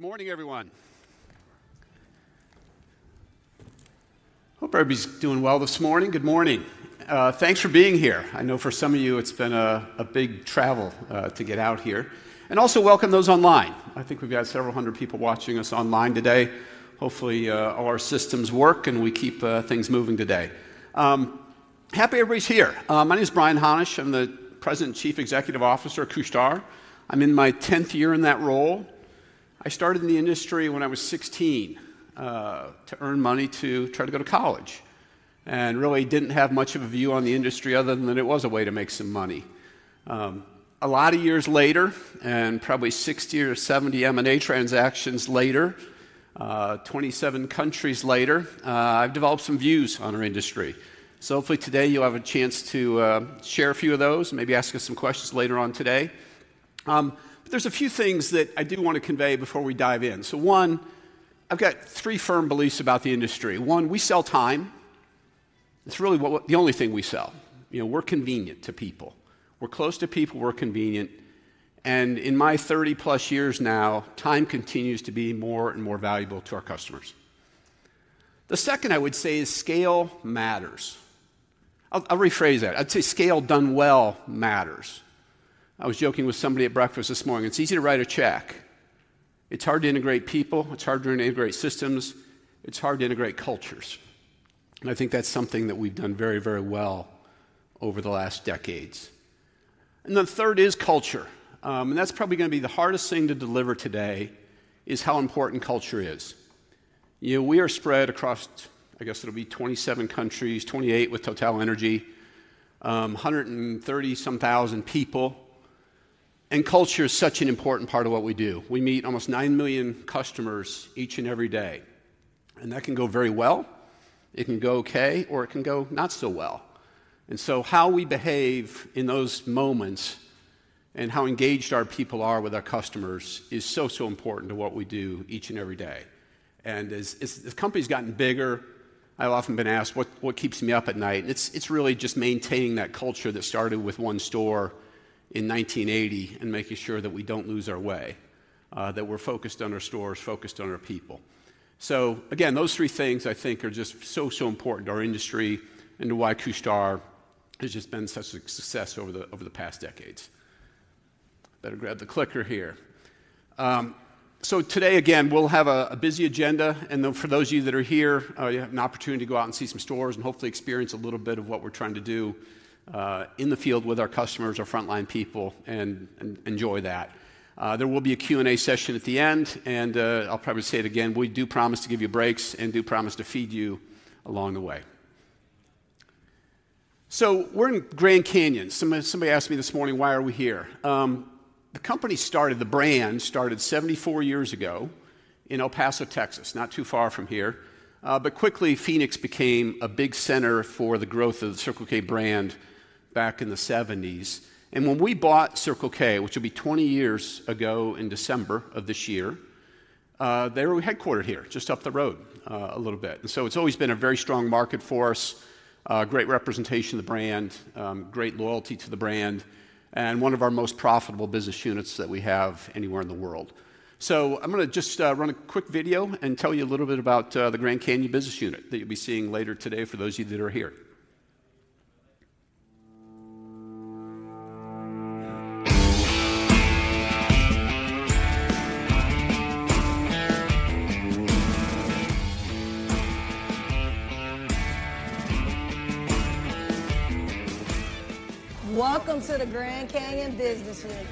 Good morning, everyone. Hope everybody's doing well this morning. Good morning. Thanks for being here. I know for some of you, it's been a big travel to get out here. Also welcome those online. I think we've got 700 people watching us online today. Hopefully, all our systems work and we keep things moving today. Happy everybody's here. My name is Brian Hannasch. I'm the President and Chief Executive Officer at Couche-Tard. I'm in my tenth year in that role. I started in the industry when I was sixteen, to earn money to try to go to college, and really didn't have much of a view on the industry other than that it was a way to make some money. A lot of years later, and probably 60 or 70 M&A transactions later, 27 countries later, I've developed some views on our industry. Hopefully today you'll have a chance to share a few of those, and maybe ask us some questions later on today. There's a few things that I did want to convey before we dive in. One, I've got three firm beliefs about the industry. One, we sell time. It's really what—the only thing we sell. You know, we're convenient to people. We're close to people, we're convenient, and in my 30+ years now, time continues to be more and more valuable to our customers. The second I would say is scale matters. I'll, I'll rephrase that. I'd say scale done well matters. I was joking with somebody at breakfast this morning. It's easy to write a check. It's hard to integrate people, it's hard to integrate systems, it's hard to integrate cultures, and I think that's something that we've done very, very well over the last decades. And the third is culture. And that's probably going to be the hardest thing to deliver today, is how important culture is. You know, we are spread across, I guess it'll be 27 countries, 28 with TotalEnergies, hundred and thirty some thousand people, and culture is such an important part of what we do. We meet almost 9 million customers each and every day, and that can go very well, it can go okay, or it can go not so well. And so how we behave in those moments and how engaged our people are with our customers is so, so important to what we do each and every day. As the company's gotten bigger, I've often been asked, what keeps me up at night? It's really just maintaining that culture that started with one store in 1980 and making sure that we don't lose our way, that we're focused on our stores, focused on our people. Again, those three things I think are just so, so important to our industry and to why Couche-Tard has just been such a success over the past decades. Better grab the clicker here. Today, again, we'll have a busy agenda, and then for those of you that are here, you have an opportunity to go out and see some stores and hopefully experience a little bit of what we're trying to do in the field with our customers, our frontline people, and enjoy that. There will be a Q&A session at the end, and, I'll probably say it again, we do promise to give you breaks and do promise to feed you along the way. So we're in Grand Canyon. Somebody asked me this morning: why are we here? The company started, the brand started 74 years ago in El Paso, Texas, not too far from here. But quickly, Phoenix became a big center for the growth of the Circle K brand back in the 1970s. And when we bought Circle K, which will be 20 years ago in December of this year, they were headquartered here, just up the road, a little bit. So it's always been a very strong market for us, a great representation of the brand, great loyalty to the brand, and one of our most profitable business units that we have anywhere in the world. So I'm going to just run a quick video and tell you a little bit about the Grand Canyon business unit that you'll be seeing later today, for those of you that are here. Welcome to the Grand Canyon business unit.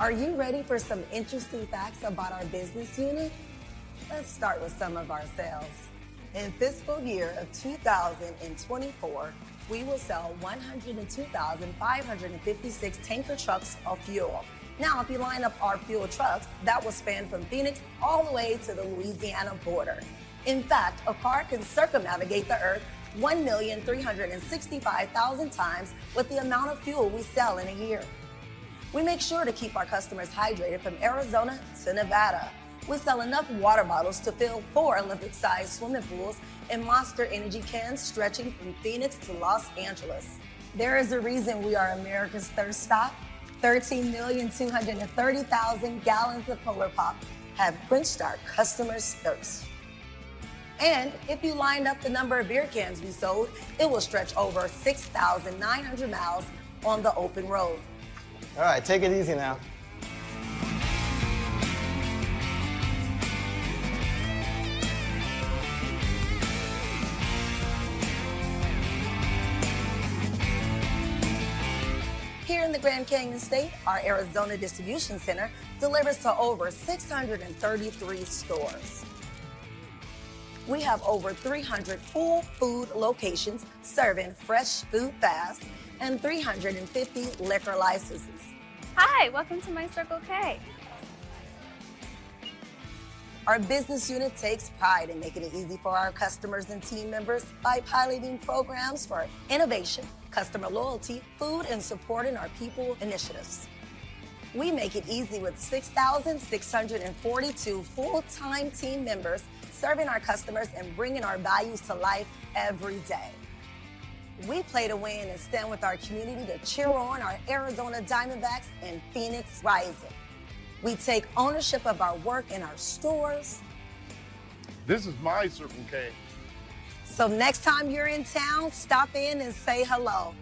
Are you ready for some interesting facts about our business unit? Let's start with some of our sales. In fiscal year of 2024, we will sell 102,556 tanker trucks of fuel. Now, if you line up our fuel trucks, that will span from Phoenix all the way to the Louisiana border. In fact, a car can circumnavigate the Earth 1,365,000 times with the amount of fuel we sell in a year. We make sure to keep our customers hydrated from Arizona to Nevada. We sell enough water bottles to fill four Olympic-sized swimming pools and Monster Energy cans stretching from Phoenix to Los Angeles. There is a reason we are America's thirst stop. 13,230,000 gallons of Polar Pop have quenched our customers' thirst. If you lined up the number of beer cans we sold, it will stretch over 6,900 miles on the open road. All right, take it easy now. Here in the Grand Canyon State, our Arizona distribution center delivers to over 633 stores. We have over 300 full food locations serving Fresh Food Fast and 350 liquor licenses. Hi, welcome to my Circle K. Our business unit takes pride in making it easy for our customers and team members by piloting programs for innovation, customer loyalty, food, and supporting our people initiatives. We make it easy with 6,642 full-time team members serving our customers and bringing our values to life every day. We play to win and stand with our community to cheer on our Arizona Diamondbacks and Phoenix Rising. We take ownership of our work and our stores. This is my Circle K. Next time you're in town, stop in and say hello.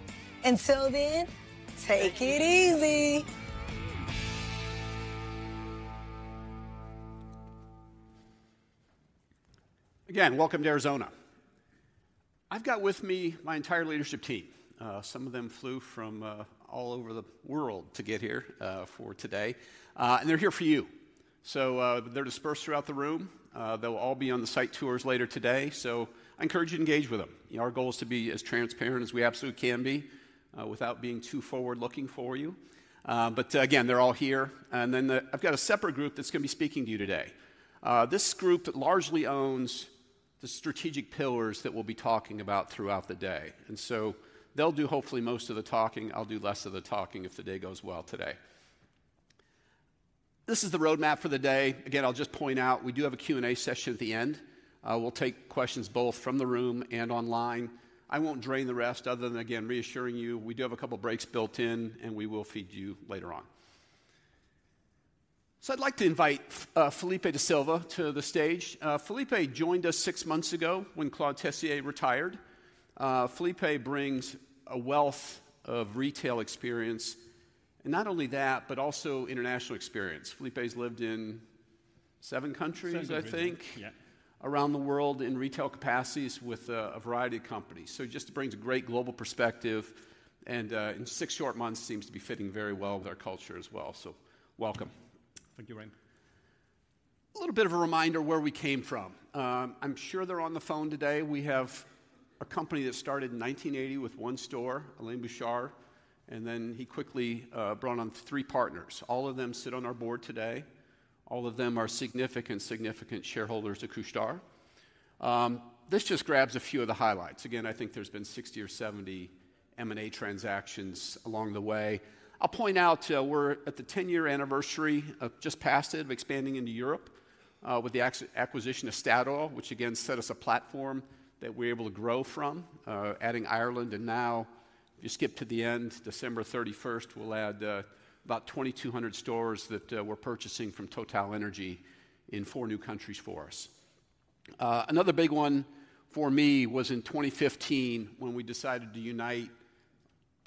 Until then, take it easy! Again, welcome to Arizona. I've got with me my entire leadership team. Some of them flew from all over the world to get here for today. And they're here for you. So, they're dispersed throughout the room. They'll all be on the site tours later today, so I encourage you to engage with them. You know, our goal is to be as transparent as we absolutely can be without being too forward-looking for you. But again, they're all here, and then I've got a separate group that's gonna be speaking to you today. This group largely owns the strategic pillars that we'll be talking about throughout the day, and so they'll do hopefully most of the talking. I'll do less of the talking if the day goes well today. This is the roadmap for the day. Again, I'll just point out, we do have a Q&A session at the end. We'll take questions both from the room and online. I won't drain the rest other than, again, reassuring you, we do have a couple of breaks built in, and we will feed you later on. So I'd like to invite, Filipe Da Silva to the stage. Filipe joined us six months ago when Claude Tessier retired. Filipe brings a wealth of retail experience, and not only that, but also international experience. Filipe's lived in seven countries I think? Yeah. Around the world in retail capacities with a variety of companies. So he just brings a great global perspective, and in six short months, seems to be fitting very well with our culture as well. So welcome. Thank you, Brian. A little bit of a reminder where we came from. I'm sure they're on the phone today. We have a company that started in 1980 with one store, Alain Bouchard, and then he quickly brought on three partners. All of them sit on our board today. All of them are significant, significant shareholders of Couche-Tard. This just grabs a few of the highlights. Again, I think there's been 60 or 70 M&A transactions along the way. I'll point out, we're at the 10-year anniversary, of just past it, of expanding into Europe, with the acquisition of Statoil, which again, set us a platform that we're able to grow from, adding Ireland, and now, if you skip to the end, December 31st, we'll add about 2,200 stores that we're purchasing from TotalEnergies in four new countries for us. Another big one for me was in 2015, when we decided to unite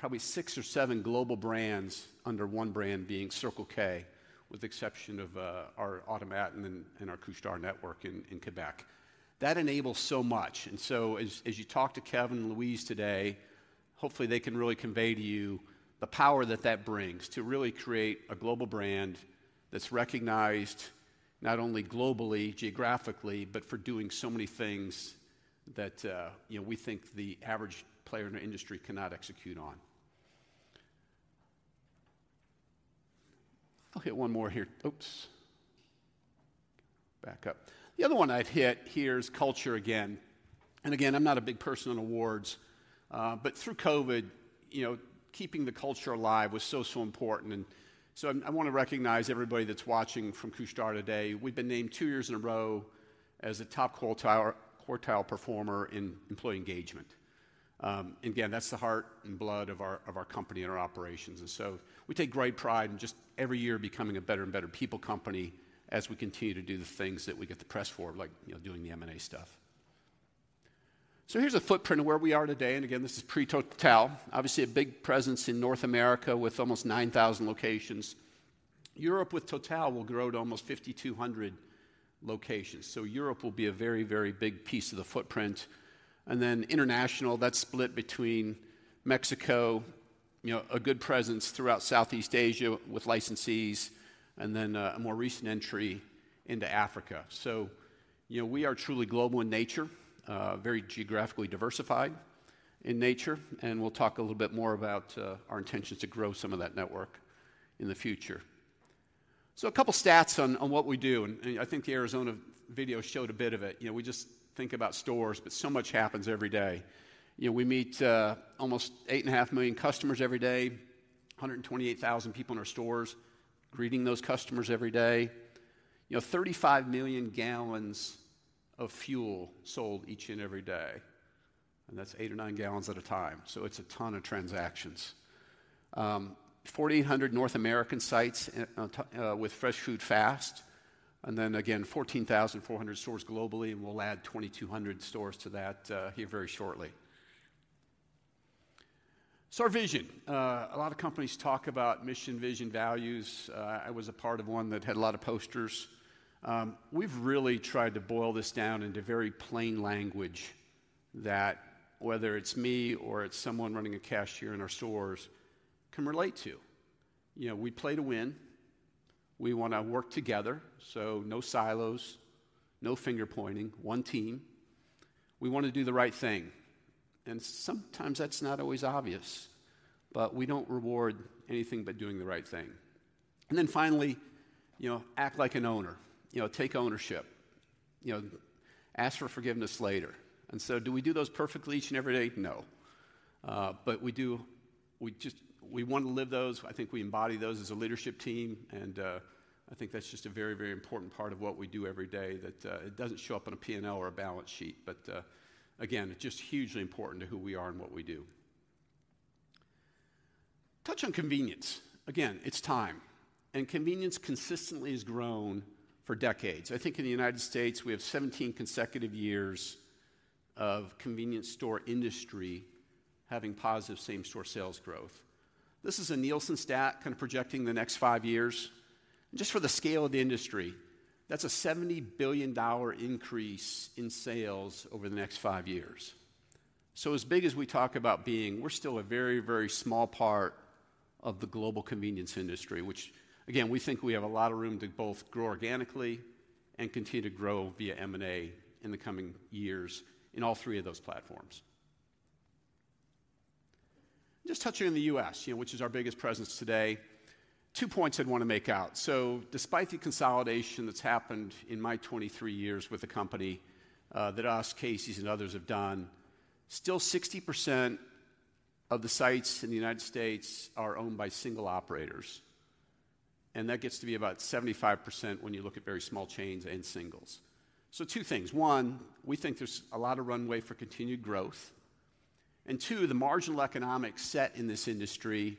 probably six or seven global brands under one brand, being Circle K, with the exception of our On the Run and our Couche-Tard network in Quebec. That enables so much, and so as you talk to Kevin and Louise today, hopefully, they can really convey to you the power that that brings to really create a global brand that's recognized not only globally, geographically, but for doing so many things that, you know, we think the average player in our industry cannot execute on. I'll hit one more here. The other one I'd hit here is culture again, and again, I'm not a big person on awards, but through COVID, you know, keeping the culture alive was so, so important. I want to recognize everybody that's watching from Couche-Tard today. We've been named two years in a row as a top quartile performer in employee engagement. Again, that's the heart and blood of our company and our operations, and we take great pride in just every year becoming a better and better people company as we continue to do the things that we get the press for, like, you know, doing the M&A stuff. Here's a footprint of where we are today, and again, this is pre-Total. Obviously, a big presence in North America with almost 9,000 locations. Europe with Total will grow to almost 5,200 locations. So Europe will be a very, very big piece of the footprint, and then international, that's split between Mexico, you know, a good presence throughout Southeast Asia with licensees, and then a more recent entry into Africa. So, you know, we are truly global in nature, very geographically diversified in nature, and we'll talk a little bit more about our intentions to grow some of that network in the future. So a couple stats on what we do, and I think the Arizona video showed a bit of it. You know, we just think about stores, but so much happens every day. You know, we meet almost 8.5 million customers every day, 128,000 people in our stores, greeting those customers every day. You know, 35 million gallons of fuel sold each and every day, and that's eight or nine gallons at a time, so it's a ton of transactions. 4,800 North American sites with Fresh Food Fast, and then again, 14,400 stores globally, and we'll add 2,200 stores to that here very shortly. So our vision. A lot of companies talk about mission, vision, values. I was a part of one that had a lot of posters. We've really tried to boil this down into very plain language that whether it's me or it's someone running a cashier in our stores, can relate to. You know, we play to win. We wanna work together, so no silos, no finger-pointing, one team. We want to do the right thing, and sometimes that's not always obvious, but we don't reward anything but doing the right thing. And then finally, you know, act like an owner. You know, take ownership. You know, ask for forgiveness later. And so do we do those perfectly each and every day? No, but we do, we just, we want to live those. I think we embody those as a leadership team, and I think that's just a very, very important part of what we do every day, that it doesn't show up on a P&L or a balance sheet. But again, it's just hugely important to who we are and what we do. Touch on convenience. Again, it's time, and convenience consistently has grown for decades. I think in the U.S., we have 17 consecutive years of convenience store industry having positive same-store sales growth. This is a Nielsen stat kind of projecting the next five years. For the scale of the industry, that's a $70 billion increase in sales over the next five years. As big as we talk about being, we're still a very, very small part of the global convenience industry, which again, we think we have a lot of room to both grow organically and continue to grow via M&A in the coming years in all three of those platforms. Just touching in the U.S., you know, which is our biggest presence today, two points I'd want to make out. So despite the consolidation that's happened in my 23 years with the company, that U.S., Casey's, and others have done, still 60% of the sites in the United States are owned by single operators, and that gets to be about 75% when you look at very small chains and singles. So two things: one, we think there's a lot of runway for continued growth, and two, the marginal economics set in this industry,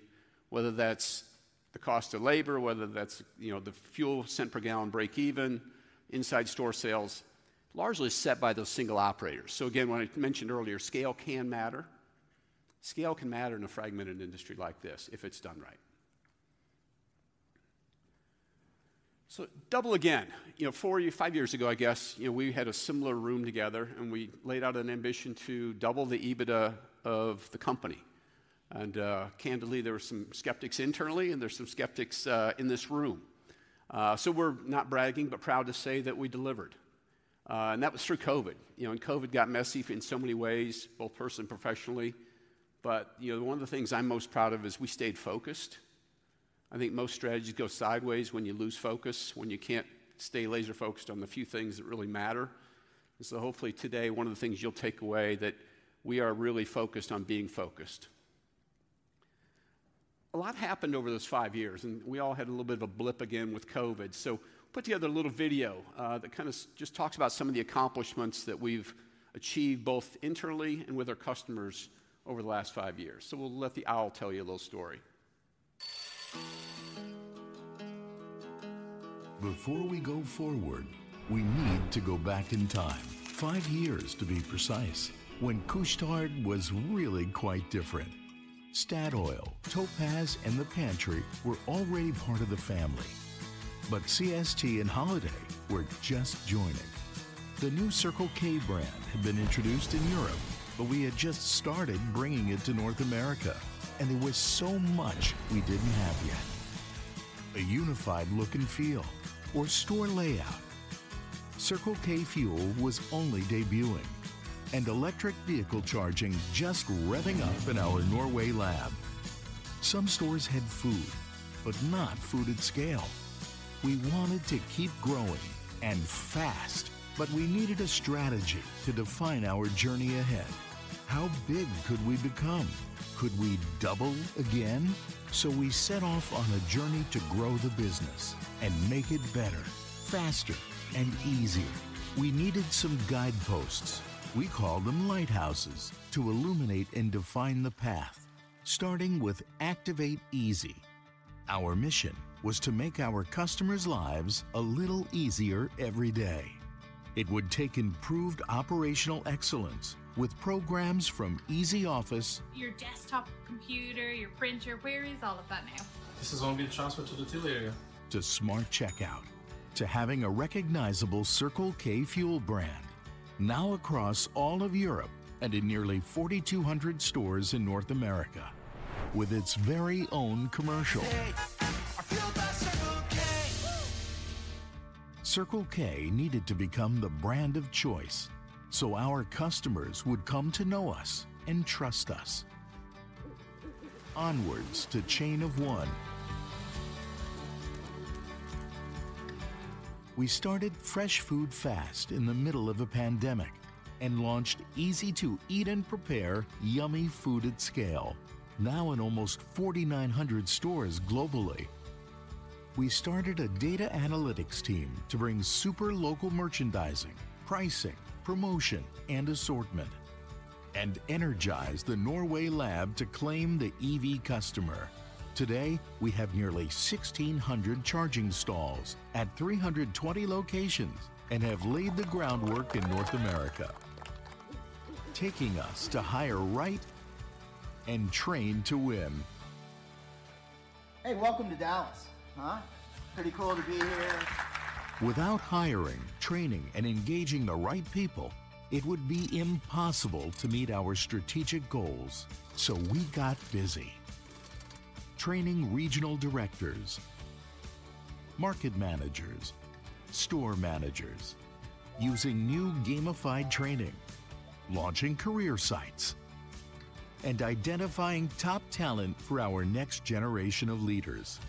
whether that's the cost of labor, whether that's, you know, the fuel cents per gallon break even, inside store sales, largely set by those single operators. So again, when I mentioned earlier, scale can matter. Scale can matter in a fragmented industry like this if it's done right. So double again. You know, four, five years ago, I guess, you know, we had a similar room together, and we laid out an ambition to double the EBITDA of the company. And, candidly, there were some skeptics internally, and there's some skeptics in this room. So we're not bragging, but proud to say that we delivered. And that was through COVID. You know, and COVID got messy in so many ways, both personally and professionally. But, you know, one of the things I'm most proud of is we stayed focused. I think most strategies go sideways when you lose focus, when you can't stay laser-focused on the few things that really matter. And so hopefully today, one of the things you'll take away that we are really focused on being focused. A lot happened over those five years, and we all had a little bit of a blip again with COVID. So put together a little video that kind of just talks about some of the accomplishments that we've achieved, both internally and with our customers over the last five years. So we'll let the owl tell you a little story. Before we go forward, we need to go back in time, five years to be precise, when Couche-Tard was really quite different. Statoil, Topaz, and The Pantry were already part of the family, but CST and Holiday were just joining. The new Circle K brand had been introduced in Europe, but we had just started bringing it to North America, and there was so much we didn't have yet: a unified look and feel or store layout. Circle K Fuel was only debuting, and electric vehicle charging just revving up in our Norway lab. Some stores had food, but not food at scale. We wanted to keep growing and fast, but we needed a strategy to define our journey ahead. How big could we become? Could we double again? We set off on a journey to grow the business and make it better, faster, and easier. We needed some guideposts. We called them lighthouses, to illuminate and define the path, starting with Activate Easy. Our mission was to make our customers' lives a little easier every day. It would take improved operational excellence with programs from Easy Office. Your desktop computer, your printer, where is all of that now? This is going to be transferred to the till area. To Smart Checkout, to having a recognizable Circle K Fuel brand, now across all of Europe and in nearly 4,200 stores in North America, with its very own commercial. I feel my Circle K. Woo! Circle K needed to become the brand of choice, so our customers would come to know us and trust us. Onwards to Chain of One. We started Fresh Food Fast in the middle of a pandemic and launched easy-to-eat and -prepare yummy food at scale, now in almost 4,900 stores globally. We started a data analytics team to bring super local merchandising, pricing, promotion, and assortment, and energized the Norway lab to claim the EV customer. Today, we have nearly 1,600 charging stalls at 320 locations and have laid the groundwork in North America, taking us to Hire Right and Train to Win. Hey, welcome to Dallas. Pretty cool to be here. Without hiring, training, and engaging the right people, it would be impossible to meet our strategic goals. So we got busy training regional directors, market managers, store managers, using new gamified training, launching career sites, and identifying top talent for our next generation of leaders.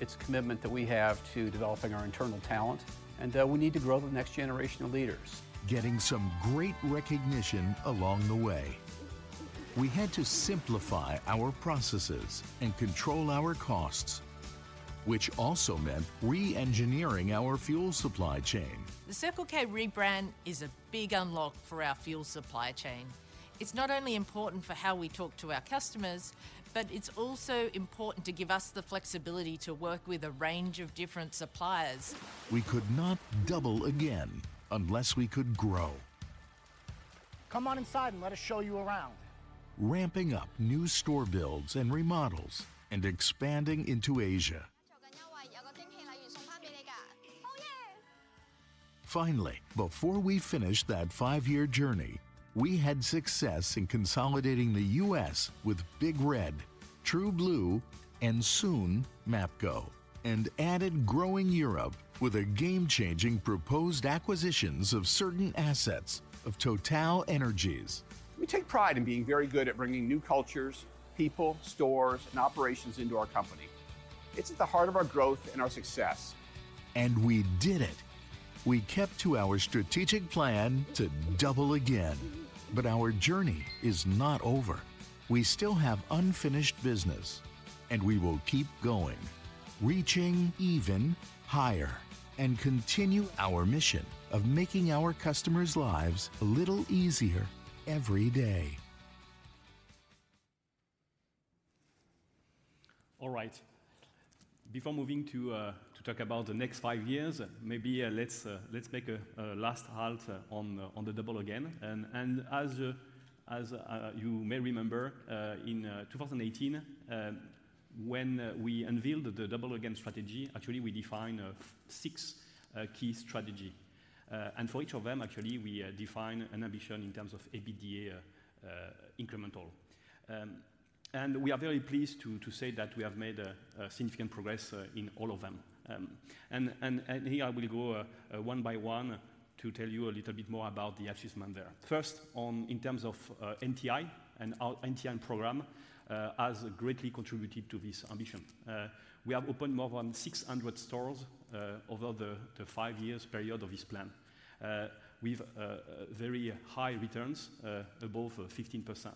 It's commitment that we have to developing our internal talent, and we need to grow the next generation of leaders. Getting some great recognition along the way. We had to simplify our processes and control our costs, which also meant reengineering our fuel supply chain. The Circle K rebrand is a big unlock for our fuel supply chain. It's not only important for how we talk to our customers, but it's also important to give us the flexibility to work with a range of different suppliers. We could not double again unless we could grow. Come on inside and let us show you around. Ramping up new store builds and remodels and expanding into Asia. Finally, before we finished that five-year journey, we had success in consolidating the U.S. with Big Red, True Blue, and soon MAPCO, and added growing Europe with a game-changing proposed acquisitions of certain assets of TotalEnergies. We take pride in being very good at bringing new cultures, people, stores, and operations into our company. It's at the heart of our growth and our success. We did it! We kept to our strategic plan to double again. Our journey is not over. We still have unfinished business, and we will keep going, reaching even higher, and continue our mission of making our customers' lives a little easier every day. All right. Before moving to talk about the next five years, maybe let's make a last halt on the Double Again. As you may remember, in 2018, when we unveiled the Double Again strategy, actually, we defined six key strategy. For each of them, actually, we defined an ambition in terms of EBITDA incremental. We are very pleased to say that we have made significant progress in all of them. Here I will go one by one to tell you a little bit more about the achievement there. First, in terms of NTI, our NTI program has greatly contributed to this ambition. We have opened more than 600 stores over the five-year period of this plan. With very high returns above 15%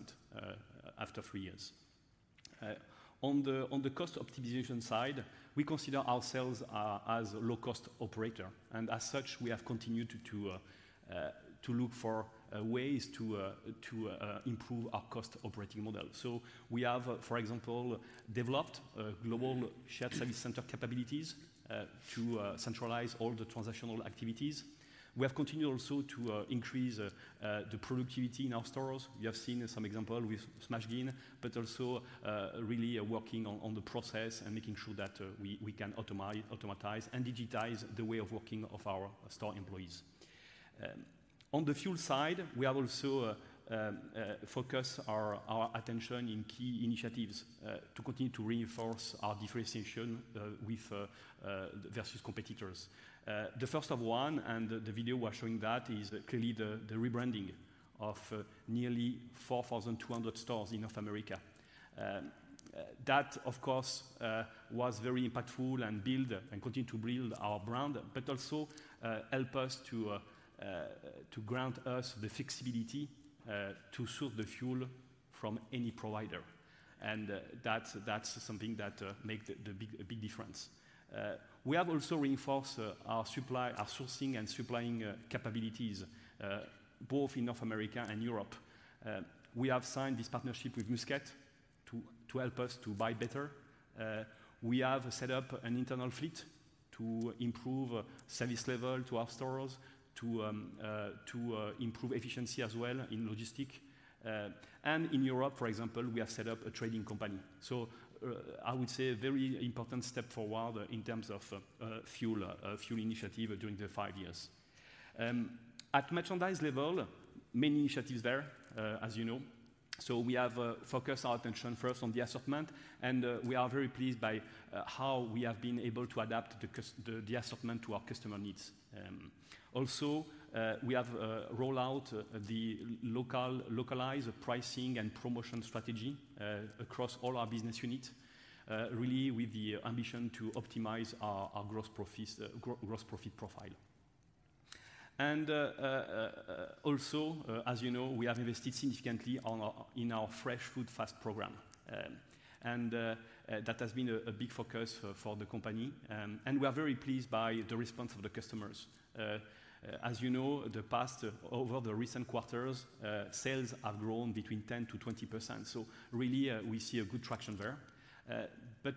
after three years. On the cost optimization side, we consider ourselves as a low-cost operator, and as such, we have continued to look for ways to improve our cost operating model. So we have, for example, developed global shared service center capabilities to centralize all the transactional activities. We have continued also to increase the productivity in our stores. We have seen some example with Mashgin, but also really working on the process and making sure that we can automate and digitize the way of working of our store employees. On the fuel side, we have also focused our attention in key initiatives to continue to reinforce our differentiation versus competitors. The first of one, and the video we are showing that, is clearly the rebranding of nearly 4,200 stores in North America. That, of course, was very impactful and build and continue to build our brand, but also help us to grant us the flexibility to source the fuel from any provider. That's something that make a big difference. We have also reinforced our supply, our sourcing and supplying capabilities, both in North America and Europe. We have signed this partnership with Musket to help us to buy better. We have set up an internal fleet to improve service level to our stores, to improve efficiency as well in logistics. In Europe, for example, we have set up a trading company. I would say a very important step forward in terms of fuel initiative during the five years. At merchandise level, many initiatives there, as you know. We have focused our attention first on the assortment, and we are very pleased by how we have been able to adapt the customer, the assortment to our customer needs. Also, we have rolled out the localized pricing and promotion strategy across all our business units, really with the ambition to optimize our gross profits, gross profit profile. As you know, we have invested significantly in our Fresh Food Fast program. That has been a big focus for the company. We are very pleased by the response of the customers. As you know, over the past recent quarters, sales have grown 10%-20%. So really, we see good traction there. But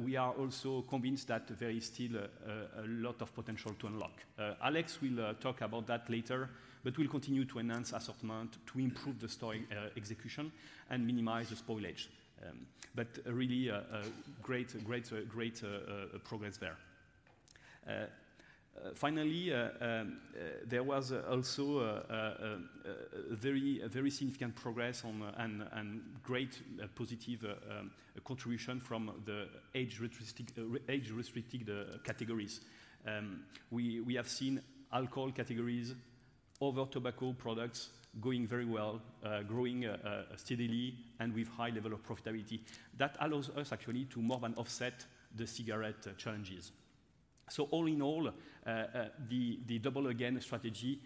we are also convinced that there is still a lot of potential to unlock. Alex will talk about that later, but we'll continue to enhance assortment, to improve the store execution and minimize the spoilage. But really, a great progress there. Finally, there was also a very significant progress on and great positive contribution from the age restricted categories. We have seen alcohol categories other tobacco products going very well, growing steadily and with high level of profitability. That allows us actually to more than offset the cigarette challenges. So all in all, the Double Again strategy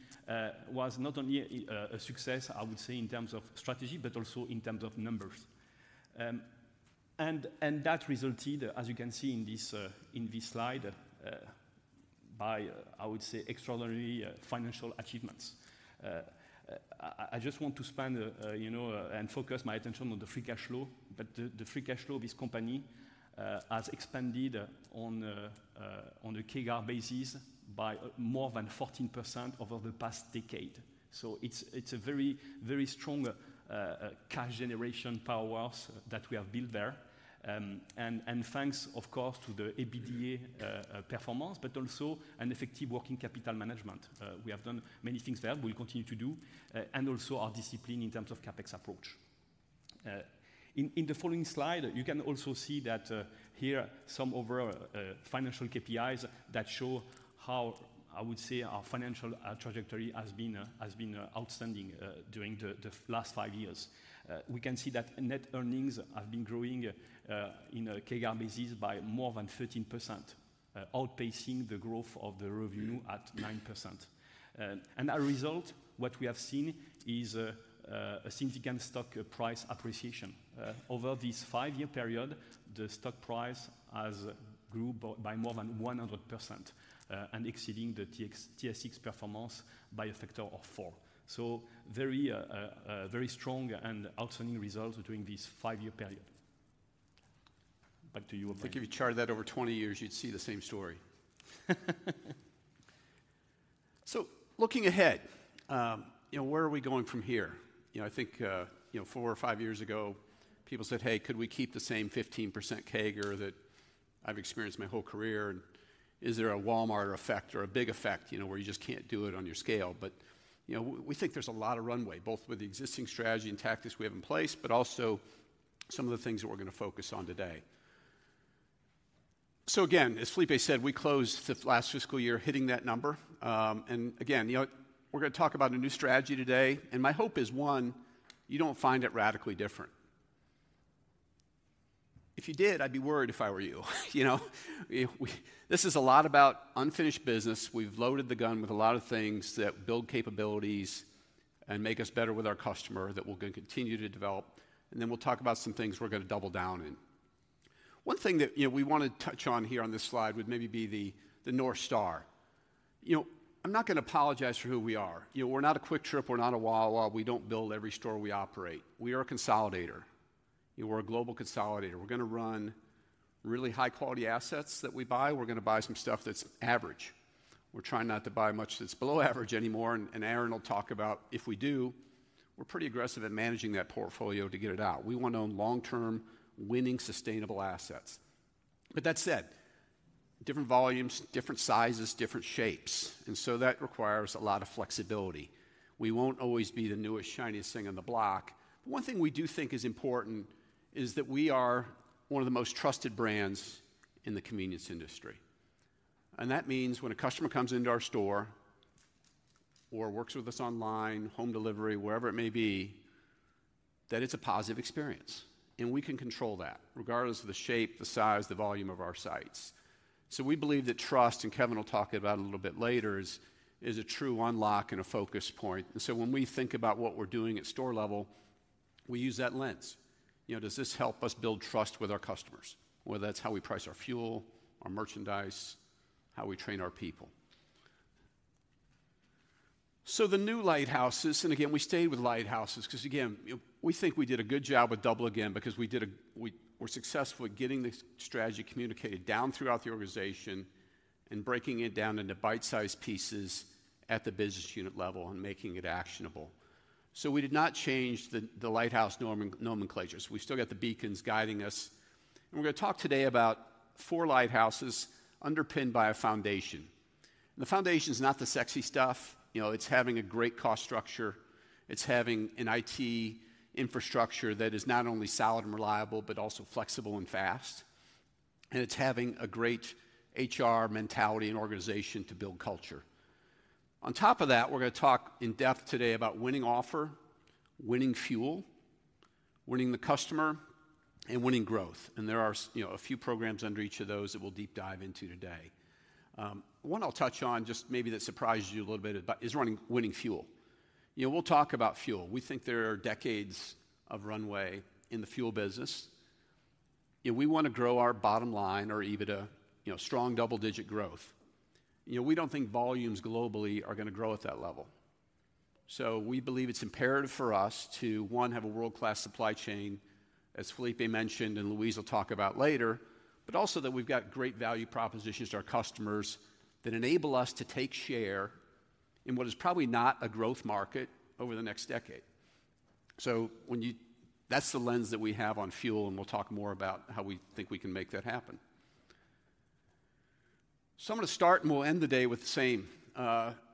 was not only a success, I would say, in terms of strategy, but also in terms of numbers. And that resulted, as you can see in this slide, by, I would say, extraordinary financial achievements. I just want to spend, you know, and focus my attention on the free cash flow. The free cash flow of this company has expanded on a CAGR basis by more than 14% over the past decade. It's a very, very strong cash generation powerhouse that we have built there. Thanks, of course, to the EBITDA performance, but also an effective working capital management. We have done many things there, we'll continue to do, and also our discipline in terms of CapEx approach. In the following slide, you can also see that here some overall financial KPIs that show how, I would say, our financial trajectory has been outstanding during the last five years. We can see that net earnings have been growing, on a CAGR basis, by more than 13%, outpacing the growth of the revenue at 9%. As a result, what we have seen is a significant stock price appreciation. Over this five-year period, the stock price has grown by more than 100%, and exceeding the TSX performance by a factor of four. Very strong and outstanding results during this five-year period. Back to you, Brian. I think if you chart that over 20 years, you'd see the same story. So looking ahead, you know, where are we going from here? You know, I think, you know, four or five years ago, people said, "Hey, could we keep the same 15% CAGR that I've experienced my whole career? And is there a Walmart effect or a big effect, you know, where you just can't do it on your scale?" But, you know, we think there's a lot of runway, both with the existing strategy and tactics we have in place, but also some of the things that we're gonna focus on today. So again, as Filipe said, we closed the last fiscal year hitting that number. And again, you know, we're gonna talk about a new strategy today, and my hope is, one, you don't find it radically different. If you did, I'd be worried if I were you. You know, we, this is a lot about unfinished business. We've loaded the gun with a lot of things that build capabilities and make us better with our customer, that we're gonna continue to develop, and then we'll talk about some things we're gonna double down in. One thing that, you know, we wanna touch on here on this slide would maybe be the, the North Star. You know, I'm not gonna apologize for who we are. You know, we're not a QuikTrip, we're not a Wawa, we don't build every store we operate. We are a consolidator. We're a global consolidator. We're gonna run really high-quality assets that we buy. We're gonna buy some stuff that's average. We're trying not to buy much that's below average anymore, and Aaron will talk about if we do, we're pretty aggressive at managing that portfolio to get it out. We wanna own long-term, winning, sustainable assets. But that said, different volumes, different sizes, different shapes, and so that requires a lot of flexibility. We won't always be the newest, shiniest thing on the block. But one thing we do think is important is that we are one of the most trusted brands in the convenience industry. And that means when a customer comes into our store, or works with us online, home delivery, wherever it may be, that it's a positive experience. And we can control that, regardless of the shape, the size, the volume of our sites. So we believe that trust, and Kevin will talk about it a little bit later, is a true unlock and a focus point. And so when we think about what we're doing at store level, we use that lens. You know, does this help us build trust with our customers? Whether that's how we price our fuel, our merchandise, how we train our people. So the new lighthouses, and again, we stayed with lighthouses, 'cause again, you know, we think we did a good job with Double Again because we were successful at getting this strategy communicated down throughout the organization and breaking it down into bite-sized pieces at the business unit level and making it actionable. So we did not change the lighthouse nomenclatures. We've still got the beacons guiding us. And we're gonna talk today about four lighthouses underpinned by a foundation. The foundation is not the sexy stuff. You know, it's having a great cost structure. It's having an IT infrastructure that is not only solid and reliable, but also flexible and fast. And it's having a great HR mentality and organization to build culture. On top of that, we're gonna talk in depth today about winning offer, winning fuel, winning the customer, and winning growth. And there are you know, a few programs under each of those that we'll deep dive into today. One I'll touch on, just maybe that surprises you a little bit about, is winning fuel. You know, we'll talk about fuel. We think there are decades of runway in the fuel business. If we wanna grow our bottom line or EBITDA, you know, strong double-digit growth, you know, we don't think volumes globally are gonna grow at that level. So we believe it's imperative for us to, one, have a world-class supply chain, as Filipe mentioned, and Louise will talk about later, but also that we've got great value propositions to our customers that enable us to take share in what is probably not a growth market over the next decade. So when you. That's the lens that we have on fuel, and we'll talk more about how we think we can make that happen. So I'm gonna start, and we'll end the day with the same,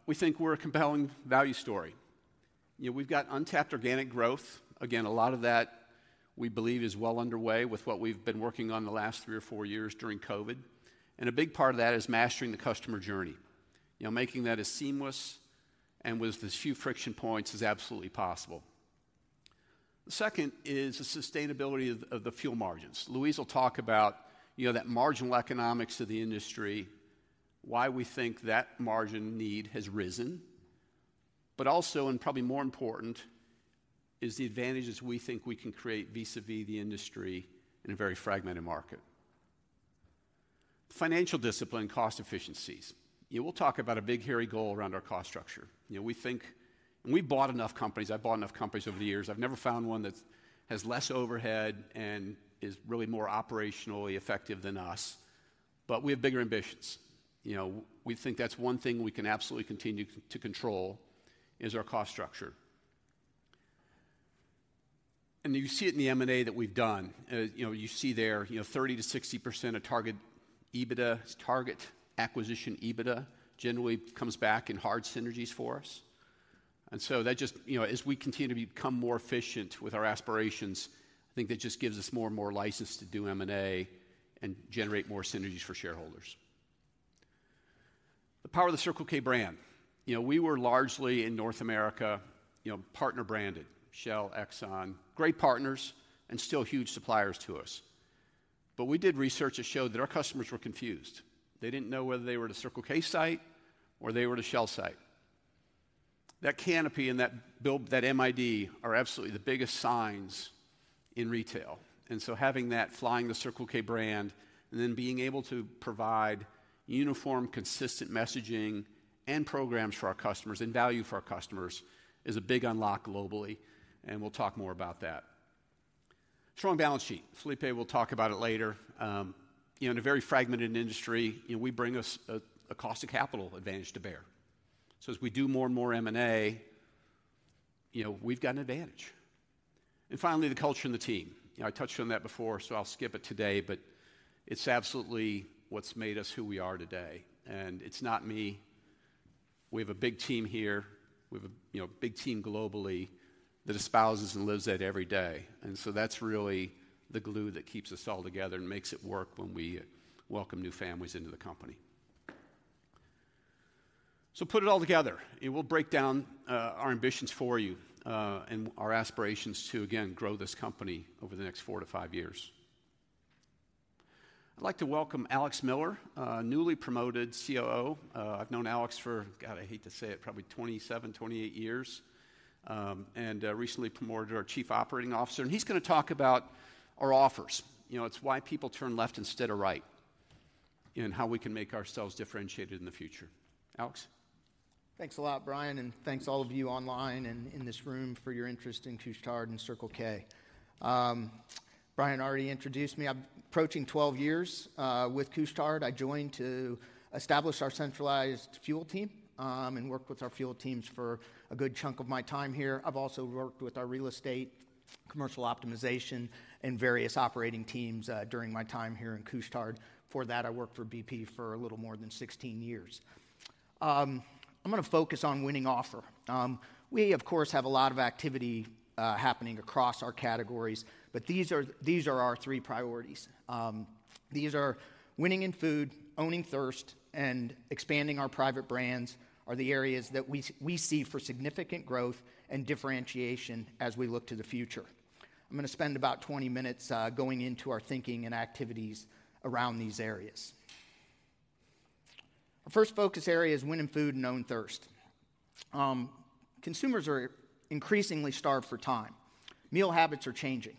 we think we're a compelling value story. Yeah, we've got untapped organic growth. Again, a lot of that we believe is well underway with what we've been working on the last three or four years during COVID, and a big part of that is mastering the customer journey. You know, making that as seamless and with as few friction points as absolutely possible. The second is the sustainability of, of the fuel margins. Louise will talk about, you know, that marginal economics of the industry, why we think that margin need has risen, but also, and probably more important, is the advantages we think we can create vis-à-vis the industry in a very fragmented market. Financial discipline and cost efficiencies. Yeah, we'll talk about a big, hairy goal around our cost structure. You know, we think I've bought enough companies over the years, I've never found one that has less overhead and is really more operationally effective than us, but we have bigger ambitions. You know, we think that's one thing we can absolutely continue to control, is our cost structure. And you see it in the M&A that we've done. You know, you see there, you know, 30%-60% of target EBITDA, target acquisition EBITDA, generally comes back in hard synergies for us. And so that just. You know, as we continue to become more efficient with our aspirations, I think that just gives us more and more license to do M&A and generate more synergies for shareholders. The power of the Circle K brand. You know, we were largely in North America, you know, partner branded, Shell, Exxon, great partners, and still huge suppliers to us. But we did research that showed that our customers were confused. They didn't know whether they were at a Circle K site or they were at a Shell site. That canopy and that build, that MID, are absolutely the biggest signs in retail. And so having that, flying the Circle K brand, and then being able to provide uniform, consistent messaging and programs for our customers and value for our customers, is a big unlock globally, and we'll talk more about that. Strong balance sheet. Filipe will talk about it later. You know, in a very fragmented industry, you know, we bring us a cost of capital advantage to bear. So as we do more and more M&A, you know, we've got an advantage. And finally, the culture and the team. You know, I touched on that before, so I'll skip it today, but it's absolutely what's made us who we are today, and it's not me. We have a big team here. We have, you know, a big team globally that espouses and lives that every day. And so that's really the glue that keeps us all together and makes it work when we welcome new families into the company. So put it all together, and we'll break down our ambitions for you, and our aspirations to again grow this company over the next 4-5 years. I'd like to welcome Alex Miller, newly promoted COO. I've known Alex for, God, I hate to say it, probably 27-28 years, and recently promoted to our Chief Operating Officer. And he's gonna talk about our offers. You know, it's why people turn left instead of right, and how we can make ourselves differentiated in the future. Alex? Thanks a lot, Brian, and thanks to all of you online and in this room for your interest in Couche-Tard and Circle K. Brian already introduced me. I'm approaching 12 years with Couche-Tard. I joined to establish our centralized fuel team and worked with our fuel teams for a good chunk of my time here. I've also worked with our real estate, commercial optimization, and various operating teams during my time here in Couche-Tard. Before that, I worked for BP for a little more than 16 years. I'm gonna focus on winning offer. We, of course, have a lot of activity happening across our categories, but these are our three priorities. These are winning in food, owning thirst, and expanding our private brands, are the areas that we see for significant growth and differentiation as we look to the future. I'm gonna spend about 20 minutes going into our thinking and activities around these areas. Our first focus area is winning food and own thirst. Consumers are increasingly starved for time. Meal habits are changing.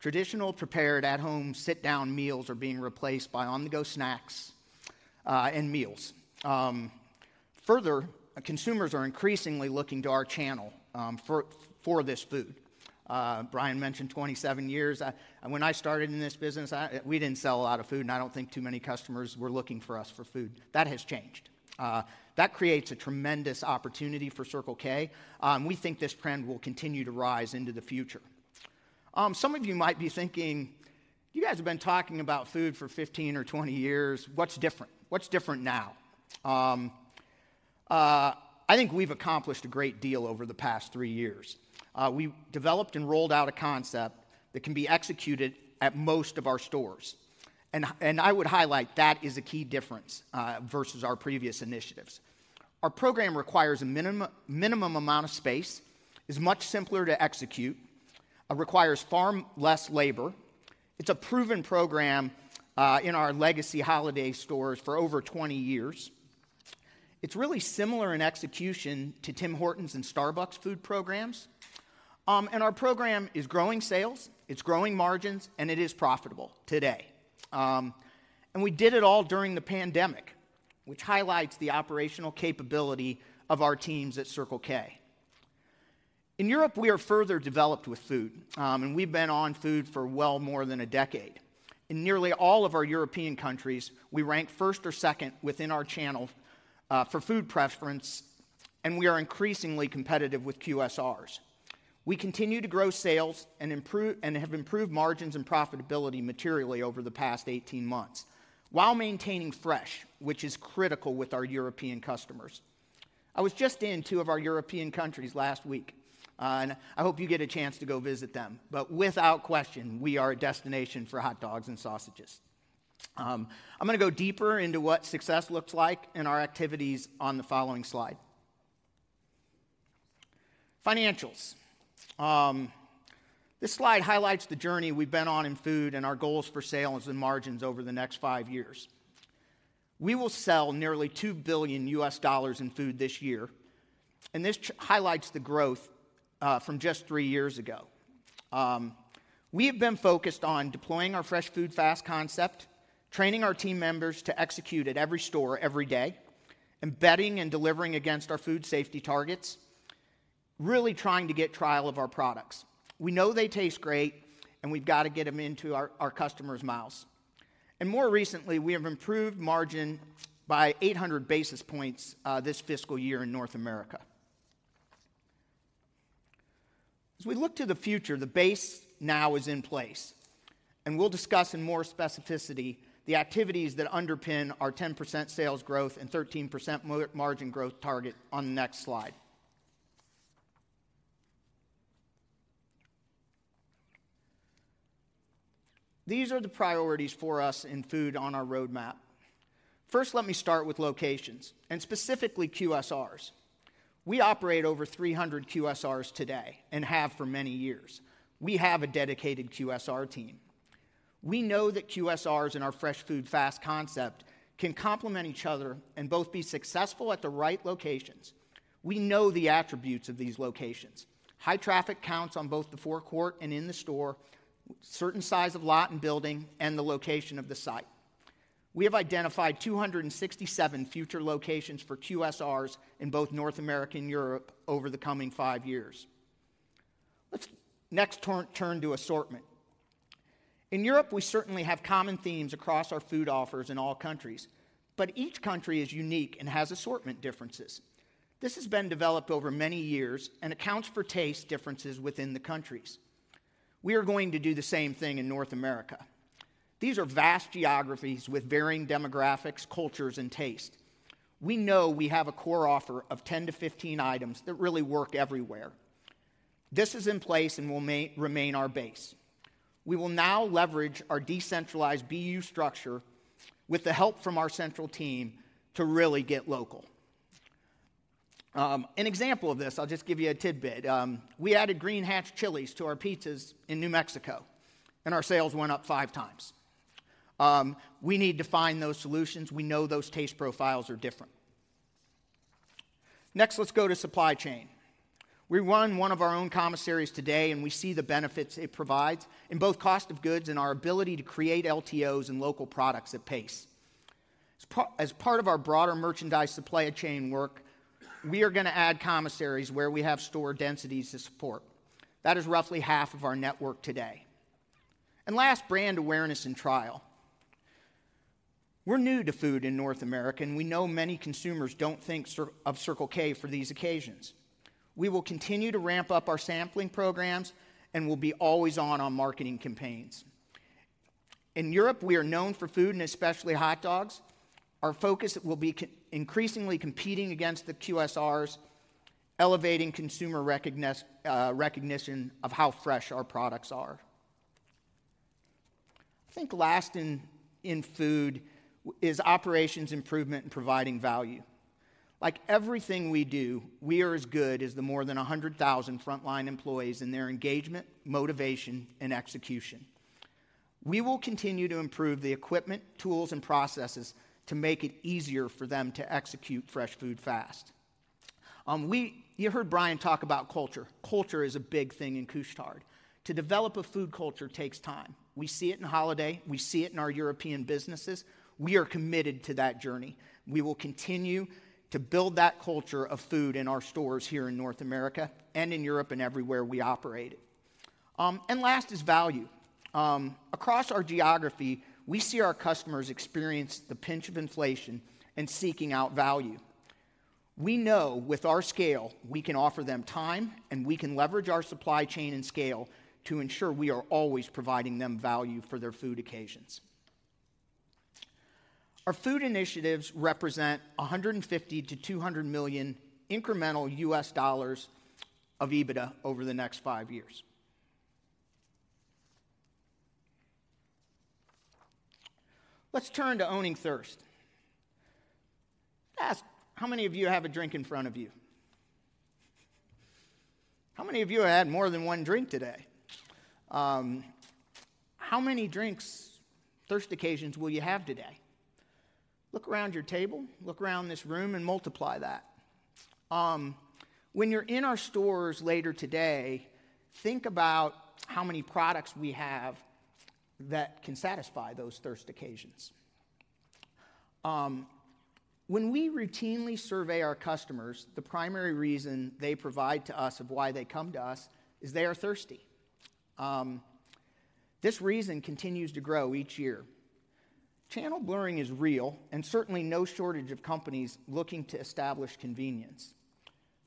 Traditional, prepared at-home, sit-down meals are being replaced by on-the-go snacks and meals. Further, consumers are increasingly looking to our channel for this food. Brian mentioned 27 years, and when I started in this business, we didn't sell a lot of food, and I don't think too many customers were looking for us for food. That has changed. That creates a tremendous opportunity for Circle K, we think this trend will continue to rise into the future. Some of you might be thinking: "You guys have been talking about food for 15 or 20 years. What's different? What's different now?" I think we've accomplished a great deal over the past three years. We developed and rolled out a concept that can be executed at most of our stores. I would highlight, that is a key difference, versus our previous initiatives. Our program requires a minimum amount of space, is much simpler to execute, requires far less labor. It's a proven program, in our legacy Holiday stores for over 20 years. It's really similar in execution to Tim Hortons and Starbucks food programs. And our program is growing sales, it's growing margins, and it is profitable today. And we did it all during the pandemic, which highlights the operational capability of our teams at Circle K. In Europe, we are further developed with food, and we've been on food for well more than a decade. In nearly all of our European countries, we rank first or second within our channel, for food preference, and we are increasingly competitive with QSRs. We continue to grow sales and improve, and have improved margins and profitability materially over the past 18 months, while maintaining fresh, which is critical with our European customers. I was just in two of our European countries last week, and I hope you get a chance to go visit them. But without question, we are a destination for hot dogs and sausages. I'm gonna go deeper into what success looks like and our activities on the following slide. Financials. This slide highlights the journey we've been on in food and our goals for sales and margins over the next five years. We will sell nearly $2 billion in food this year, and this highlights the growth from just three years ago. We have been focused on deploying our Fresh Food Fast concept, training our team members to execute at every store, every day, embedding and delivering against our food safety targets, really trying to get trial of our products. We know they taste great, and we've got to get them into our customers' mouths. More recently, we have improved margin by 800 basis points this fiscal year in North America. As we look to the future, the base now is in place, and we'll discuss in more specificity the activities that underpin our 10% sales growth and 13% margin growth target on the next slide. These are the priorities for us in food on our roadmap. First, let me start with locations, and specifically QSRs. We operate over 300 QSRs today and have for many years. We have a dedicated QSR team. We know that QSRs and our Fresh Food Fast concept can complement each other and both be successful at the right locations. We know the attributes of these locations: high traffic counts on both the forecourt and in the store, certain size of lot and building, and the location of the site. We have identified 267 future locations for QSRs in both North America and Europe over the coming five years. Let's next turn to assortment. In Europe, we certainly have common themes across our food offers in all countries, but each country is unique and has assortment differences. This has been developed over many years and accounts for taste differences within the countries. We are going to do the same thing in North America. These are vast geographies with varying demographics, cultures and taste. We know we have a core offer of 10-15 items that really work everywhere. This is in place and will remain our base. We will now leverage our decentralized BU structure with the help from our central team to really get local. An example of this, I'll just give you a tidbit. We added green Hatch chilies to our pizzas in New Mexico, and our sales went up 5x. We need to find those solutions. We know those taste profiles are different. Next, let's go to supply chain. We run one of our own commissaries today, and we see the benefits it provides in both cost of goods and our ability to create LTOs and local products at pace. As part of our broader merchandise supply chain work, we are gonna add commissaries where we have store densities to support. That is roughly half of our network today. And last, brand awareness and trial. We're new to food in North America, and we know many consumers don't think of Circle K for these occasions. We will continue to ramp up our sampling programs and we'll be always on marketing campaigns. In Europe, we are known for food and especially hot dogs. Our focus will be increasingly competing against the QSRs, elevating consumer recognition of how fresh our products are. I think last in food is operations improvement and providing value. Like everything we do, we are as good as the more than 100,000 frontline employees and their engagement, motivation, and execution. We will continue to improve the equipment, tools, and processes to make it easier for them to execute Fresh Food Fast. You heard Brian talk about culture. Culture is a big thing in Couche-Tard. To develop a food culture takes time. We see it in Holiday. We see it in our European businesses. We are committed to that journey. We will continue to build that culture of food in our stores here in North America and in Europe and everywhere we operate. And last is value. Across our geography, we see our customers experience the pinch of inflation and seeking out value. We know with our scale, we can offer them time, and we can leverage our supply chain and scale to ensure we are always providing them value for their food occasions. Our food initiatives represent $150 million-$200 million incremental EBITDA over the next five years. Let's turn to owning thirst. Ask, how many of you have a drink in front of you? How many of you had more than one drink today? How many drinks, thirst occasions, will you have today? Look around your table, look around this room and multiply that. When you're in our stores later today, think about how many products we have that can satisfy those thirst occasions. When we routinely survey our customers, the primary reason they provide to us of why they come to us is they are thirsty. This reason continues to grow each year. Channel blurring is real, and certainly no shortage of companies looking to establish convenience.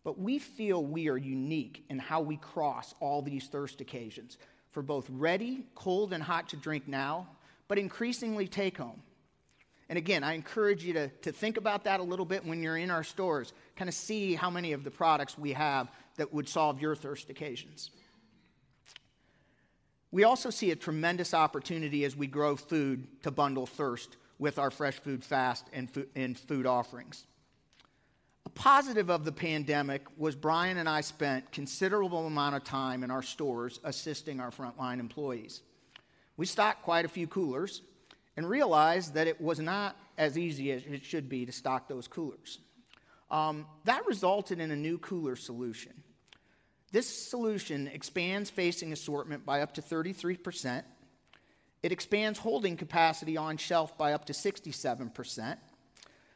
But we feel we are unique in how we cross all these thirst occasions for both ready, cold, and hot to drink now, but increasingly take home. And again, I encourage you to, to think about that a little bit when you're in our stores. Kind of see how many of the products we have that would solve your thirst occasions. We also see a tremendous opportunity as we grow food to bundle thirst with our Fresh Food Fast, and food, and food offerings. A positive of the pandemic was Brian and I spent considerable amount of time in our stores assisting our frontline employees. We stocked quite a few coolers and realized that it was not as easy as it should be to stock those coolers. That resulted in a new cooler solution. This solution expands facing assortment by up to 33%. It expands holding capacity on shelf by up to 67%.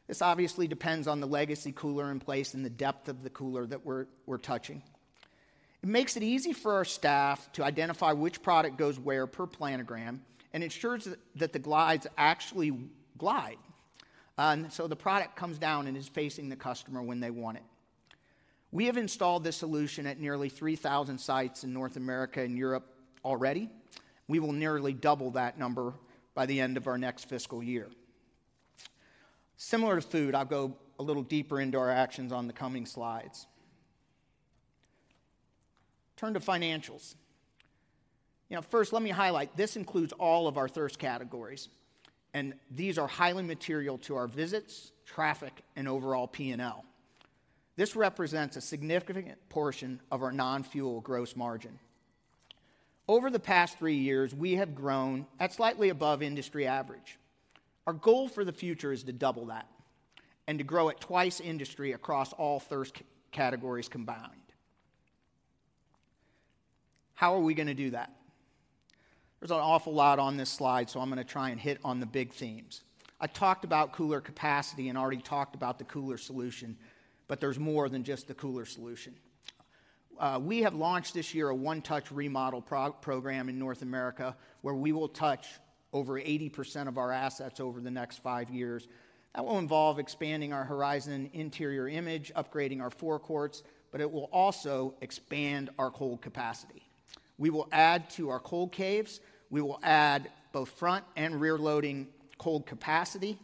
This obviously depends on the legacy cooler in place and the depth of the cooler that we're touching. It makes it easy for our staff to identify which product goes where per planogram, and ensures that the glides actually glide. So the product comes down and is facing the customer when they want it. We have installed this solution at nearly 3,000 sites in North America and Europe already. We will nearly double that number by the end of our next fiscal year. Similar to food, I'll go a little deeper into our actions on the coming slides. Turn to financials. You know, first, let me highlight, this includes all of our thirst categories, and these are highly material to our visits, traffic, and overall P&L. This represents a significant portion of our non-fuel gross margin. Over the past three years, we have grown at slightly above industry average. Our goal for the future is to double that and to grow at twice industry across all thirst categories combined. How are we gonna do that? There's an awful lot on this slide, so I'm gonna try and hit on the big themes. I talked about cooler capacity and already talked about the cooler solution, but there's more than just the cooler solution. We have launched this year a one-touch remodel program in North America, where we will touch over 80% of our assets over the next five years. That will involve expanding our horizon, interior image, upgrading our forecourts, but it will also expand our cold capacity. We will add to our cold caves. We will add both front and rear loading cold capacity.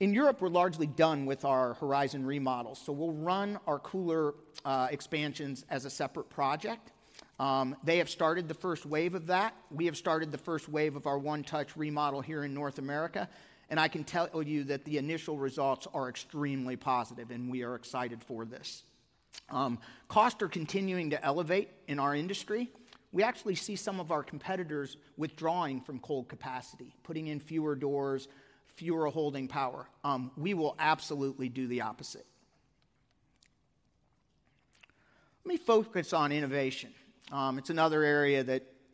In Europe, we're largely done with our horizon remodels, so we'll run our cooler expansions as a separate project. They have started the first wave of that. We have started the first wave of our one-touch remodel here in North America, and I can tell you that the initial results are extremely positive, and we are excited for this. Costs are continuing to elevate in our industry. We actually see some of our competitors withdrawing from cold capacity, putting in fewer doors, fewer holding power. We will absolutely do the opposite. Let me focus on innovation. It's another area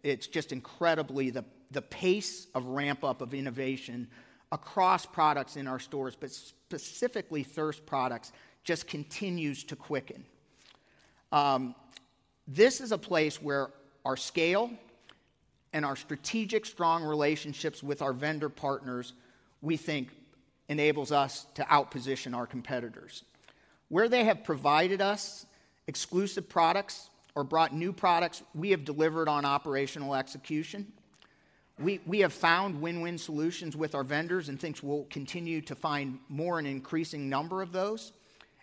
that's just incredibly the pace of ramp-up of innovation across products in our stores, but specifically thirst products, just continues to quicken. This is a place where our scale and our strategic strong relationships with our vendor partners, we think, enables us to outposition our competitors. Where they have provided us exclusive products or brought new products, we have delivered on operational execution. We have found win-win solutions with our vendors, and things will continue to find more and increasing number of those.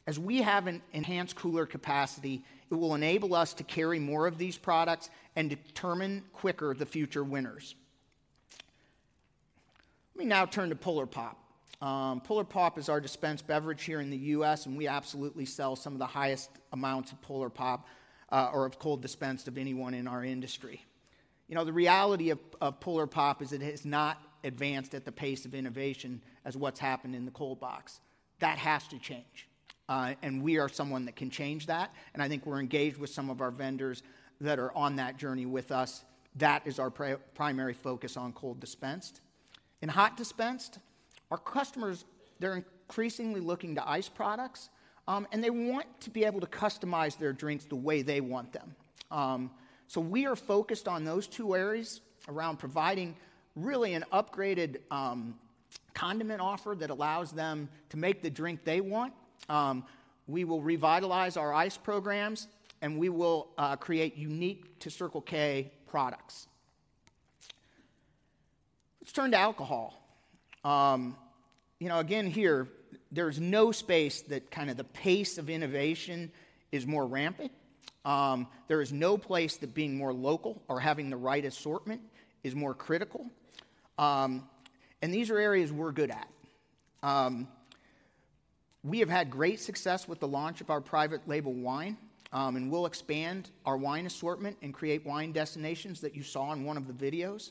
As we have an enhanced cooler capacity, it will enable us to carry more of these products and determine quicker the future winners. Let me now turn to Polar Pop. Polar Pop is our dispensed beverage here in the U.S., and we absolutely sell some of the highest amounts of Polar Pop, or of cold dispensed of anyone in our industry. You know, the reality of Polar Pop is it has not advanced at the pace of innovation as what's happened in the cold box. That has to change, and we are someone that can change that, and I think we're engaged with some of our vendors that are on that journey with us. That is our primary focus on cold dispensed. In hot dispensed, our customers, they're increasingly looking to ice products, and they want to be able to customize their drinks the way they want them. We are focused on those two areas around providing really an upgraded condiment offer that allows them to make the drink they want. We will revitalize our ice programs, and we will create unique to Circle K products. Let's turn to alcohol. You know, again, here, there's no space that kind of the pace of innovation is more rampant. There is no place that being more local or having the right assortment is more critical, and these are areas we're good at. We have had great success with the launch of our private label wine, and we'll expand our wine assortment and create wine destinations that you saw in one of the videos.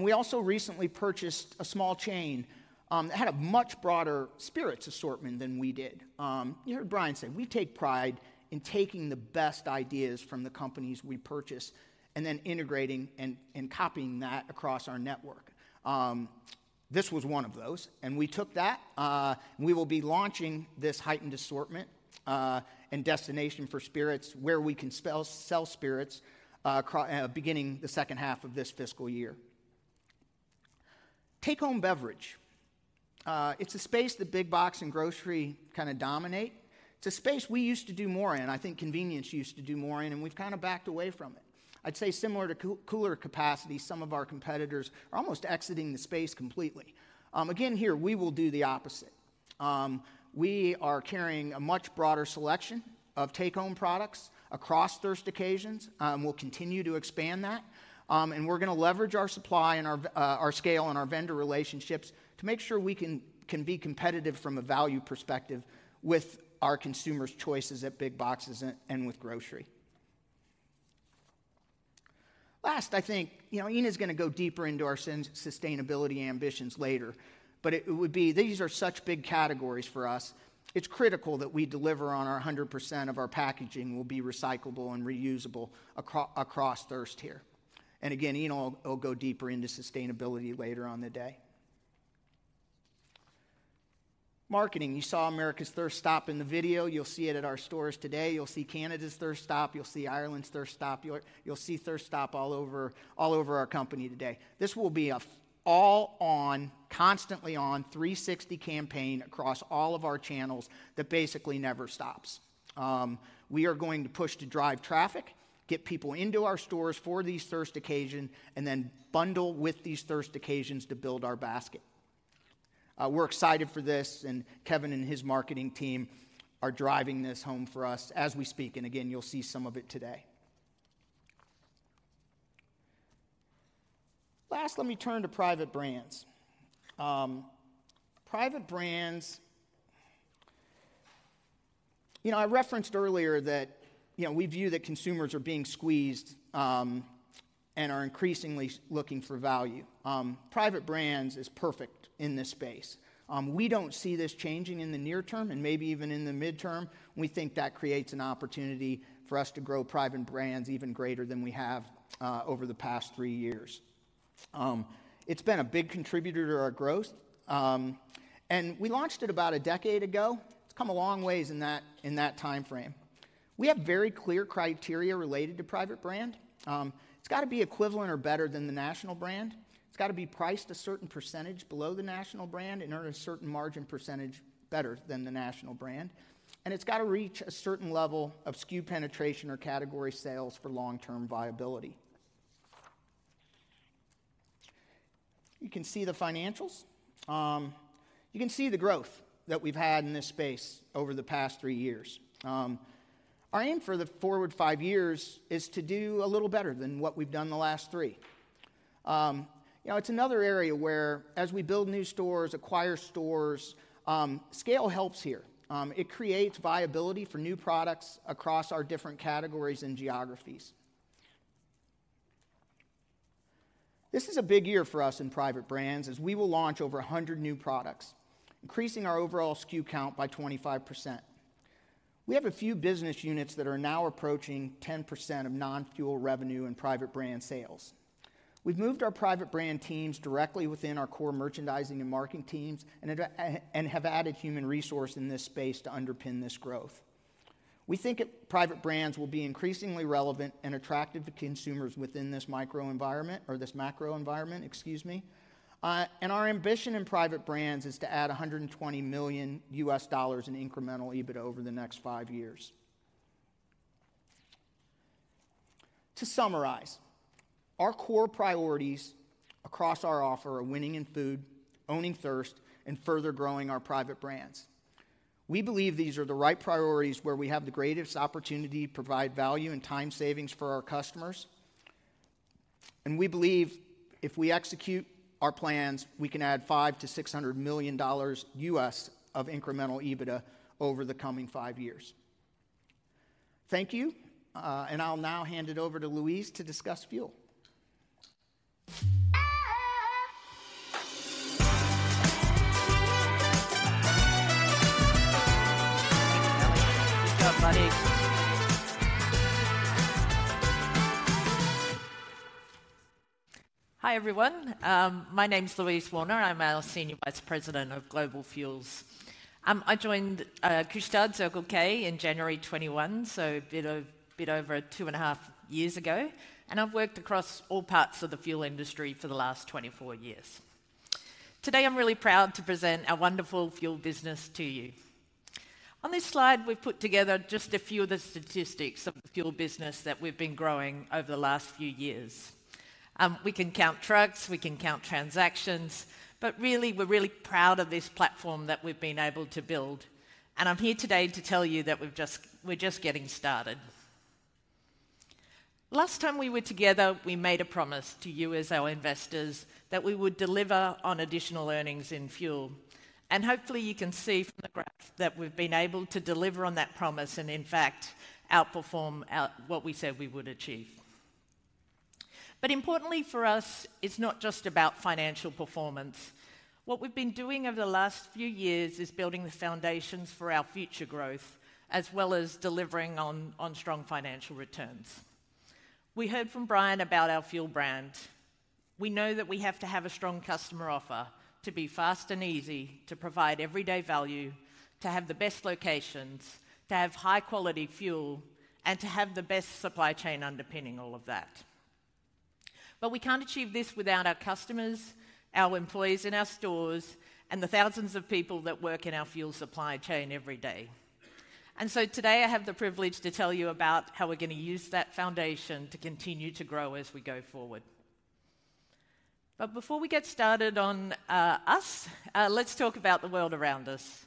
We also recently purchased a small chain that had a much broader spirits assortment than we did. You heard Brian say, "We take pride in taking the best ideas from the companies we purchase and then integrating and, and copying that across our network." This was one of those, and we took that. We will be launching this heightened assortment, and destination for spirits, where we can sell spirits, beginning the second half of this fiscal year. Take-home beverage. It's a space that big box and grocery kind of dominate. It's a space we used to do more in, I think convenience used to do more in, and we've kind of backed away from it. I'd say similar to cooler capacity, some of our competitors are almost exiting the space completely. Again, here, we will do the opposite. We are carrying a much broader selection of take-home products across thirst occasions. We'll continue to expand that. And we're going to leverage our supply and our scale and our vendor relationships to make sure we can be competitive from a value perspective with our consumers' choices at big boxes and with grocery. Last, I think, you know, Håkon is going to go deeper into our sustainability ambitions later, but it would be, these are such big categories for us. It's critical that we deliver on our 100% of our packaging will be recyclable and reusable across thirstier. And again, Håkon will go deeper into sustainability later on the day. Marketing. You saw America's Thirst Stop in the video. You'll see it at our stores today. You'll see Canada's Thirst Stop, you'll see Ireland's Thirst Stop, you'll see Thirst Stop all over, all over our company today. This will be a full on, constantly on, 360 campaign across all of our channels that basically never stops. We are going to push to drive traffic, get people into our stores for these thirst occasion, and then bundle with these thirst occasions to build our basket. We're excited for this, and Kevin and his marketing team are driving this home for us as we speak, and again, you'll see some of it today. Last, let me turn to private brands. Private brands, you know, I referenced earlier that, you know, we view that consumers are being squeezed, and are increasingly looking for value. Private brands is perfect in this space. We don't see this changing in the near term and maybe even in the midterm. We think that creates an opportunity for us to grow private brands even greater than we have over the past three years. It's been a big contributor to our growth, and we launched it about a decade ago. It's come a long ways in that time frame. We have very clear criteria related to private brand. It's got to be equivalent or better than the national brand. It's got to be priced a certain percentage below the national brand and earn a certain margin percentage better than the national brand. It's got to reach a certain level of SKU penetration or category sales for long-term viability. You can see the financials. You can see the growth that we've had in this space over the past three years. Our aim for the forward five years is to do a little better than what we've done in the last three. You know, it's another area where as we build new stores, acquire stores, scale helps here. It creates viability for new products across our different categories and geographies. This is a big year for us in private brands, as we will launch over 100 new products, increasing our overall SKU count by 25%. We have a few business units that are now approaching 10% of non-fuel revenue and private brand sales. We've moved our private brand teams directly within our core merchandising and marketing teams, and have added human resource in this space to underpin this growth. We think private brands will be increasingly relevant and attractive to consumers within this microenvironment or this macro environment, excuse me, and our ambition in private brands is to add $120 million in incremental EBITDA over the next five years. To summarize, our core priorities across our offer are winning in food, owning thirst, and further growing our private brands. We believe these are the right priorities, where we have the greatest opportunity to provide value and time savings for our customers. And we believe if we execute our plans, we can add $500 million-$600 million of incremental EBITDA over the coming five years. Thank you, and I'll now hand it over to Louise to discuss fuel. Good job, buddy. Hi, everyone. My name is Louise Warner, and I'm our Senior Vice President of Global Fuels. I joined Couche-Tard, Circle K, in January 2021, so a bit over, a bit over two and a half years ago, and I've worked across all parts of the fuel industry for the last 24 years. Today, I'm really proud to present our wonderful fuel business to you. On this slide, we've put together just a few of the statistics of the fuel business that we've been growing over the last few years. We can count trucks, we can count transactions, but really, we're really proud of this platform that we've been able to build, and I'm here today to tell you that we've just, we're just getting started. Last time we were together, we made a promise to you as our investors, that we would deliver on additional earnings in fuel. And hopefully, you can see from the graph that we've been able to deliver on that promise and in fact, outperform what we said we would achieve. But importantly for us, it's not just about financial performance. What we've been doing over the last few years is building the foundations for our future growth, as well as delivering on strong financial returns. We heard from Brian about our fuel brand. We know that we have to have a strong customer offer to be fast and easy, to provide everyday value, to have the best locations, to have high-quality fuel, and to have the best supply chain underpinning all of that. But we can't achieve this without our customers, our employees in our stores, and the thousands of people that work in our fuel supply chain every day. And so today, I have the privilege to tell you about how we're gonna use that foundation to continue to grow as we go forward. But before we get started on us, let's talk about the world around us.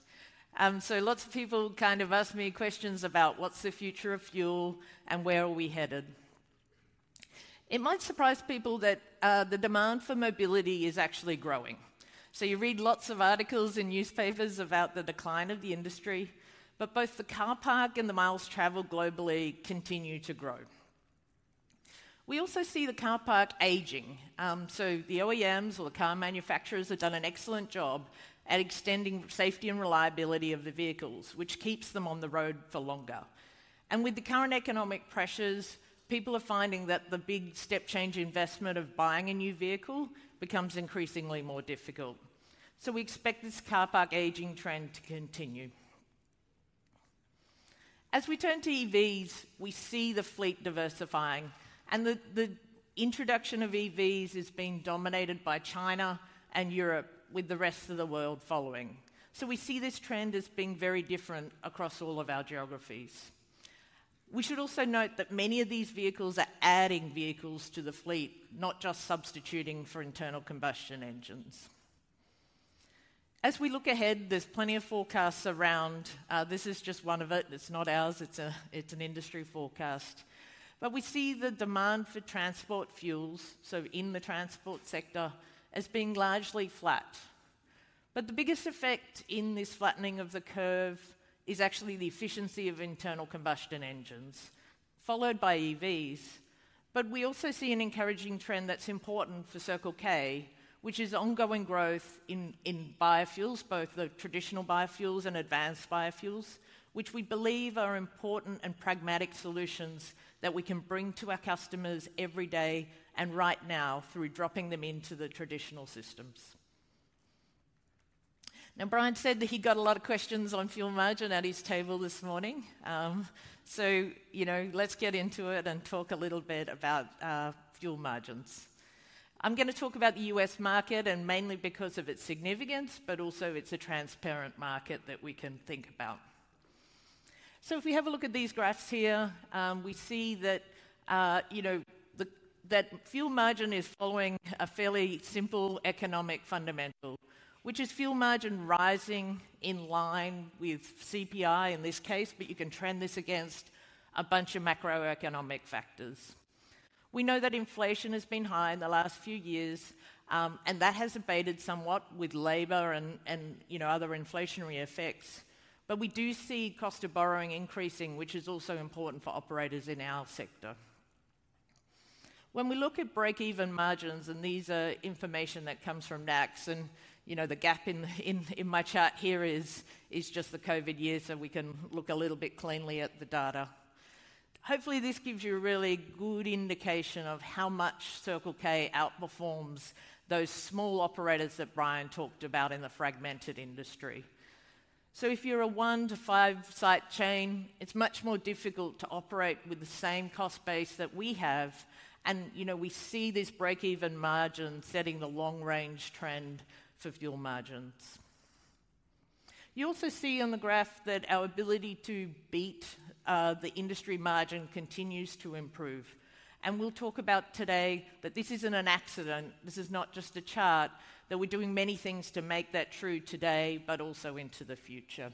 So lots of people kind of ask me questions about what's the future of fuel and where are we headed? It might surprise people that the demand for mobility is actually growing. So you read lots of articles in newspapers about the decline of the industry, but both the car park and the miles traveled globally continue to grow. We also see the car park aging. The OEMs or the car manufacturers have done an excellent job at extending safety and reliability of the vehicles, which keeps them on the road for longer. With the current economic pressures, people are finding that the big step-change investment of buying a new vehicle becomes increasingly more difficult. We expect this car park aging trend to continue. As we turn to EVs, we see the fleet diversifying, and the introduction of EVs is being dominated by China and Europe, with the rest of the world following. We see this trend as being very different across all of our geographies. We should also note that many of these vehicles are adding vehicles to the fleet, not just substituting for internal combustion engines. As we look ahead, there's plenty of forecasts around. this is just one of it. It's not ours, it's an industry forecast. But we see the demand for transport fuels, so in the transport sector, as being largely flat. But the biggest effect in this flattening of the curve is actually the efficiency of internal combustion engines, followed by EVs. But we also see an encouraging trend that's important for Circle K, which is ongoing growth in biofuels, both the traditional biofuels and advanced biofuels, which we believe are important and pragmatic solutions that we can bring to our customers every day and right now through dropping them into the traditional systems. Now, Brian said that he got a lot of questions on fuel margin at his table this morning. So, you know, let's get into it and talk a little bit about fuel margins. I'm gonna talk about the U.S. market, and mainly because of its significance, but also it's a transparent market that we can think about. So if we have a look at these graphs here, we see that, you know, the fuel margin is following a fairly simple economic fundamental, which is fuel margin rising in line with CPI in this case, but you can trend this against a bunch of macroeconomic factors. We know that inflation has been high in the last few years, and that has abated somewhat with labor and, you know, other inflationary effects. But we do see cost of borrowing increasing, which is also important for operators in our sector. When we look at break-even margins, and these are information that comes from NACS, and, you know, the gap in my chart here is just the COVID years, so we can look a little bit cleanly at the data. Hopefully, this gives you a really good indication of how much Circle K outperforms those small operators that Brian talked about in the fragmented industry. So if you're a 1-5 site chain, it's much more difficult to operate with the same cost base that we have, and, you know, we see this break-even margin setting the long-range trend for fuel margins. You also see on the graph that our ability to beat the industry margin continues to improve. We'll talk about today that this isn't an accident, this is not just a chart, that we're doing many things to make that true today, but also into the future.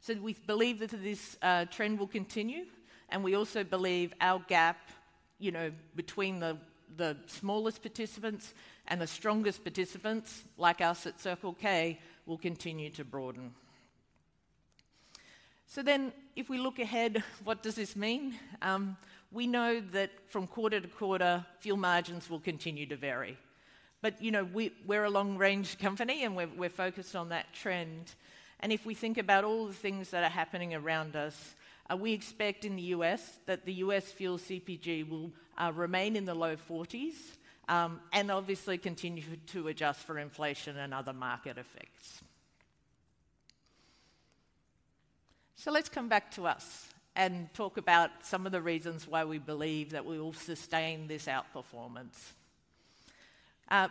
So we believe that this trend will continue, and we also believe our gap, you know, between the smallest participants and the strongest participants, like us at Circle K, will continue to broaden. So then, if we look ahead, what does this mean? We know that from quarter to quarter, fuel margins will continue to vary. But you know, we're a long-range company, and we're focused on that trend, and if we think about all the things that are happening around us, we expect in the U.S. that the U.S. fuel CPG will remain in the low forties, and obviously continue to adjust for inflation and other market effects. So let's come back to us and talk about some of the reasons why we believe that we will sustain this outperformance.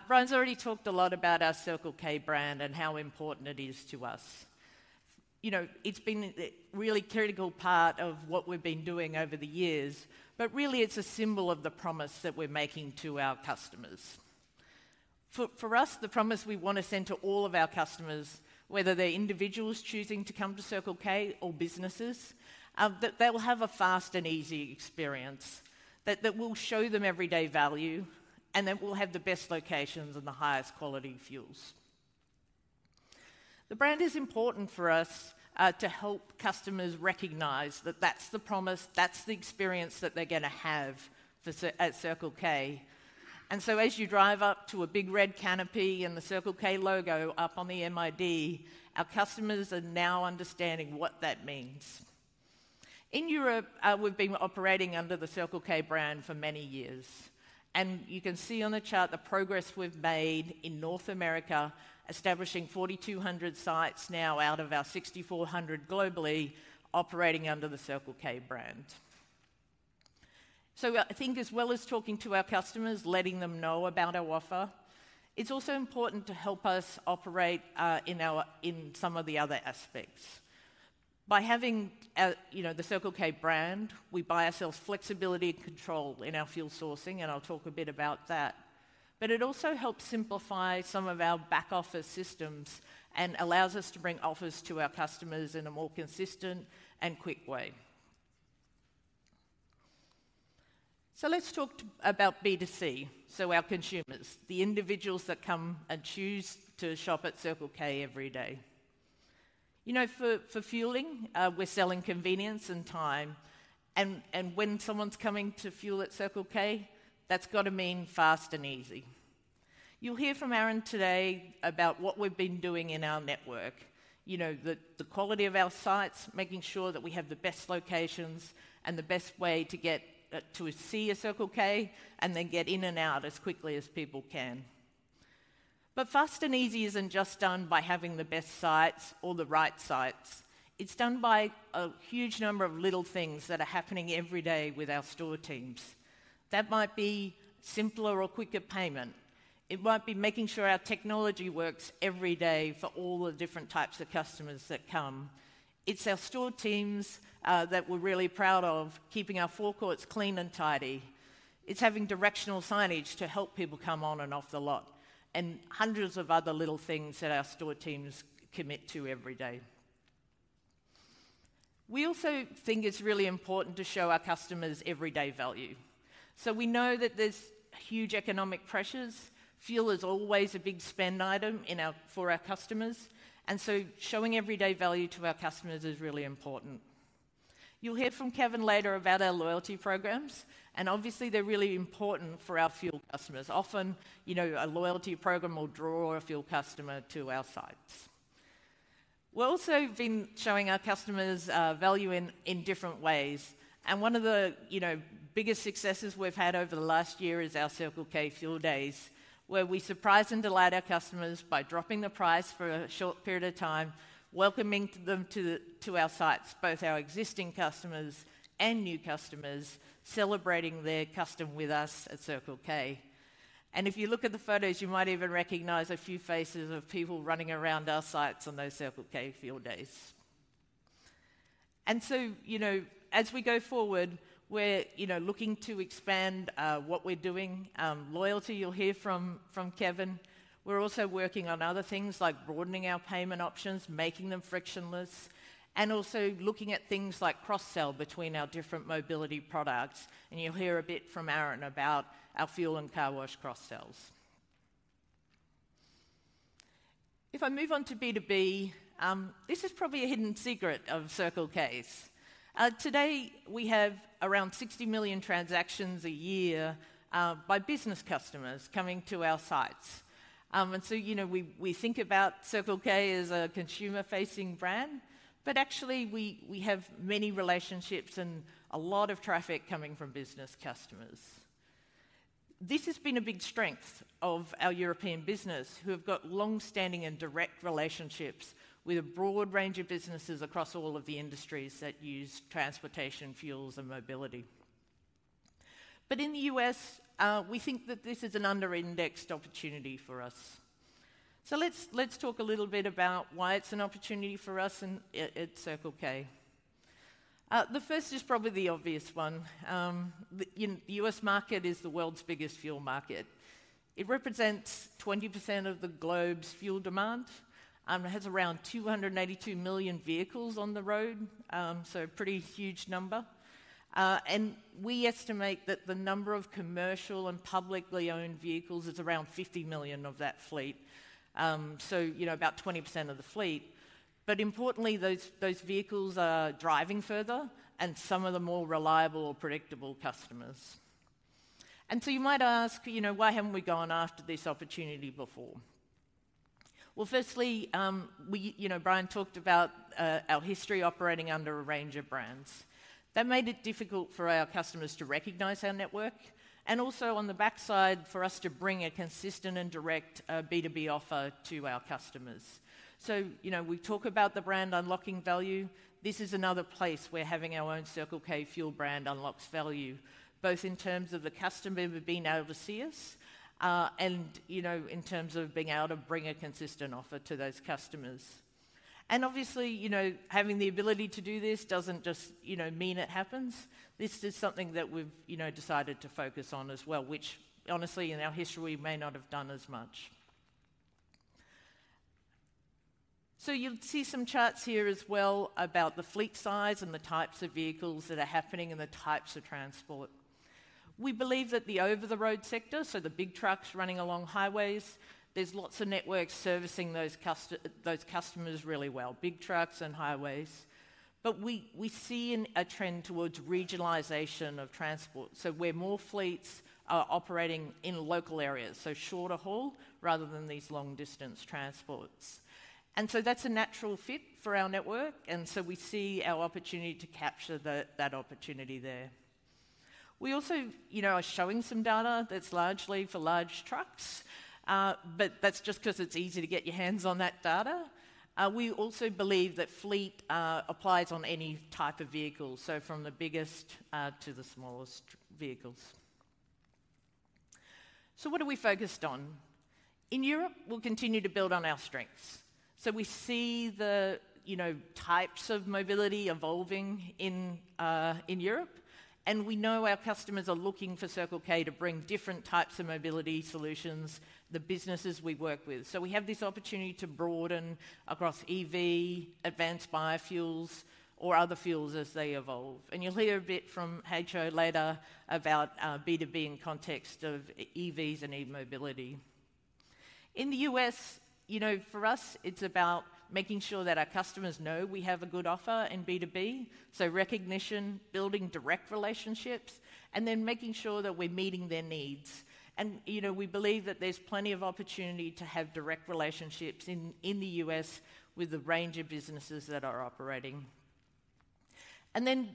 Brian's already talked a lot about our Circle K brand and how important it is to us. You know, it's been a really critical part of what we've been doing over the years, but really, it's a symbol of the promise that we're making to our customers. For us, the promise we wanna send to all of our customers, whether they're individuals choosing to come to Circle K or businesses, that they will have a fast and easy experience, that we'll show them everyday value, and that we'll have the best locations and the highest quality fuels. The brand is important for us, to help customers recognize that that's the promise, that's the experience that they're gonna have for Circle K. And so as you drive up to a Big Red canopy and the Circle K logo up on the MID, our customers are now understanding what that means. In Europe, we've been operating under the Circle K brand for many years, and you can see on the chart the progress we've made in North America, establishing 4,200 sites now out of our 6,400 globally operating under the Circle K brand. So I think as well as talking to our customers, letting them know about our offer, it's also important to help us operate in our in some of the other aspects. By having, you know, the Circle K brand, we buy ourselves flexibility and control in our fuel sourcing, and I'll talk a bit about that. But it also helps simplify some of our back office systems and allows us to bring offers to our customers in a more consistent and quick way. So let's talk about B2C, so our consumers, the individuals that come and choose to shop at Circle K every day. You know, for, for fueling, we're selling convenience and time, and, and when someone's coming to fuel at Circle K, that's got to mean fast and easy. You'll hear from Aaron today about what we've been doing in our network, you know, the, the quality of our sites, making sure that we have the best locations and the best way to get to see a Circle K, and then get in and out as quickly as people can. But fast and easy isn't just done by having the best sites or the right sites. It's done by a huge number of little things that are happening every day with our store teams. That might be simpler or quicker payment. It might be making sure our technology works every day for all the different types of customers that come. It's our store teams that we're really proud of, keeping our forecourts clean and tidy. It's having directional signage to help people come on and off the lot, and hundreds of other little things that our store teams commit to every day. We also think it's really important to show our customers everyday value. We know that there's huge economic pressures. Fuel is always a big spend item in our... for our customers, and so showing everyday value to our customers is really important. You'll hear from Kevin later about our loyalty programs, and obviously, they're really important for our fuel customers. Often, you know, a loyalty program will draw a fuel customer to our sites. We've also been showing our customers value in different ways, and one of the, you know, biggest successes we've had over the last year is our Circle K Fuel Days, where we surprise and delight our customers by dropping the price for a short period of time, welcoming them to our sites, both our existing customers and new customers, celebrating their custom with us at Circle K. And if you look at the photos, you might even recognize a few faces of people running around our sites on those Circle K Fuel Days. And so, you know, as we go forward, we're, you know, looking to expand what we're doing. Loyalty, you'll hear from Kevin. We're also working on other things, like broadening our payment options, making them frictionless, and also looking at things like cross-sell between our different mobility products, and you'll hear a bit from Aaron about our fuel and car wash cross-sells. If I move on to B2B, this is probably a hidden secret of Circle K's. Today, we have around 60 million transactions a year, by business customers coming to our sites. And so, you know, we think about Circle K as a consumer-facing brand, but actually, we have many relationships and a lot of traffic coming from business customers. This has been a big strength of our European business, who have got long-standing and direct relationships with a broad range of businesses across all of the industries that use transportation, fuels, and mobility. But in the U.S., we think that this is an under-indexed opportunity for us. So let's talk a little bit about why it's an opportunity for us and at Circle K. The first is probably the obvious one. You know, the U.S. market is the world's biggest fuel market. It represents 20% of the globe's fuel demand, it has around 282 million vehicles on the road, so a pretty huge number. And we estimate that the number of commercial and publicly-owned vehicles is around 50 million of that fleet, so, you know, about 20% of the fleet. But importantly, those vehicles are driving further, and some are the more reliable or predictable customers. And so you might ask, you know, "Why haven't we gone after this opportunity before?" Well, firstly, we. You know, Brian talked about our history operating under a range of brands. That made it difficult for our customers to recognize our network, and also on the backside, for us to bring a consistent and direct B2B offer to our customers. So, you know, we talk about the brand unlocking value, this is another place where having our own Circle K fuel brand unlocks value, both in terms of the customer being able to see us, and, you know, in terms of being able to bring a consistent offer to those customers. And obviously, you know, having the ability to do this doesn't just, you know, mean it happens. This is something that we've, you know, decided to focus on as well, which honestly, in our history, may not have done as much. So you'll see some charts here as well about the fleet size and the types of vehicles that are happening and the types of transport. We believe that the over-the-road sector, so the big trucks running along highways, there's lots of networks servicing those customers really well, big trucks and highways. But we see a trend towards regionalization of transport, so where more fleets are operating in local areas, so shorter haul rather than these long-distance transports. And so that's a natural fit for our network, and so we see our opportunity to capture that opportunity there. We also, you know, are showing some data that's largely for large trucks, but that's just 'cause it's easy to get your hands on that data. We also believe that fleet applies on any type of vehicle, so from the biggest to the smallest vehicles. So what are we focused on? In Europe, we'll continue to build on our strengths. So we see the, you know, types of mobility evolving in Europe, and we know our customers are looking for Circle K to bring different types of mobility solutions, the businesses we work with. So we have this opportunity to broaden across EV, advanced biofuels, or other fuels as they evolve. And you'll hear a bit from Håkon later about B2B in context of EVs and e-mobility. In the U.S., you know, for us, it's about making sure that our customers know we have a good offer in B2B, so recognition, building direct relationships, and then making sure that we're meeting their needs. You know, we believe that there's plenty of opportunity to have direct relationships in the U.S. with the range of businesses that are operating.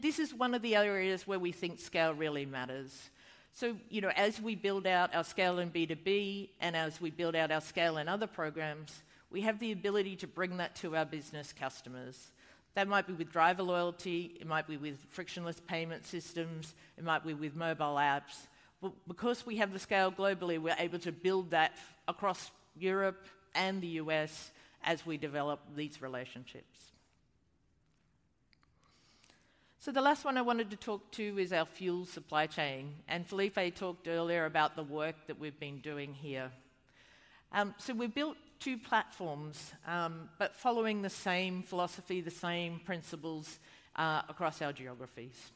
This is one of the areas where we think scale really matters. You know, as we build out our scale in B2B and as we build out our scale in other programs, we have the ability to bring that to our business customers. That might be with driver loyalty, it might be with frictionless payment systems, it might be with mobile apps. Because we have the scale globally, we're able to build that across Europe and the U.S. as we develop these relationships. The last one I wanted to talk to is our fuel supply chain, and Filipe talked earlier about the work that we've been doing here. We've built two platforms, but following the same philosophy, the same principles, across our geographies.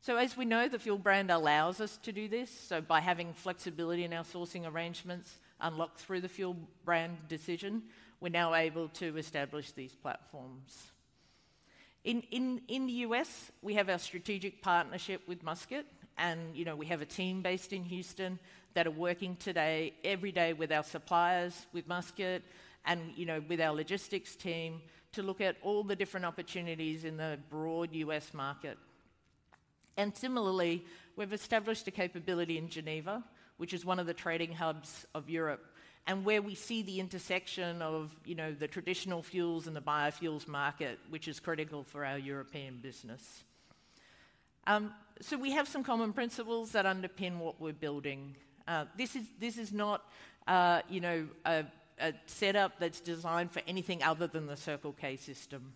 So as we know, the fuel brand allows us to do this, so by having flexibility in our sourcing arrangements unlocked through the fuel brand decision, we're now able to establish these platforms. In the U.S., we have our strategic partnership with Musket, and, you know, we have a team based in Houston that are working today, every day with our suppliers, with Musket, and, you know, with our logistics team to look at all the different opportunities in the broad U.S. market. Similarly, we've established a capability in Geneva, which is one of the trading hubs of Europe, and where we see the intersection of, you know, the traditional fuels and the biofuels market, which is critical for our European business. We have some common principles that underpin what we're building. This is not, you know, a setup that's designed for anything other than the Circle K system.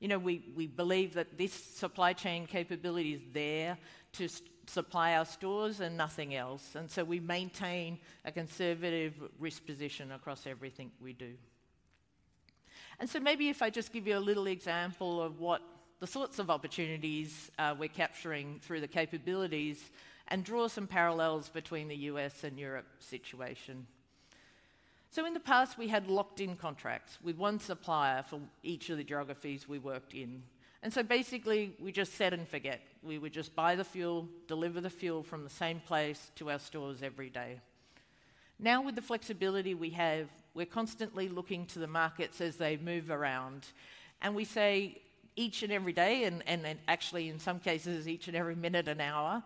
You know, we believe that this supply chain capability is there to supply our stores and nothing else, and we maintain a conservative risk position across everything we do. Maybe if I just give you a little example of what the sorts of opportunities we're capturing through the capabilities and draw some parallels between the U.S. and Europe situation. In the past, we had locked-in contracts with one supplier for each of the geographies we worked in, and basically, we just set and forget. We would just buy the fuel, deliver the fuel from the same place to our stores every day. Now, with the flexibility we have, we're constantly looking to the markets as they move around, and we say each and every day, and then actually in some cases, each and every minute and hour: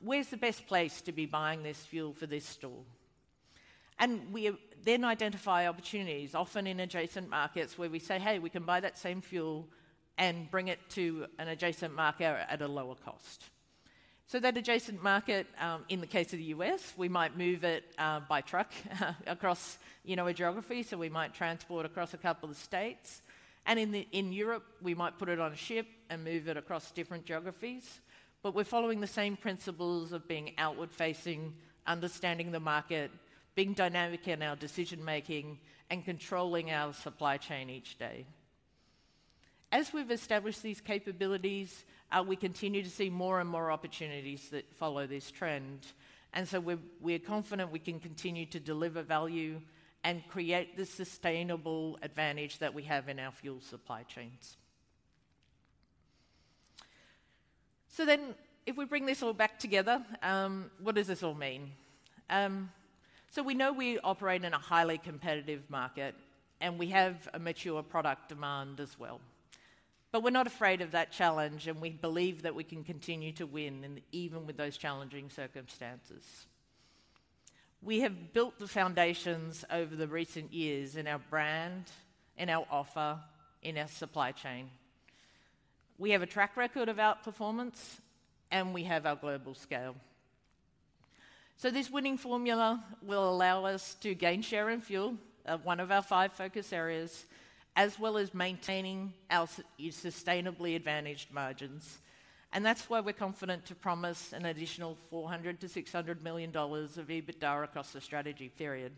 "Where's the best place to be buying this fuel for this store?" And we then identify opportunities, often in adjacent markets, where we say, "Hey, we can buy that same fuel and bring it to an adjacent market at a lower cost." So that adjacent market, in the case of the U.S., we might move it by truck, across, you know, a geography, so we might transport across a couple of states. And in Europe, we might put it on a ship and move it across different geographies. But we're following the same principles of being outward-facing, understanding the market, being dynamic in our decision-making, and controlling our supply chain each day. As we've established these capabilities, we continue to see more and more opportunities that follow this trend, and so we're, we're confident we can continue to deliver value and create the sustainable advantage that we have in our fuel supply chains. So then, if we bring this all back together, what does this all mean? So we know we operate in a highly competitive market, and we have a mature product demand as well. But we're not afraid of that challenge, and we believe that we can continue to win in even with those challenging circumstances. We have built the foundations over the recent years in our brand, in our offer, in our supply chain. We have a track record of outperformance, and we have our global scale. So this winning formula will allow us to gain share in fuel, one of our five focus areas, as well as maintaining our sustainably advantaged margins. And that's why we're confident to promise an additional $400 million-$600 million of EBITDA across the strategy period.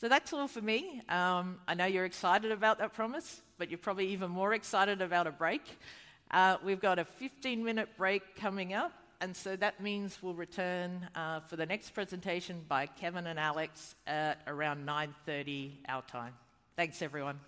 So that's all for me. I know you're excited about that promise, but you're probably even more excited about a break. We've got a 15-minute break coming up, and so that means we'll return for the next presentation by Kevin and Alex at around 9:30 our time. Thanks, everyone.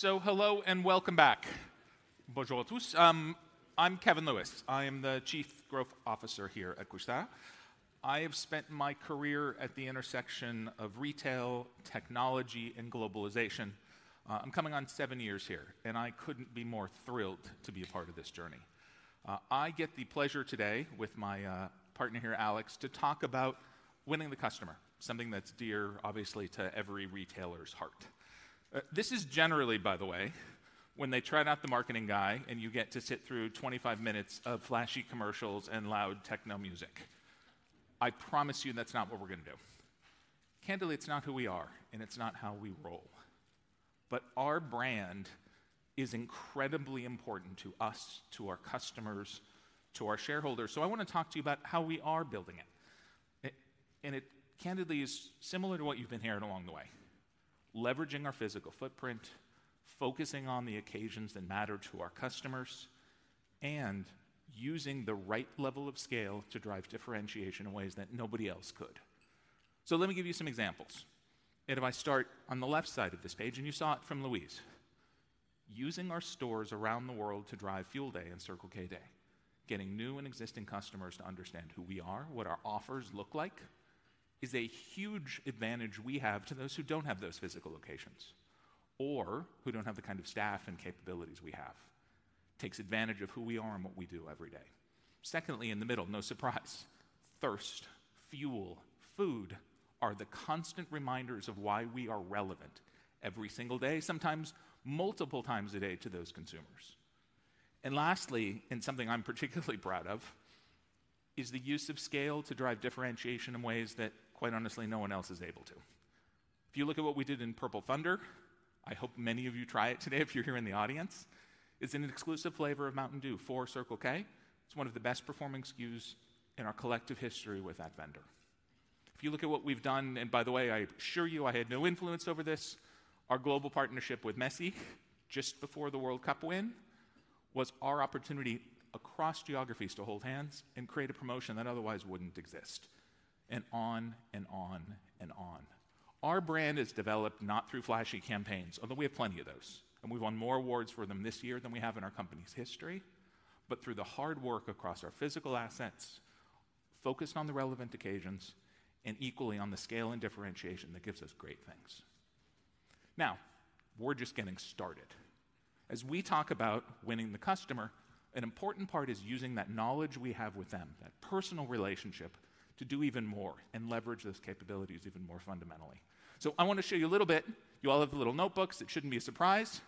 So hello, and welcome back. Bonjour à tous. I'm Kevin Lewis. I am the Chief Growth Officer here at Couche-Tard. I have spent my career at the intersection of retail, technology, and globalization. I'm coming on seven years here, and I couldn't be more thrilled to be a part of this journey. I get the pleasure today, with my partner here, Alex, to talk about winning the customer, something that's dear, obviously, to every retailer's heart. This is generally, by the way, when they trot out the marketing guy, and you get to sit through 25 minutes of flashy commercials and loud techno music. I promise you that's not what we're gonna do. Candidly, it's not who we are, and it's not how we roll. But our brand is incredibly important to us, to our customers, to our shareholders, so I wanna talk to you about how we are building it. It and it candidly is similar to what you've been hearing along the way: leveraging our physical footprint, focusing on the occasions that matter to our customers, and using the right level of scale to drive differentiation in ways that nobody else could. So let me give you some examples, and if I start on the left side of this page, and you saw it from Louise: using our stores around the world to drive Fuel Day and Circle K Day, getting new and existing customers to understand who we are, what our offers look like is a huge advantage we have to those who don't have those physical locations or who don't have the kind of staff and capabilities we have. Takes advantage of who we are and what we do every day. Secondly, in the middle, no surprise, thirst, fuel, food are the constant reminders of why we are relevant every single day, sometimes multiple times a day, to those consumers. And lastly, and something I'm particularly proud of, is the use of scale to drive differentiation in ways that, quite honestly, no one else is able to. If you look at what we did in Purple Thunder, I hope many of you try it today if you're here in the audience. It's an exclusive flavor of Mountain Dew for Circle K. It's one of the best performing SKUs in our collective history with that vendor. If you look at what we've done, and by the way, I assure you, I had no influence over this, our global partnership with Messi just before the World Cup win was our opportunity across geographies to hold hands and create a promotion that otherwise wouldn't exist. And on and on and on. Our brand is developed not through flashy campaigns, although we have plenty of those, and we've won more awards for them this year than we have in our company's history, but through the hard work across our physical assets, focused on the relevant occasions, and equally on the scale and differentiation that gives us great things. Now, we're just getting started. As we talk about winning the customer, an important part is using that knowledge we have with them, that personal relationship, to do even more and leverage those capabilities even more fundamentally. I want to show you a little bit. You all have the little notebooks. It shouldn't be a surprise.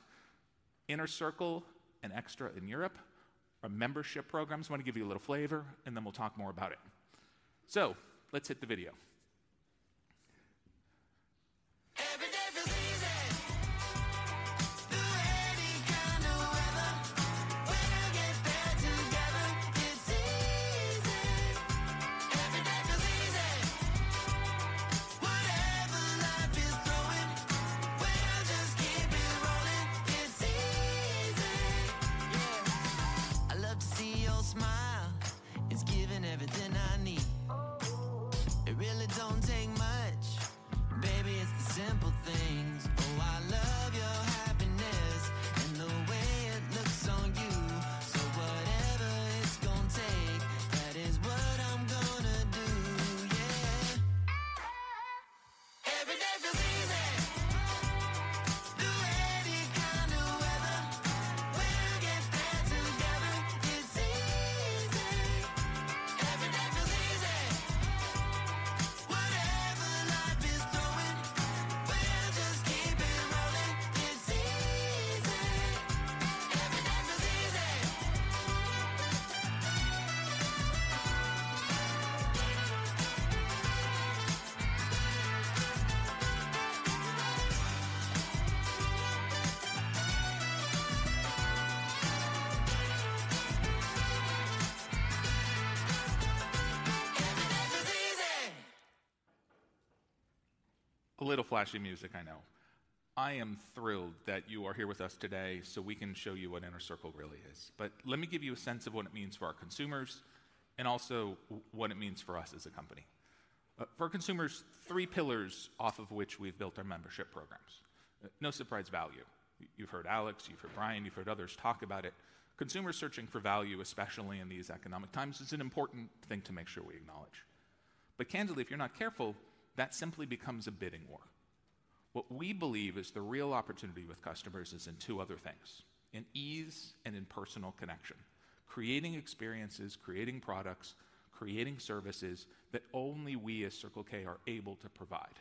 Inner Circle and Extra in Europe are membership programs. I want to give you a little flavor, and then we'll talk more about it. Let's hit the video. What we believe is the real opportunity with customers is in two other things: in ease and in personal connection. Creating experiences, creating products, creating services that only we as Circle K are able to provide.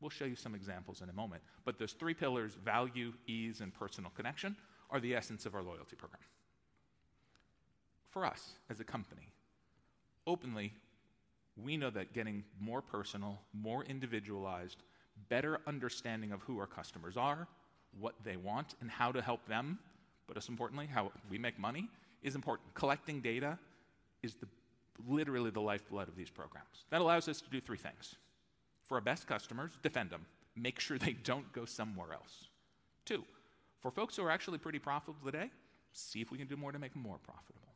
We'll show you some examples in a moment, but those three pillars, value, ease, and personal connection, are the essence of our loyalty program. For us, as a company, openly, we know that getting more personal, more individualized, better understanding of who our customers are, what they want, and how to help them, but most importantly, how we make money, is important. Collecting data is the. literally the lifeblood of these programs. That allows us to do three things. For our best customers, defend them. Make sure they don't go somewhere else. Two, for folks who are actually pretty profitable today, see if we can do more to make them more profitable.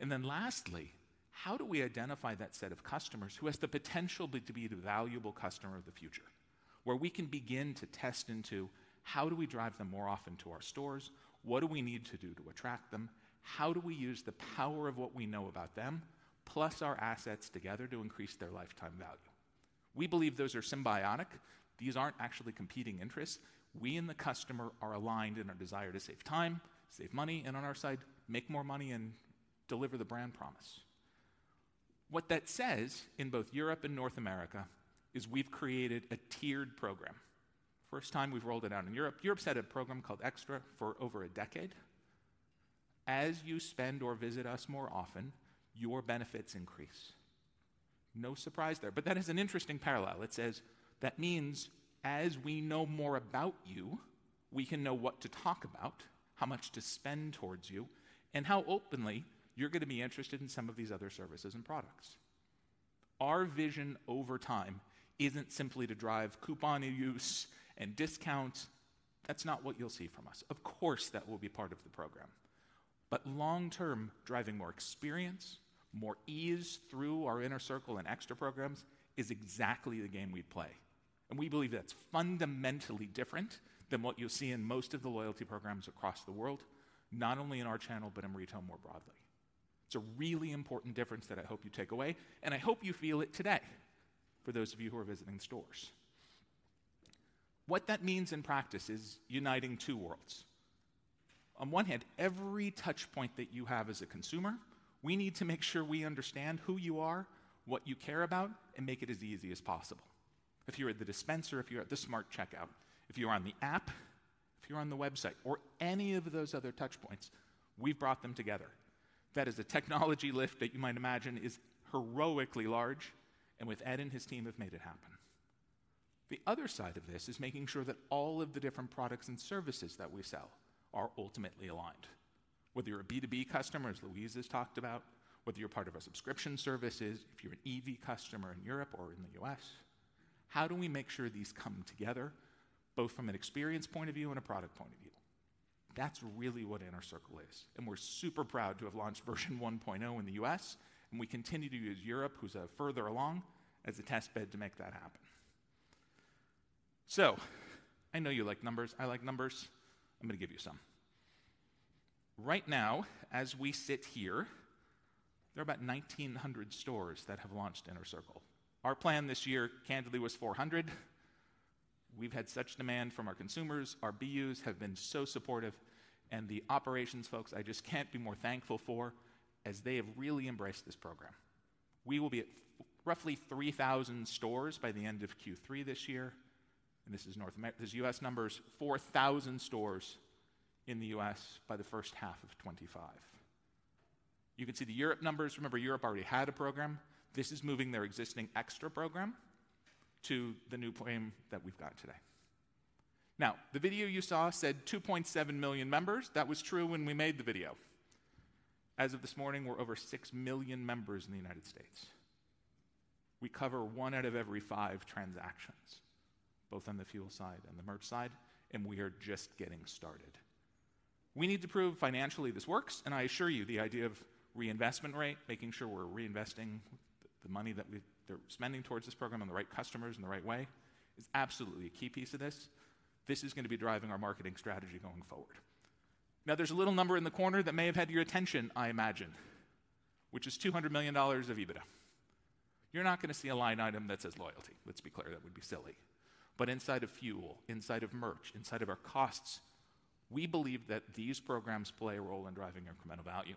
And then lastly, how do we identify that set of customers who has the potential to be the valuable customer of the future, where we can begin to test into: how do we drive them more often to our stores? What do we need to do to attract them? How do we use the power of what we know about them, plus our assets together, to increase their lifetime value? We believe those are symbiotic. These aren't actually competing interests. We and the customer are aligned in our desire to save time, save money, and on our side, make more money and deliver the brand promise. What that says, in both Europe and North America, is we've created a tiered program. First time we've rolled it out in Europe. Europe's had a program called Extra for over a decade. As you spend or visit us more often, your benefits increase. No surprise there, but that is an interesting parallel. It says that means as we know more about you, we can know what to talk about, how much to spend towards you, and how openly you're going to be interested in some of these other services and products. Our vision over time isn't simply to drive coupon use and discounts. That's not what you'll see from us. Of course, that will be part of the program, but long-term, driving more experience, more ease through our Inner Circle and Extra programs, is exactly the game we play. And we believe that's fundamentally different than what you'll see in most of the loyalty programs across the world, not only in our channel, but in retail more broadly. It's a really important difference that I hope you take away, and I hope you feel it today, for those of you who are visiting stores. What that means in practice is uniting two worlds. On one hand, every touch point that you have as a consumer, we need to make sure we understand who you are, what you care about, and make it as easy as possible. If you're at the dispenser, if you're at the Smart Checkout, if you're on the app, if you're on the website or any of those other touch points, we've brought them together. That is a technology LIFT that you might imagine is heroically large, and with Ed and his team have made it happen. The other side of this is making sure that all of the different products and services that we sell are ultimately aligned. Whether you're a B2B customer, as Louise has talked about, whether you're part of our subscription services, if you're an EV customer in Europe or in the U.S., how do we make sure these come together, both from an experience point of view and a product point of view? That's really what Inner Circle is, and we're super proud to have launched version 1.0 in the U.S., and we continue to use Europe, who's further along, as a test bed to make that happen. So I know you like numbers. I like numbers. I'm gonna give you some. Right now, as we sit here, there are about 1,900 stores that have launched Inner Circle. Our plan this year, candidly, was 400. We've had such demand from our consumers, our BUs have been so supportive, and the operations folks, I just can't be more thankful for, as they have really embraced this program. We will be at roughly 3,000 stores by the end of Q3 this year, and this is North Ame—these are U.S. numbers, 4,000 stores in the U.S. by the first half of 2025. You can see the Europe numbers. Remember, Europe already had a program. This is moving their existing Extra program to the new program that we've got today. Now, the video you saw said 2.7 million members. That was true when we made the video. As of this morning, we're over 6 million members in the United States. We cover one out of every five transactions, both on the fuel side and the merch side, and we are just getting started. We need to prove financially this works, and I assure you, the idea of reinvestment rate, making sure we're reinvesting the money that they're spending towards this program on the right customers in the right way, is absolutely a key piece of this. This is going to be driving our marketing strategy going forward. Now, there's a little number in the corner that may have had your attention, I imagine, which is $200 million of EBITDA. You're not going to see a line item that says loyalty. Let's be clear, that would be silly. But inside of fuel, inside of merch, inside of our costs, we believe that these programs play a role in driving incremental value.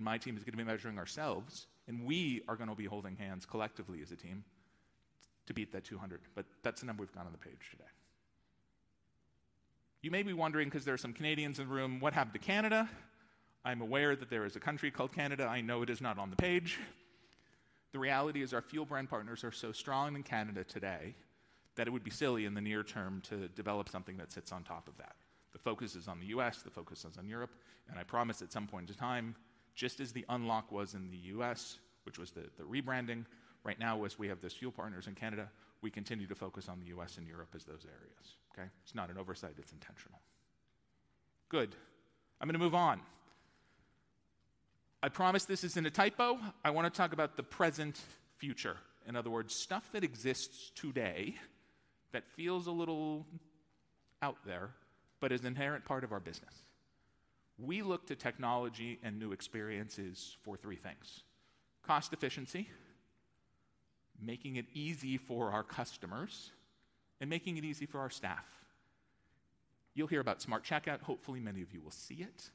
My team is going to be measuring ourselves, and we are going to be holding hands collectively as a team to beat that 200. But that's the number we've got on the page today. You may be wondering, because there are some Canadians in the room, what happened to Canada? I'm aware that there is a country called Canada. I know it is not on the page. The reality is our fuel brand partners are so strong in Canada today, that it would be silly in the near term to develop something that sits on top of that. The focus is on the U.S., the focus is on Europe, and I promise at some point in time, just as the unlock was in the U.S., which was the rebranding, right now as we have those fuel partners in Canada, we continue to focus on the U.S. and Europe as those areas, okay? It's not an oversight, it's intentional. Good. I'm going to move on. I promise this isn't a typo. I want to talk about the present future. In other words, stuff that exists today that feels a little out there, but is an inherent part of our business. We look to technology and new experiences for three things: cost efficiency, making it easy for our customers, and making it easy for our staff. You'll hear about Smart Checkout. Hopefully, many of you will see it.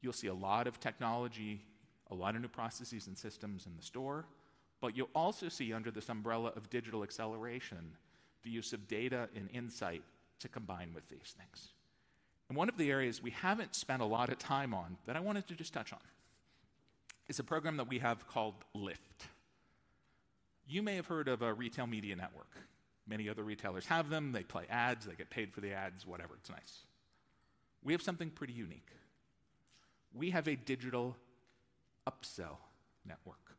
You'll see a lot of technology, a lot of new processes and systems in the store, but you'll also see under this umbrella of digital acceleration, the use of data and insight to combine with these things. And one of the areas we haven't spent a lot of time on that I wanted to just touch on, is a program that we have called LIFT. You may have heard of a retail media network. Many other retailers have them, they play ads, they get paid for the ads, whatever, it's nice. We have something pretty unique. We have a digital upsell network.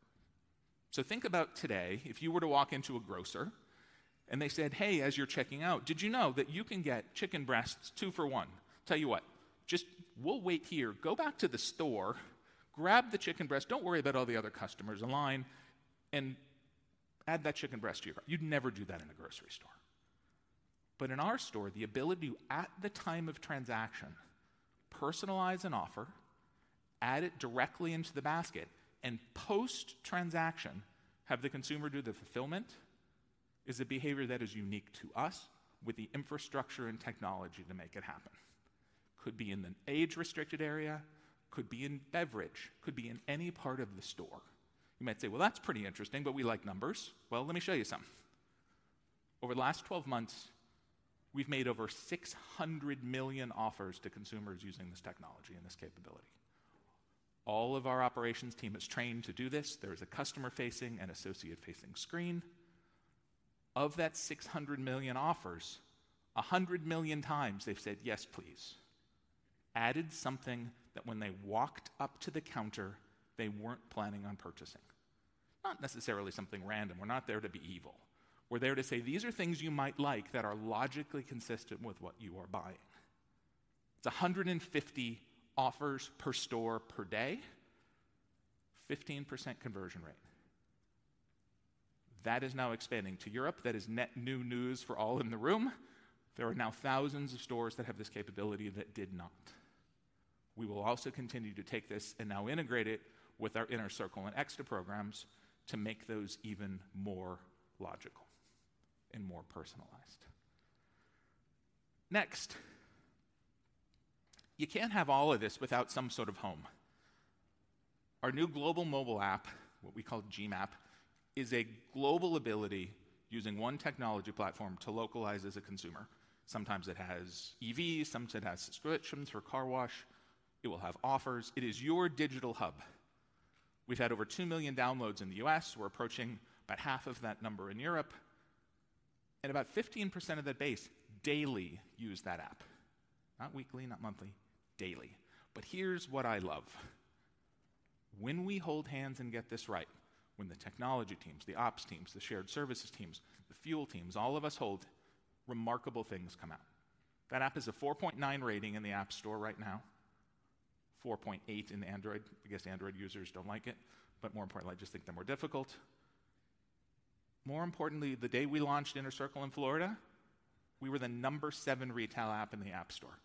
So think about today, if you were to walk into a grocer and they said, "Hey, as you're checking out, did you know that you can get chicken breasts two for one? Tell you what, just, we'll wait here. Go back to the store, grab the chicken breast. Don't worry about all the other customers in line, and add that chicken breast to your cart." You'd never do that in a grocery store. But in our store, the ability to, at the time of transaction, personalize an offer, add it directly into the basket, and post-transaction, have the consumer do the fulfillment, is a behavior that is unique to us with the infrastructure and technology to make it happen. Could be in an age-restricted area, could be in beverage, could be in any part of the store. You might say, "Well, that's pretty interesting, but we like numbers." Well, let me show you some. Over the last 12 months, we've made over 600 million offers to consumers using this technology and this capability. All of our operations team is trained to do this. There is a customer-facing and associate-facing screen. Of that 600 million offers, 100 million times they've said, "Yes, please," added something that when they walked up to the counter, they weren't planning on purchasing. Not necessarily something random. We're not there to be evil. We're there to say, "These are things you might like that are logically consistent with what you are buying." It's 150 offers per store per day, 15% conversion rate. That is now expanding to Europe. That is net new news for all in the room. There are now thousands of stores that have this capability that did not. We will also continue to take this and now integrate it with our Inner Circle and Extra programs to make those even more logical and more personalized. Next, you can't have all of this without some sort of home. Our new global mobile app, what we call GMAP, is a global ability using one technology platform to localize as a consumer. Sometimes it has EV, sometimes it has switch for car wash. It will have offers. It is your digital hub. We've had over 2 million downloads in the U.S. We're approaching about half of that number in Europe, and about 15% of that base daily use that app. Not weekly, not monthly, daily. But here's what I love: When we hold hands and get this right, when the technology teams, the ops teams, the shared services teams, the fuel teams, all of us hold, remarkable things come out. That app is a 4.9 rating in the App Store right now, 4.8 in Android. I guess Android users don't like it, but more importantly, I just think they're more difficult. More importantly, the day we launched Inner Circle in Florida, we were the number seven retail app in the App Store.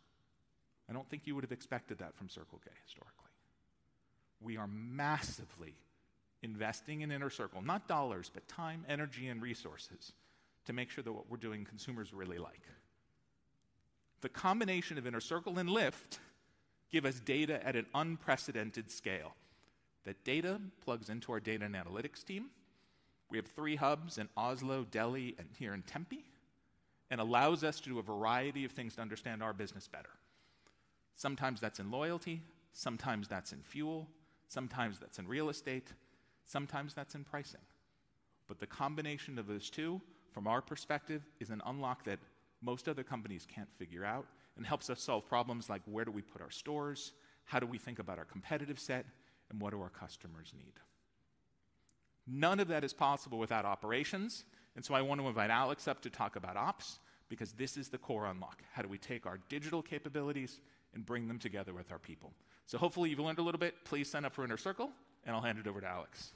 I don't think you would have expected that from Circle K historically. We are massively investing in Inner Circle, not dollars, but time, energy, and resources to make sure that what we're doing, consumers really like. The combination of Inner Circle and LIFT give us data at an unprecedented scale. That data plugs into our data and analytics team. We have three hubs in Oslo, Delhi, and here in Tempe, and allows us to do a variety of things to understand our business better. Sometimes that's in loyalty, sometimes that's in fuel, sometimes that's in real estate, sometimes that's in pricing. But the combination of those two, from our perspective, is an unlock that most other companies can't figure out and helps us solve problems like where do we put our stores, how do we think about our competitive set, and what do our customers need? None of that is possible without operations, and so I want to invite Alex up to talk about ops, because this is the core unlock. How do we take our digital capabilities and bring them together with our people? So hopefully, you've learned a little bit. Please sign up for Inner Circle, and I'll hand it over to Alex.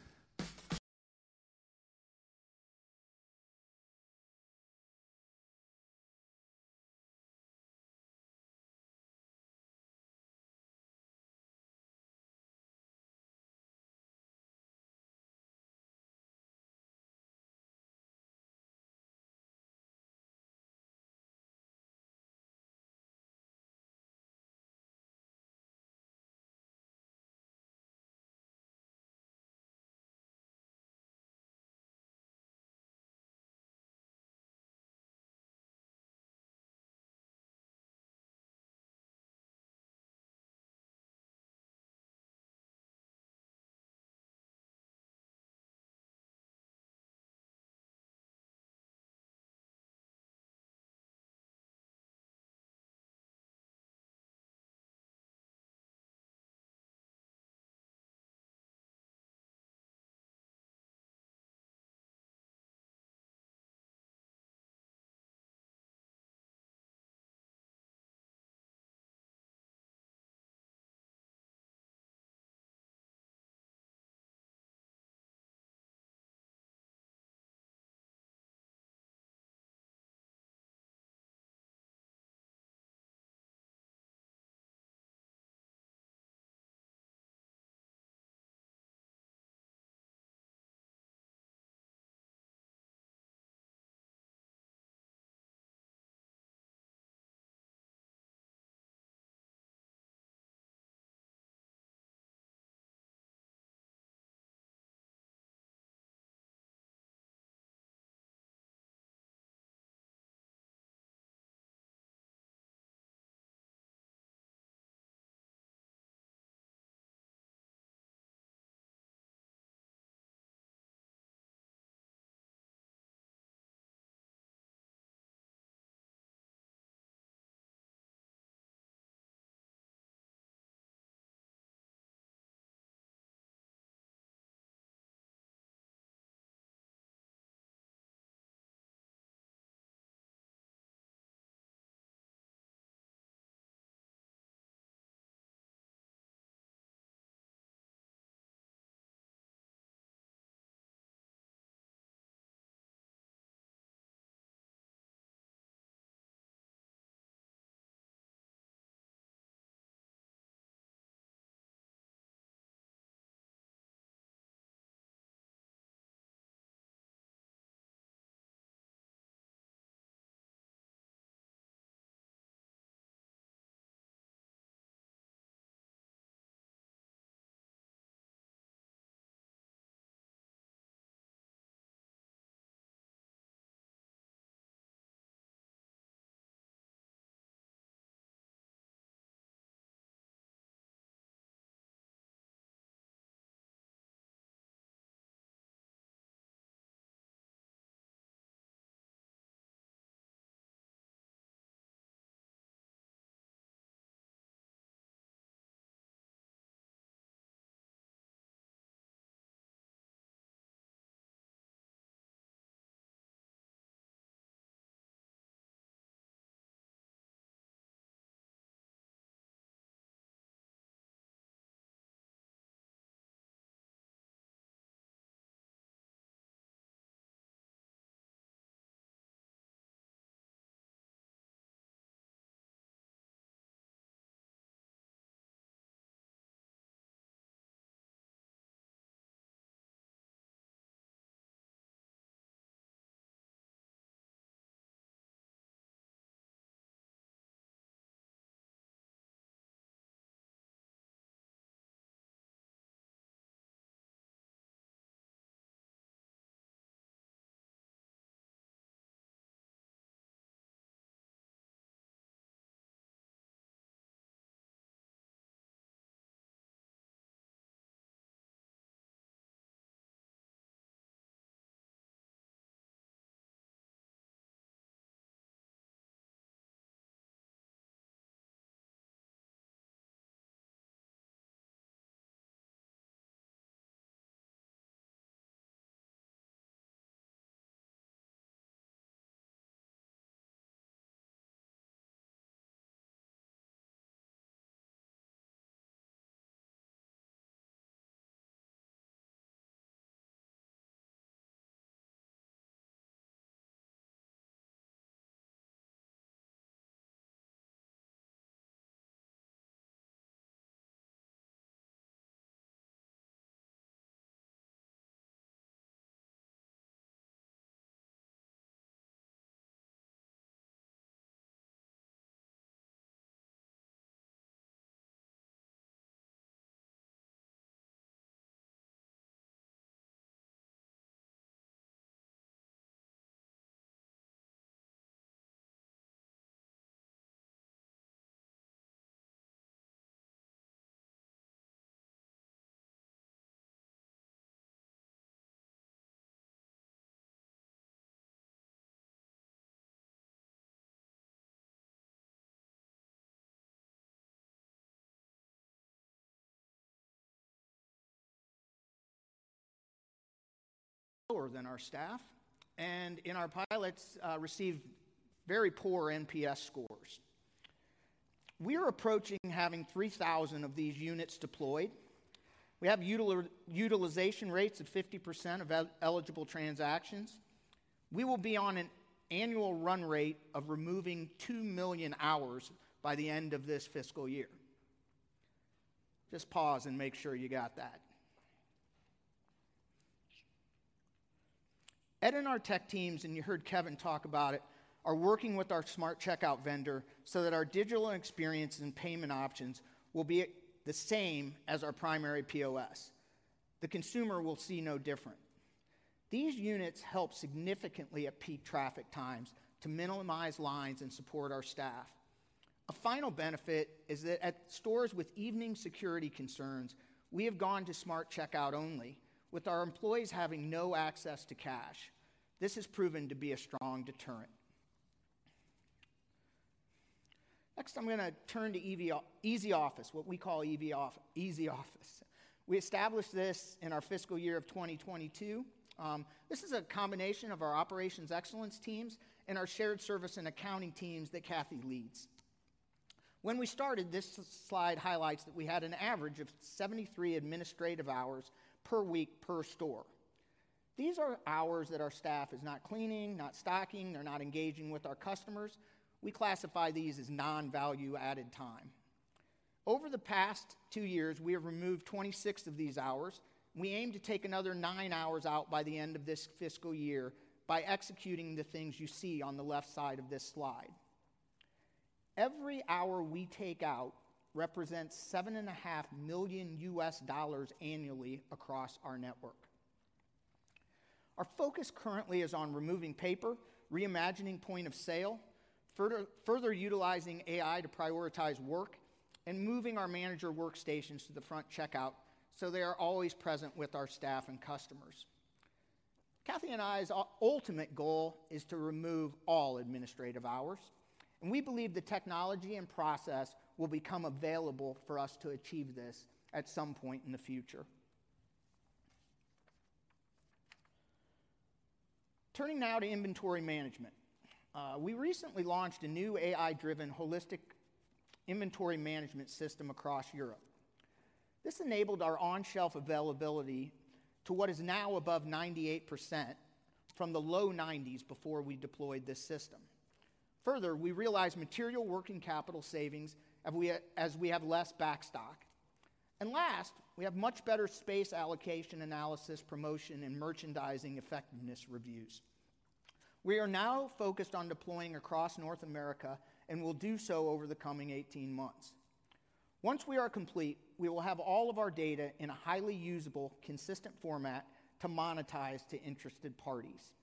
Slower than our staff, and in our pilots, received very poor NPS scores. We are approaching having 3,000 of these units deployed. We have utilization rates at 50% of eligible transactions. We will be on an annual run rate of removing 2 million hours by the end of this fiscal year. Just pause and make sure you got that. Ed and our tech teams, and you heard Kevin talk about it, are working with our Smart Checkout vendor so that our digital experience and payment options will be the same as our primary POS. The consumer will see no different. These units help significantly at peak traffic times to minimize lines and support our staff. A final benefit is that at stores with evening security concerns, we have gone to Smart Checkout only, with our employees having no access to cash. This has proven to be a strong deterrent. Next, I'm gonna turn to Easy Office, what we call Easy Office. We established this in our fiscal year of 2022. This is a combination of our operations excellence teams and our shared service and accounting teams that Kathy leads. When we started, this slide highlights that we had an average of 73 administrative hours per week, per store. These are hours that our staff is not cleaning, not stocking, they're not engaging with our customers. We classify these as non-value-added time. Over the past two years, we have removed 26 of these hours. We aim to take another nine hours out by the end of this fiscal year by executing the things you see on the left side of this slide. Every hour we take out represents $7.5 million annually across our network. Our focus currently is on removing paper, reimagining point of sale, further utilizing AI to prioritize work, and moving our manager workstations to the front checkout, so they are always present with our staff and customers. Kathy and I's ultimate goal is to remove all administrative hours, and we believe the technology and process will become available for us to achieve this at some point in the future. Turning now to inventory management. We recently launched a new AI-driven, holistic inventory management system across Europe. This enabled our on-shelf availability to what is now above 98% from the low 90s before we deployed this system. Further, we realized material working capital savings, and as we have less backstock. Last, we have much better space allocation, analysis, promotion, and merchandising effectiveness reviews. We are now focused on deploying across North America and will do so over the coming 18 months. Once we are complete, we will have all of our data in a highly usable, consistent format to monetize to interested parties.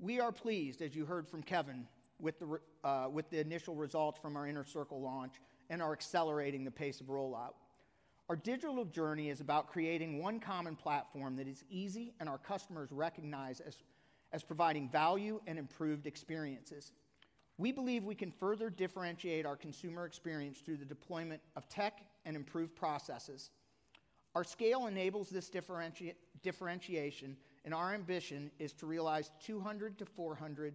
We are pleased, as you heard from Kevin, with the initial results from our Inner Circle launch and are accelerating the pace of rollout. Our digital journey is about creating one common platform that is easy and our customers recognize as, as providing value and improved experiences. We believe we can further differentiate our consumer experience through the deployment of tech and improved processes. Our scale enables this differentiation, and our ambition is to realize $200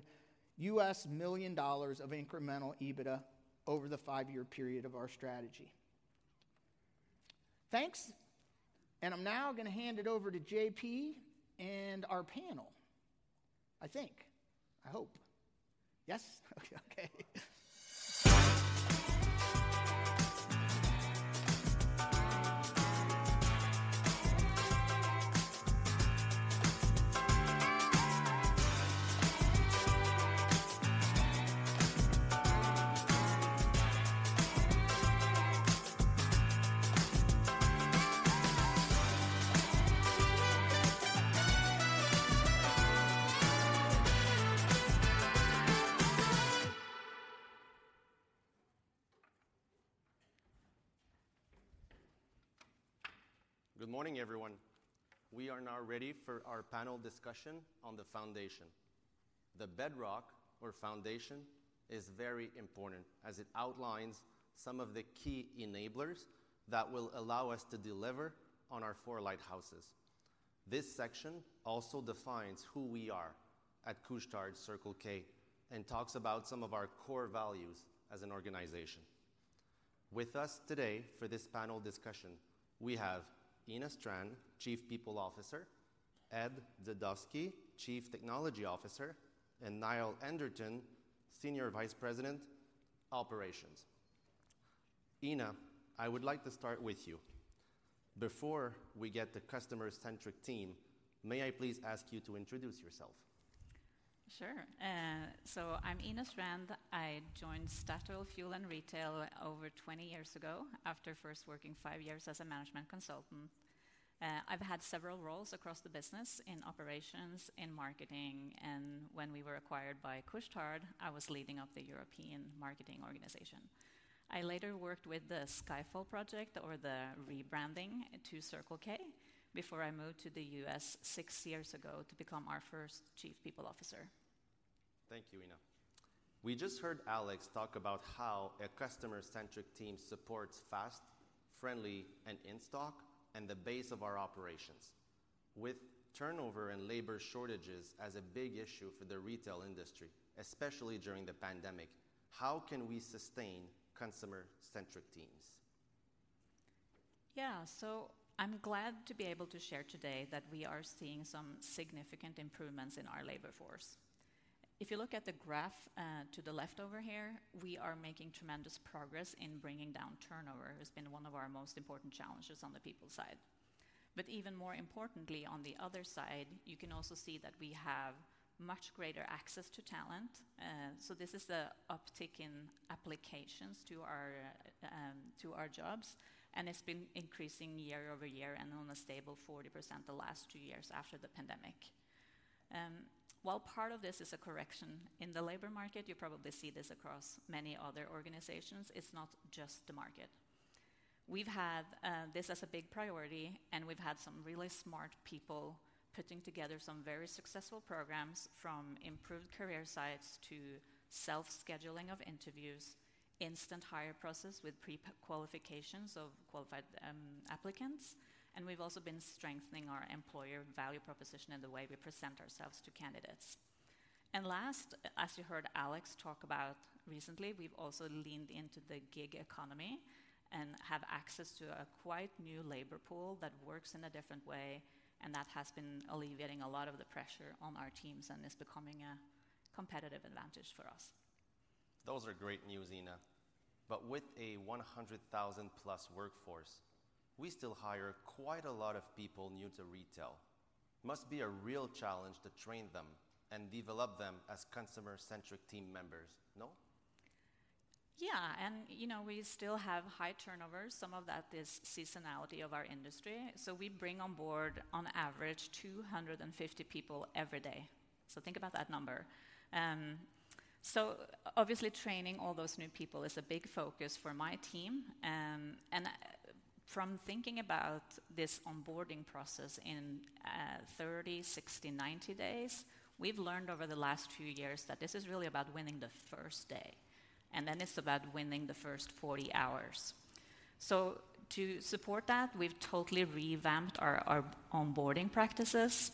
million-$400 million of incremental EBITDA over the five-year period of our strategy. Thanks! And I'm now gonna hand it over to JP and our panel, I think. I hope. Yes? Okay, okay. Good morning, everyone. We are now ready for our panel discussion on the foundation. The bedrock or foundation is very important as it outlines some of the key enablers that will allow us to deliver on our four lighthouses. This section also defines who we are at Couche-Tard Circle K, and talks about some of our core values as an organization. With us today for this panel discussion, we have Ina Strand, Chief People Officer, Ed Dzadovsky, Chief Technology Officer, and Niall Anderton, Senior Vice President, Operations. Ina, I would like to start with you. Before we get the customer-centric team, may I please ask you to introduce yourself? Sure. So I'm Ina Strand. I joined Statoil Fuel & Retail over 20 years ago, after first working five years as a management consultant. I've had several roles across the business in operations, in marketing, and when we were acquired by Couche-Tard, I was leading up the European marketing organization. I later worked with the Skyfall project or the rebranding to Circle K, before I moved to the U.S. six years ago to become our first Chief People Officer. Thank you, Ina. We just heard Alex talk about how a customer-centric team supports fast, friendly, and in-stock, and the base of our operations. With turnover and labor shortages as a big issue for the retail industry, especially during the pandemic, how can we sustain consumer-centric teams? Yeah. So I'm glad to be able to share today that we are seeing some significant improvements in our labor force. If you look at the graph to the left over here, we are making tremendous progress in bringing down turnover, has been one of our most important challenges on the people side. But even more importantly, on the other side, you can also see that we have much greater access to talent. So this is the uptick in applications to our to our jobs, and it's been increasing year-over-year and on a stable 40% the last two years after the pandemic. While part of this is a correction in the labor market, you probably see this across many other organizations, it's not just the market. We've had this as a big priority, and we've had some really smart people putting together some very successful programs, from improved career sites to self-scheduling of interviews, instant hire process with pre-qualifications of qualified applicants, and we've also been strengthening our employer value proposition and the way we present ourselves to candidates. And last, as you heard Alex talk about recently, we've also leaned into the gig economy and have access to a quite new labor pool that works in a different way, and that has been alleviating a lot of the pressure on our teams and is becoming a competitive advantage for us. Those are great news, Ina. But with a 100,000-plus workforce, we still hire quite a lot of people new to retail. Must be a real challenge to train them and develop them as customer-centric team members, no? Yeah, and, you know, we still have high turnover. Some of that is seasonality of our industry. So we bring on board, on average, 250 people every day. So think about that number. So obviously, training all those new people is a big focus for my team. And from thinking about this onboarding process in 30, 60, 90 days, we've learned over the last few years that this is really about winning the first day, and then it's about winning the first 40 hours. So to support that, we've totally revamped our onboarding practices.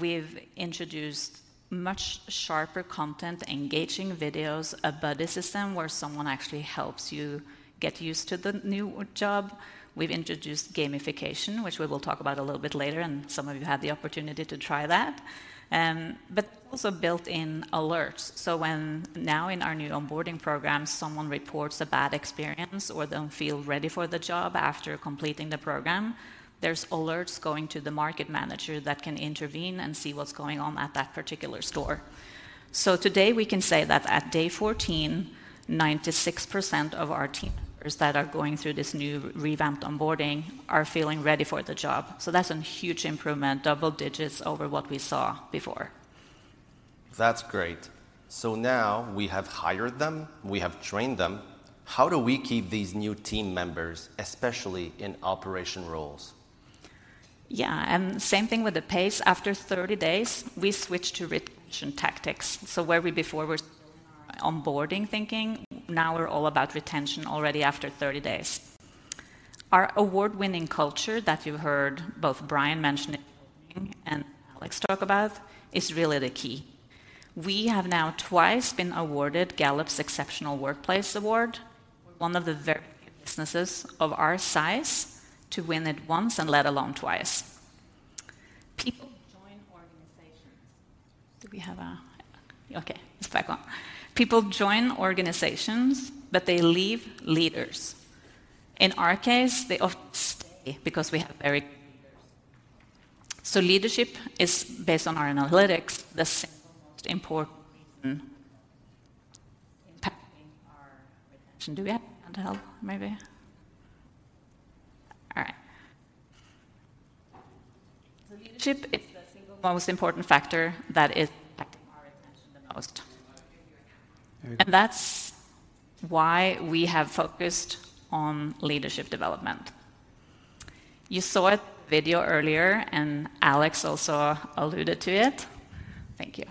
We've introduced much sharper content, engaging videos, a buddy system where someone actually helps you get used to the new job. We've introduced gamification, which we will talk about a little bit later, and some of you had the opportunity to try that. But also built-in alerts. So when now in our new onboarding program, someone reports a bad experience or don't feel ready for the job after completing the program, there's alerts going to the market manager that can intervene and see what's going on at that particular store. So today, we can say that at day 14, 96% of our team members that are going through this new revamped onboarding are feeling ready for the job. So that's a huge improvement, double digits over what we saw before. That's great. So now we have hired them, we have trained them. How do we keep these new team members, especially in operation roles? Yeah, and same thing with the pace. After 30 days, we switch to retention tactics. So where we before were on onboarding thinking, now we're all about retention already after 30 days. Our award-winning culture that you heard both Brian mention in opening and Alex talk about is really the key. We have now twice been awarded Gallup's Exceptional Workplace Award, one of the very few businesses of our size to win it once, and let alone twice. People join organizations. Do we have a? Okay, it's back on. People join organizations, but they leave leaders. In our case, they often stay because we have very leaders. So leadership is based on our analytics, the single most important factor impacting our retention. Do we have another maybe? All right. So leadership is the single most important factor that is impacting our retention the most. There you go. That's why we have focused on leadership development. You saw a video earlier, and Alex also alluded to it. Thank you.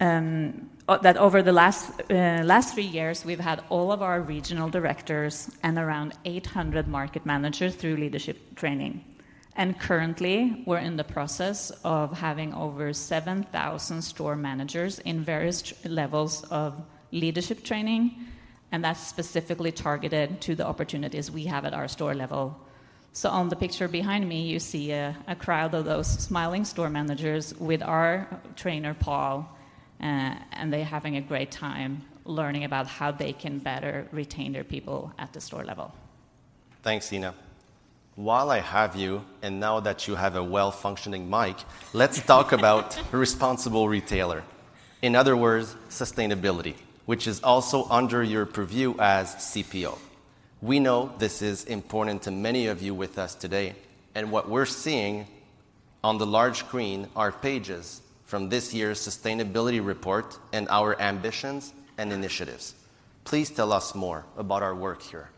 That over the last three years, we've had all of our regional directors and around 800 market managers through leadership training. Currently, we're in the process of having over 7,000 store managers in various levels of leadership training, and that's specifically targeted to the opportunities we have at our store level. On the picture behind me, you see a crowd of those smiling store managers with our trainer, Paul, and they're having a great time learning about how they can better retain their people at the store level. Thanks, Ina. While I have you, and now that you have a well-functioning mic, let's talk about responsible retailer. In other words, sustainability, which is also under your purview as CPO. We know this is important to many of you with us today, and what we're seeing on the large screen are pages from this year's sustainability report and our ambitions and initiatives. Please tell us more about our work here.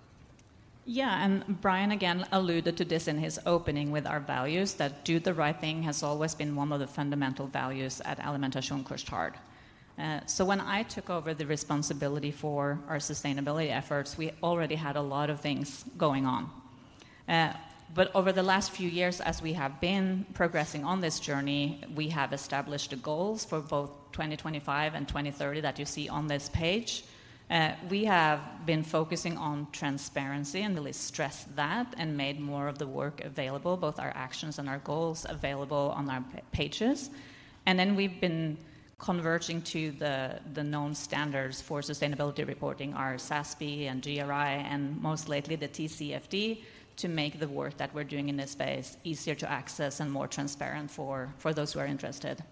Yeah, and Brian again alluded to this in his opening with our values, that do the right thing has always been one of the fundamental values at Alimentation Couche-Tard. So when I took over the responsibility for our sustainability efforts, we already had a lot of things going on. But over the last few years, as we have been progressing on this journey, we have established goals for both 2025 and 2030 that you see on this page. We have been focusing on transparency and really stressed that, and made more of the work available, both our actions and our goals available on our pages. And then we've been converging to the known standards for sustainability reporting, our SASB and GRI, and most lately, the TCFD, to make the work that we're doing in this space easier to access and more transparent for those who are interested.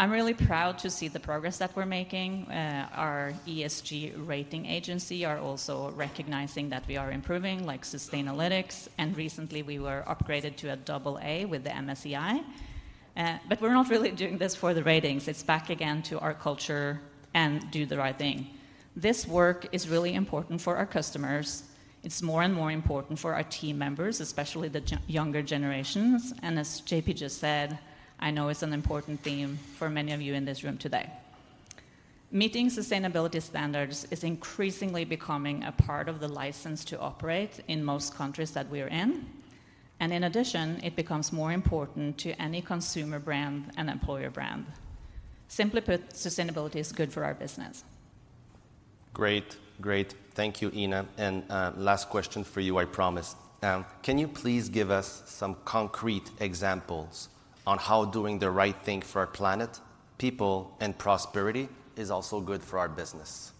I'm really proud to see the progress that we're making. Our ESG rating agency are also recognizing that we are improving, like Sustainalytics, and recently we were upgraded to a double A with the MSCI. But we're not really doing this for the ratings. It's back again to our culture and do the right thing. This work is really important for our customers. It's more and more important for our team members, especially the younger generations, and as JP just said, I know it's an important theme for many of you in this room today. Meeting sustainability standards is increasingly becoming a part of the license to operate in most countries that we are in, and in addition, it becomes more important to any consumer brand and employer brand. Simply put, sustainability is good for our business. Great. Great. Thank you, Ina, and last question for you, I promise. Can you please give us some concrete examples on how doing the right thing for our planet, people, and prosperity is also good for our business?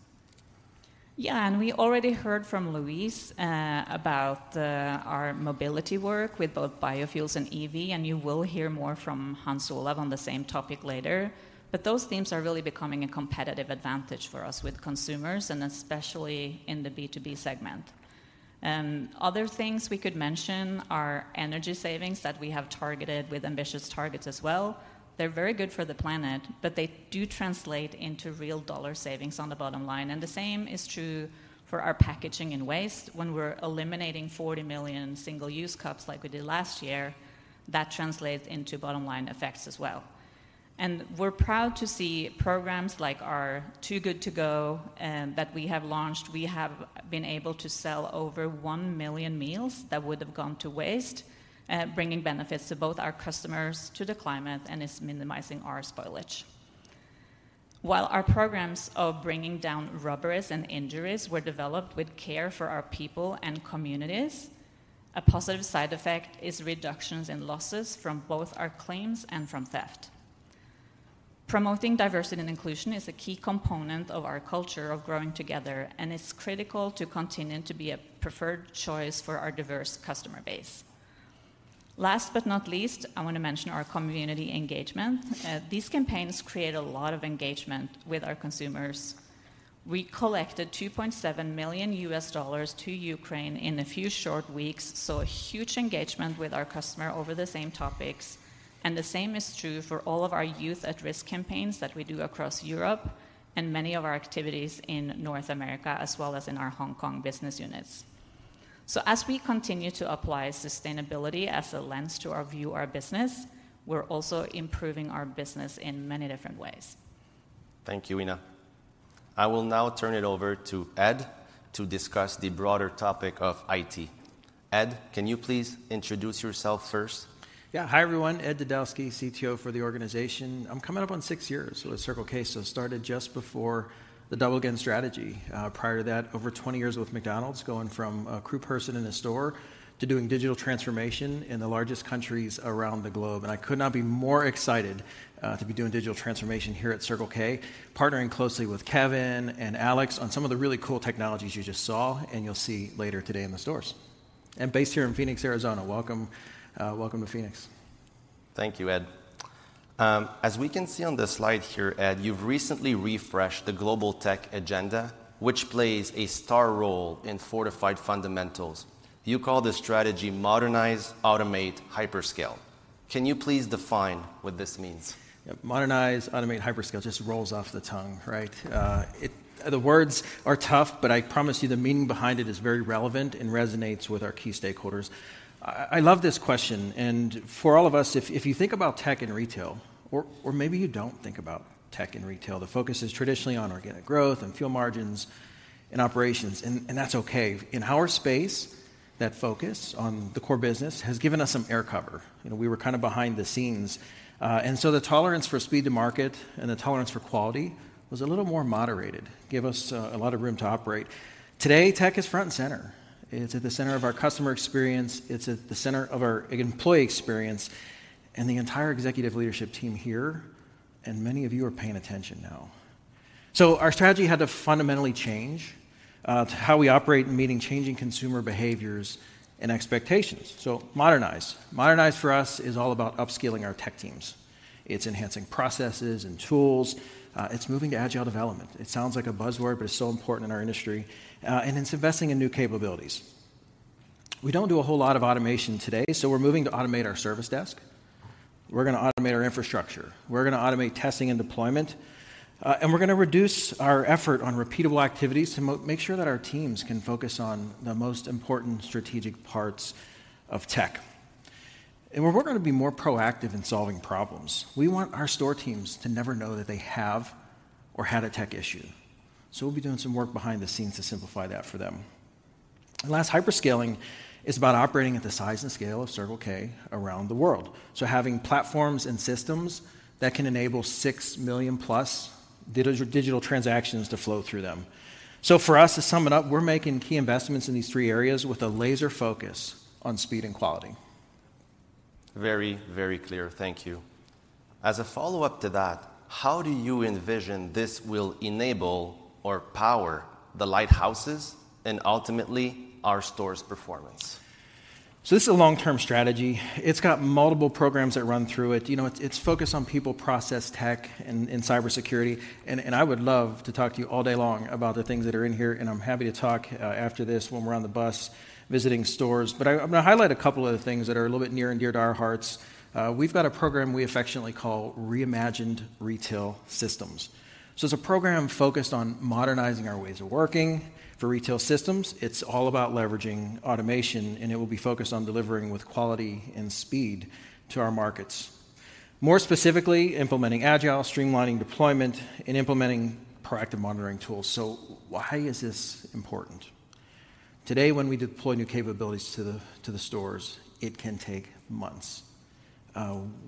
Yeah, and we already heard from Louise about our mobility work with both biofuels and EV, and you will hear more from Hans-Olav on the same topic later. But those themes are really becoming a competitive advantage for us with consumers, and especially in the B2B segment. Other things we could mention are energy savings that we have targeted with ambitious targets as well. They're very good for the planet, but they do translate into real dollar savings on the bottom line. And the same is true for our packaging and waste. When we're eliminating 40 million single-use cups like we did last year, that translates into bottom-line effects as well. And we're proud to see programs like our Too Good To Go that we have launched. We have been able to sell over 1 million meals that would have gone to waste, bringing benefits to both our customers, to the climate, and it's minimizing our spoilage. While our programs of bringing down robberies and injuries were developed with care for our people and communities, a positive side effect is reductions in losses from both our claims and from theft. Promoting diversity and inclusion is a key component of our culture of growing together, and it's critical to continuing to be a preferred choice for our diverse customer base. Last but not least, I want to mention our community engagement. These campaigns create a lot of engagement with our consumers. We collected $2.7 million to Ukraine in a few short weeks, so a huge engagement with our customer over the same topics, and the same is true for all of our youth at-risk campaigns that we do across Europe and many of our activities in North America, as well as in our Hong Kong business units. So as we continue to apply sustainability as a lens to our view our business, we're also improving our business in many different ways. Thank you, Ina. I will now turn it over to Ed to discuss the broader topic of IT. Ed, can you please introduce yourself first? Yeah. Hi, everyone, Ed Dzadovsky, CTO for the organization. I'm coming up on six years with Circle K, so started just before the Double Again strategy. Prior to that, over 20 years with McDonald's, going from a crew person in a store to doing digital transformation in the largest countries around the globe. I could not be more excited to be doing digital transformation here at Circle K, partnering closely with Kevin and Alex on some of the really cool technologies you just saw and you'll see later today in the stores. I'm based here in Phoenix, Arizona. Welcome, welcome to Phoenix. Thank you, Ed. As we can see on the slide here, Ed, you've recently refreshed the global tech agenda, which plays a star role in fortified fundamentals. You call this strategy Modernize, Automate, Hyperscale. Can you please define what this means? Yeah, Modernize, Automate, Hyperscale just rolls off the tongue, right? The words are tough, but I promise you the meaning behind it is very relevant and resonates with our key stakeholders. I love this question, and for all of us, if you think about tech and retail, or maybe you don't think about tech and retail, the focus is traditionally on organic growth and fuel margins and operations, and that's okay. In our space, that focus on the core business has given us some air cover. You know, we were kind of behind the scenes, and so the tolerance for speed to market and the tolerance for quality was a little more moderated, gave us a lot of room to operate. Today, tech is front and center. It's at the center of our customer experience, it's at the center of our employee experience, and the entire executive leadership team here, and many of you are paying attention now. So our strategy had to fundamentally change how we operate in meeting changing consumer behaviors and expectations. So modernize. Modernize, for us, is all about upskilling our tech teams. It's enhancing processes and tools. It's moving to agile development. It sounds like a buzzword, but it's so important in our industry, and it's investing in new capabilities. We don't do a whole lot of automation today, so we're moving to automate our service desk, we're gonna automate our infrastructure, we're gonna automate testing and deployment, and we're gonna reduce our effort on repeatable activities to make sure that our teams can focus on the most important strategic parts of tech. We're going to be more proactive in solving problems. We want our store teams to never know that they have or had a tech issue, so we'll be doing some work behind the scenes to simplify that for them. Last, hyperscaling is about operating at the size and scale of Circle K around the world. Having platforms and systems that can enable 6+ million digital transactions to flow through them. For us, to sum it up, we're making key investments in these three areas with a laser focus on speed and quality. Very, very clear. Thank you. As a follow-up to that, how do you envision this will enable or power the lighthouses and ultimately our stores' performance? So this is a long-term strategy. It's got multiple programs that run through it. You know, it's focused on people, process, tech, and cybersecurity. And I would love to talk to you all day long about the things that are in here, and I'm happy to talk after this when we're on the bus visiting stores. But I'm going to highlight a couple of the things that are a little bit near and dear to our hearts. We've got a program we affectionately call Reimagined Retail Systems. So it's a program focused on modernizing our ways of working. For retail systems, it's all about leveraging automation, and it will be focused on delivering with quality and speed to our markets. More specifically, implementing agile, streamlining deployment, and implementing proactive monitoring tools. So why is this important? Today, when we deploy new capabilities to the stores, it can take months.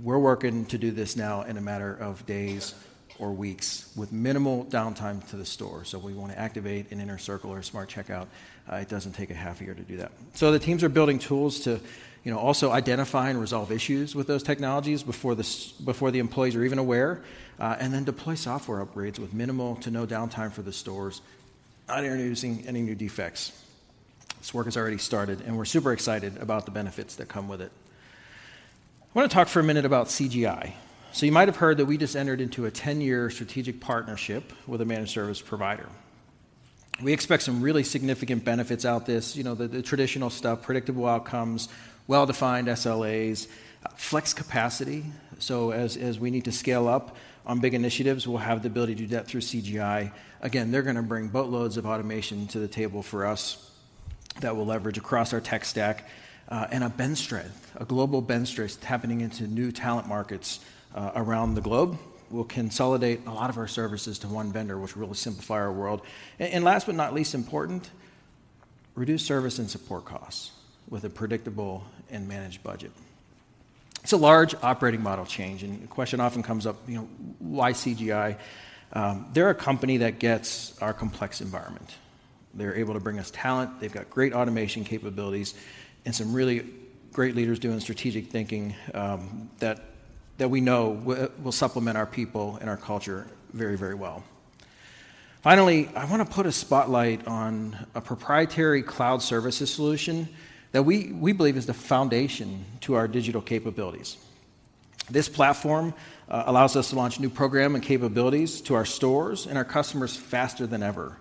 We're working to do this now in a matter of days or weeks with minimal downtime to the store. So we want to activate an Inner Circle or a Smart Checkout. It doesn't take half a year to do that. So the teams are building tools to, you know, also identify and resolve issues with those technologies before the employees are even aware, and then deploy software upgrades with minimal to no downtime for the stores, not introducing any new defects. This work has already started, and we're super excited about the benefits that come with it. I want to talk for a minute about CGI. So you might have heard that we just entered into a 10-year strategic partnership with a managed service provider. We expect some really significant benefits out of this. You know, the traditional stuff, predictable outcomes, well-defined SLAs, flex capacity, so as we need to scale up on big initiatives, we'll have the ability to do that through CGI. Again, they're going to bring boatloads of automation to the table for us that we'll leverage across our tech stack. And a bench strength, a global bench strength, tapping into new talent markets around the globe. We'll consolidate a lot of our services to one vendor, which will really simplify our world. And last but not least important, reduce service and support costs with a predictable and managed budget. It's a large operating model change, and the question often comes up, you know, why CGI? They're a company that gets our complex environment. They're able to bring us talent, they've got great automation capabilities, and some really great leaders doing strategic thinking, that we know will supplement our people and our culture very, very well. Finally, I want to put a spotlight on a proprietary cloud services solution that we believe is the foundation to our digital capabilities. This platform allows us to launch new program and capabilities to our stores and our customers faster than ever.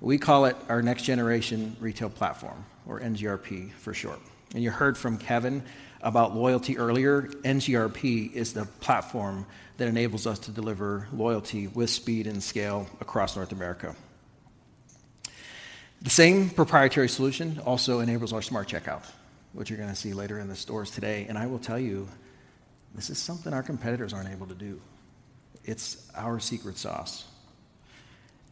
We call it our Next Generation Retail Platform, or NGRP for short. And you heard from Kevin about loyalty earlier. NGRP is the platform that enables us to deliver loyalty with speed and scale across North America. The same proprietary solution also enables our Smart Checkout, which you're gonna see later in the stores today. And I will tell you, this is something our competitors aren't able to do. It's our secret sauce,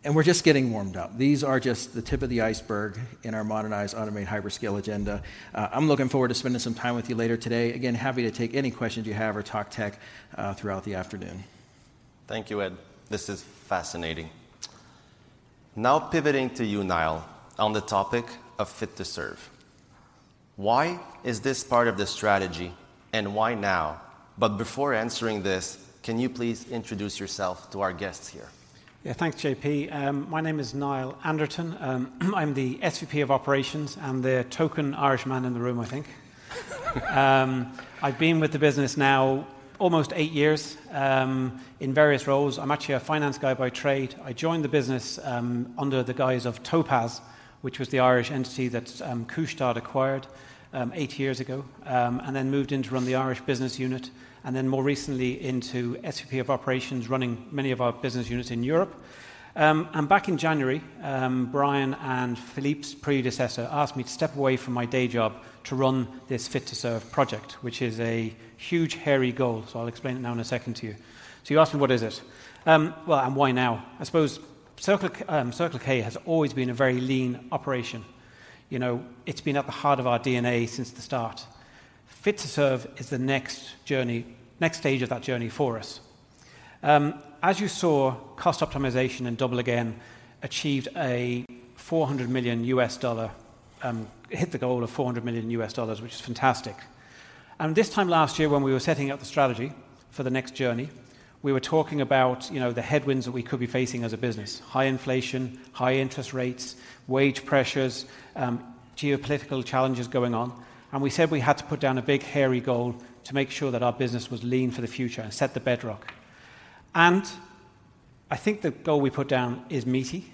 and we're just getting warmed up. These are just the tip of the iceberg in our modernized, automated, hyperscale agenda. I'm looking forward to spending some time with you later today. Again, happy to take any questions you have or talk tech throughout the afternoon. Thank you, Ed. This is fascinating. Now pivoting to you, Niall, on the topic of Fit to Serve. Why is this part of the strategy, and why now? But before answering this, can you please introduce yourself to our guests here? Yeah. Thanks, JP. My name is Niall Anderton. I'm the SVP of Operations and the token Irish man in the room, I think. I've been with the business now almost eight years, in various roles. I'm actually a finance guy by trade. I joined the business under the guise of Topaz, which was the Irish entity that Couche-Tard acquired eight years ago. And then moved in to run the Irish business unit and then more recently into SVP of Operations, running many of our business units in Europe. And back in January, Brian and Filipe's predecessor asked me to step away from my day job to run this Fit to Serve project, which is a huge, hairy goal. So I'll explain it now in a second to you. So you asked me, what is it? Well, and why now? I suppose Circle K, Circle K has always been a very lean operation. You know, it's been at the heart of our DNA since the start. Fit to Serve is the next journey, next stage of that journey for us. As you saw, cost optimization and Double Again achieved a $400 million, hit the goal of $400 million, which is fantastic. This time last year, when we were setting up the strategy for the next journey, we were talking about, you know, the headwinds that we could be facing as a business: high inflation, high interest rates, wage pressures, geopolitical challenges going on. We said we had to put down a big, hairy goal to make sure that our business was lean for the future and set the bedrock. I think the goal we put down is meaty.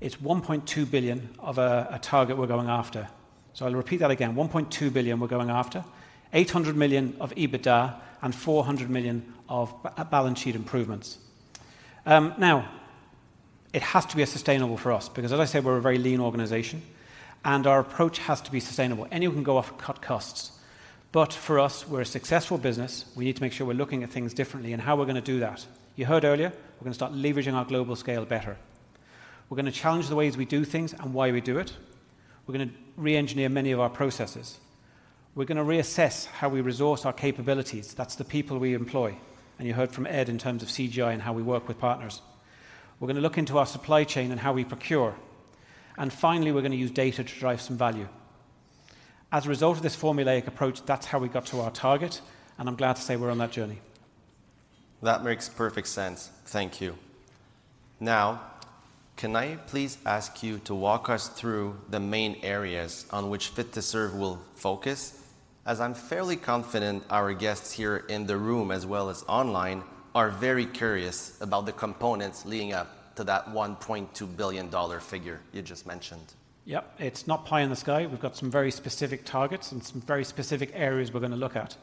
It's $1.2 billion of a target we're going after. So I'll repeat that again. $1.2 billion, we're going after, $800 million of EBITDA and $400 million of balance sheet improvements. Now, it has to be sustainable for us because, as I said, we're a very lean organization, and our approach has to be sustainable. Anyone can go off and cut costs, but for us, we're a successful business. We need to make sure we're looking at things differently and how we're gonna do that. You heard earlier, we're gonna start leveraging our global scale better. We're gonna challenge the ways we do things and why we do it. We're gonna reengineer many of our processes. We're gonna reassess how we resource our capabilities. That's the people we employ, and you heard from Ed in terms of CGI and how we work with partners. We're gonna look into our supply chain and how we procure. Finally, we're gonna use data to drive some value. As a result of this formulaic approach, that's how we got to our target, and I'm glad to say we're on that journey. That makes perfect sense. Thank you. Now, can I please ask you to walk us through the main areas on which Fit to Serve will focus? As I'm fairly confident our guests here in the room, as well as online, are very curious about the components leading up to that $1.2 billion figure you just mentioned. Yep, it's not pie in the sky. We've got some very specific targets and some very specific areas we're gonna look at.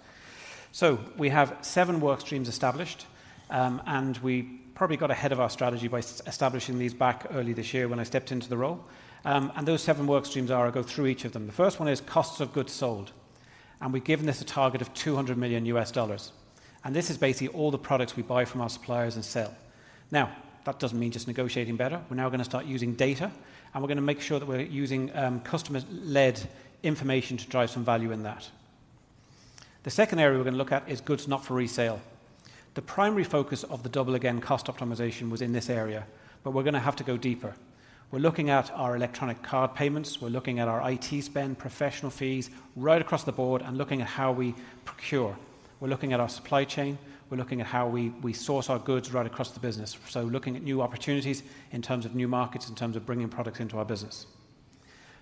So we have seven work streams established, and we probably got ahead of our strategy by establishing these back early this year when I stepped into the role. And those seven work streams are, I'll go through each of them. The first one is costs of goods sold, and we've given this a target of $200 million, and this is basically all the products we buy from our suppliers and sell. Now, that doesn't mean just negotiating better. We're now gonna start using data, and we're gonna make sure that we're using customer-led information to drive some value in that. The second area we're gonna look at is goods not for resale. The primary focus of the Double Again cost optimization was in this area, but we're gonna have to go deeper. We're looking at our electronic card payments. We're looking at our IT spend, professional fees right across the board and looking at how we procure. We're looking at our supply chain. We're looking at how we source our goods right across the business. So looking at new opportunities in terms of new markets, in terms of bringing products into our business.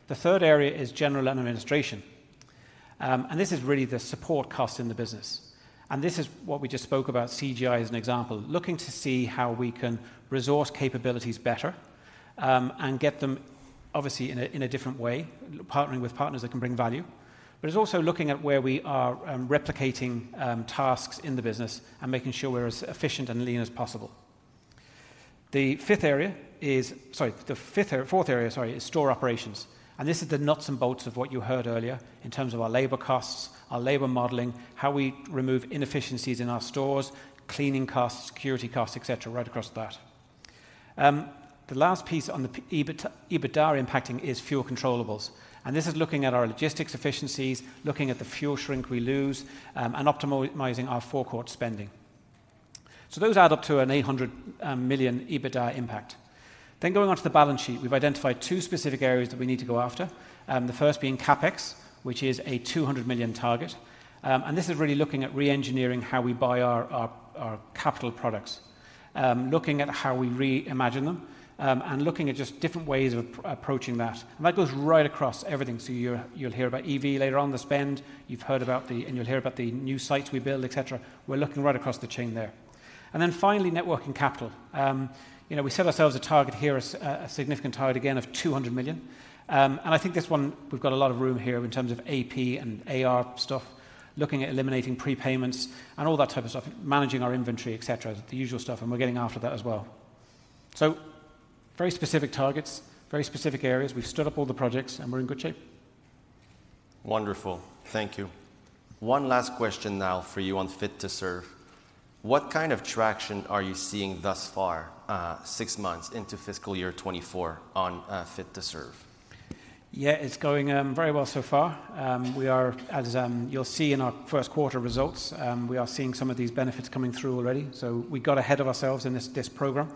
The third area is general and administration, and this is really the support cost in the business, and this is what we just spoke about, CGI as an example, looking to see how we can resource capabilities better, and get them obviously in a different way, partnering with partners that can bring value. But it's also looking at where we are replicating tasks in the business and making sure we're as efficient and lean as possible. The fifth area is. Sorry, the fifth area, fourth area, sorry, is store operations, and this is the nuts and bolts of what you heard earlier in terms of our labor costs, our labor modeling, how we remove inefficiencies in our stores, cleaning costs, security costs, et cetera, right across that. The last piece on the P&L EBITDA impacting is fuel controllables, and this is looking at our logistics efficiencies, looking at the fuel shrink we lose, and optimizing our forecourt spending. So those add up to an $800 million EBITDA impact. Then, going on to the balance sheet, we've identified two specific areas that we need to go after, the first being CapEx, which is a $200 million target. And this is really looking at reengineering how we buy our capital products, looking at how we reimagine them, and looking at just different ways of approaching that. And that goes right across everything. So you're, you'll hear about EV later on, the spend. You've heard about the, and you'll hear about the new sites we build, et cetera. We're looking right across the chain there. And then finally, net working capital. You know, we set ourselves a target here, a significant target, again, of $200 million. And I think this one, we've got a lot of room here in terms of AP and AR stuff, looking at eliminating prepayments and all that type of stuff, managing our inventory, et cetera, the usual stuff, and we're getting after that as well. So very specific targets, very specific areas. We've stood up all the projects, and we're in good shape. Wonderful. Thank you. One last question now for you on Fit to Serve. What kind of traction are you seeing thus far, six months into fiscal year 2024 on, Fit to Serve? Yeah, it's going very well so far. We are, as you'll see in our first quarter results, we are seeing some of these benefits coming through already. So we got ahead of ourselves in this, this program,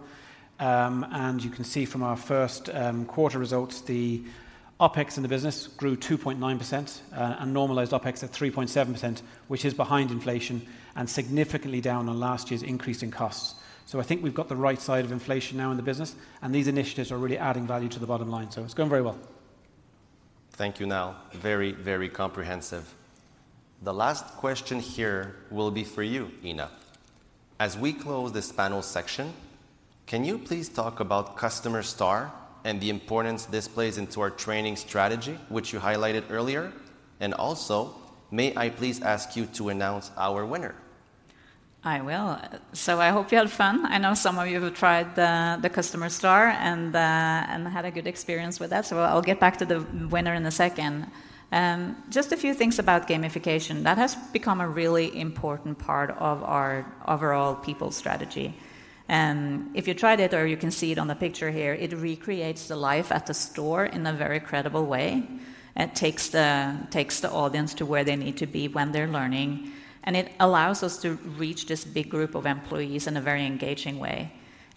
and you can see from our first quarter results, the OpEx in the business grew 2.9%, and normalized OpEx at 3.7%, which is behind inflation and significantly down on last year's increase in costs. So I think we've got the right side of inflation now in the business, and these initiatives are really adding value to the bottom line, so it's going very well. Thank you, Niall. Very, very comprehensive. The last question here will be for you, Ina. As we close this panel section, can you please talk about Customer Star and the importance this plays into our training strategy, which you highlighted earlier? And also, may I please ask you to announce our winner? I will. So I hope you had fun. I know some of you have tried the Customer Star and had a good experience with that. So I'll get back to the winner in a second. Just a few things about gamification. That has become a really important part of our overall people strategy. And if you tried it or you can see it on the picture here, it recreates the life at the store in a very credible way, and it takes the audience to where they need to be when they're learning, and it allows us to reach this big group of employees in a very engaging way.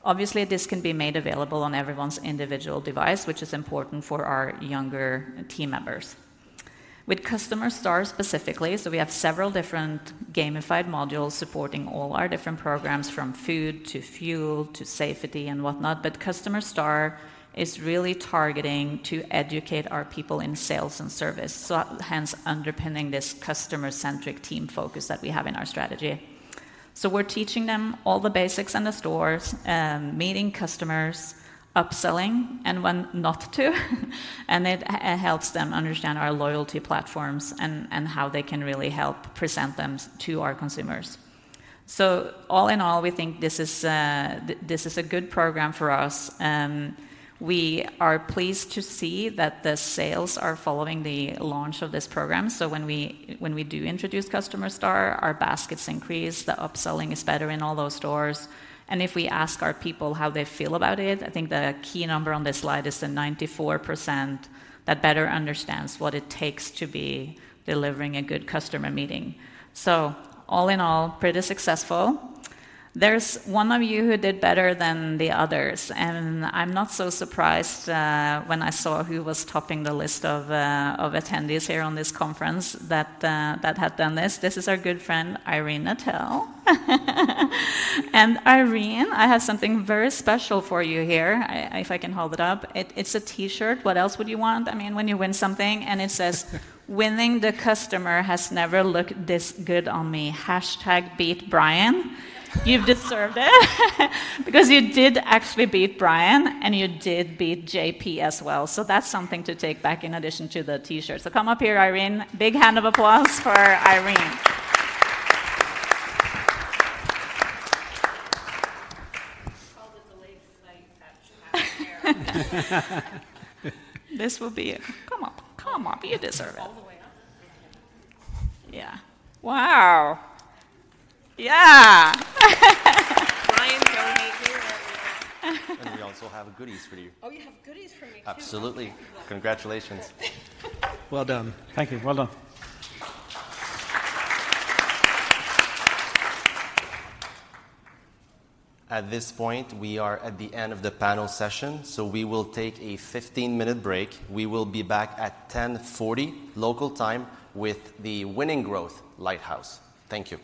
Obviously, this can be made available on everyone's individual device, which is important for our younger team members. With Customer Star specifically, we have several different gamified modules supporting all our different programs, from food to fuel to safety and whatnot, but Customer Star is really targeting to educate our people in sales and service, hence underpinning this customer-centric team focus that we have in our strategy. We're teaching them all the basics in the stores, meeting customers, upselling, and when not to, and it helps them understand our loyalty platforms and how they can really help present them to our consumers. All in all, we think this is a good program for us, and we are pleased to see that the sales are following the launch of this program. So when we do introduce Customer Star, our baskets increase, the upselling is better in all those stores, and if we ask our people how they feel about it, I think the key number on this slide is the 94% that better understands what it takes to be delivering a good customer meeting. So all in all, pretty successful. There's one of you who did better than the others, and I'm not so surprised when I saw who was topping the list of attendees here on this conference that had done this. This is our good friend, Irene Nattel. And Irene, I have something very special for you here. If I can hold it up. It's a T-shirt. What else would you want? I mean, when you win something... And it says, "Winning the customer has never looked this good on me. #BeatBrian." You've deserved it. Because you did actually beat Brian, and you did beat JP as well. So that's something to take back in addition to the T-shirt. So come up here, Irene. Big hand of applause for Irene. Called it the late night fashion hair. Come up. Come up, you deserve it. All the way up? Yeah. Wow! Yeah. Brian, don't hate me right now. We also have goodies for you. Oh, you have goodies for me, too? Absolutely. Congratulations. Well done. Thank you. Well done. At this point, we are at the end of the panel session, so we will take a 15-minute break. We will be back at 10:40 local time with the Winning Growth Lighthouse. Thank you.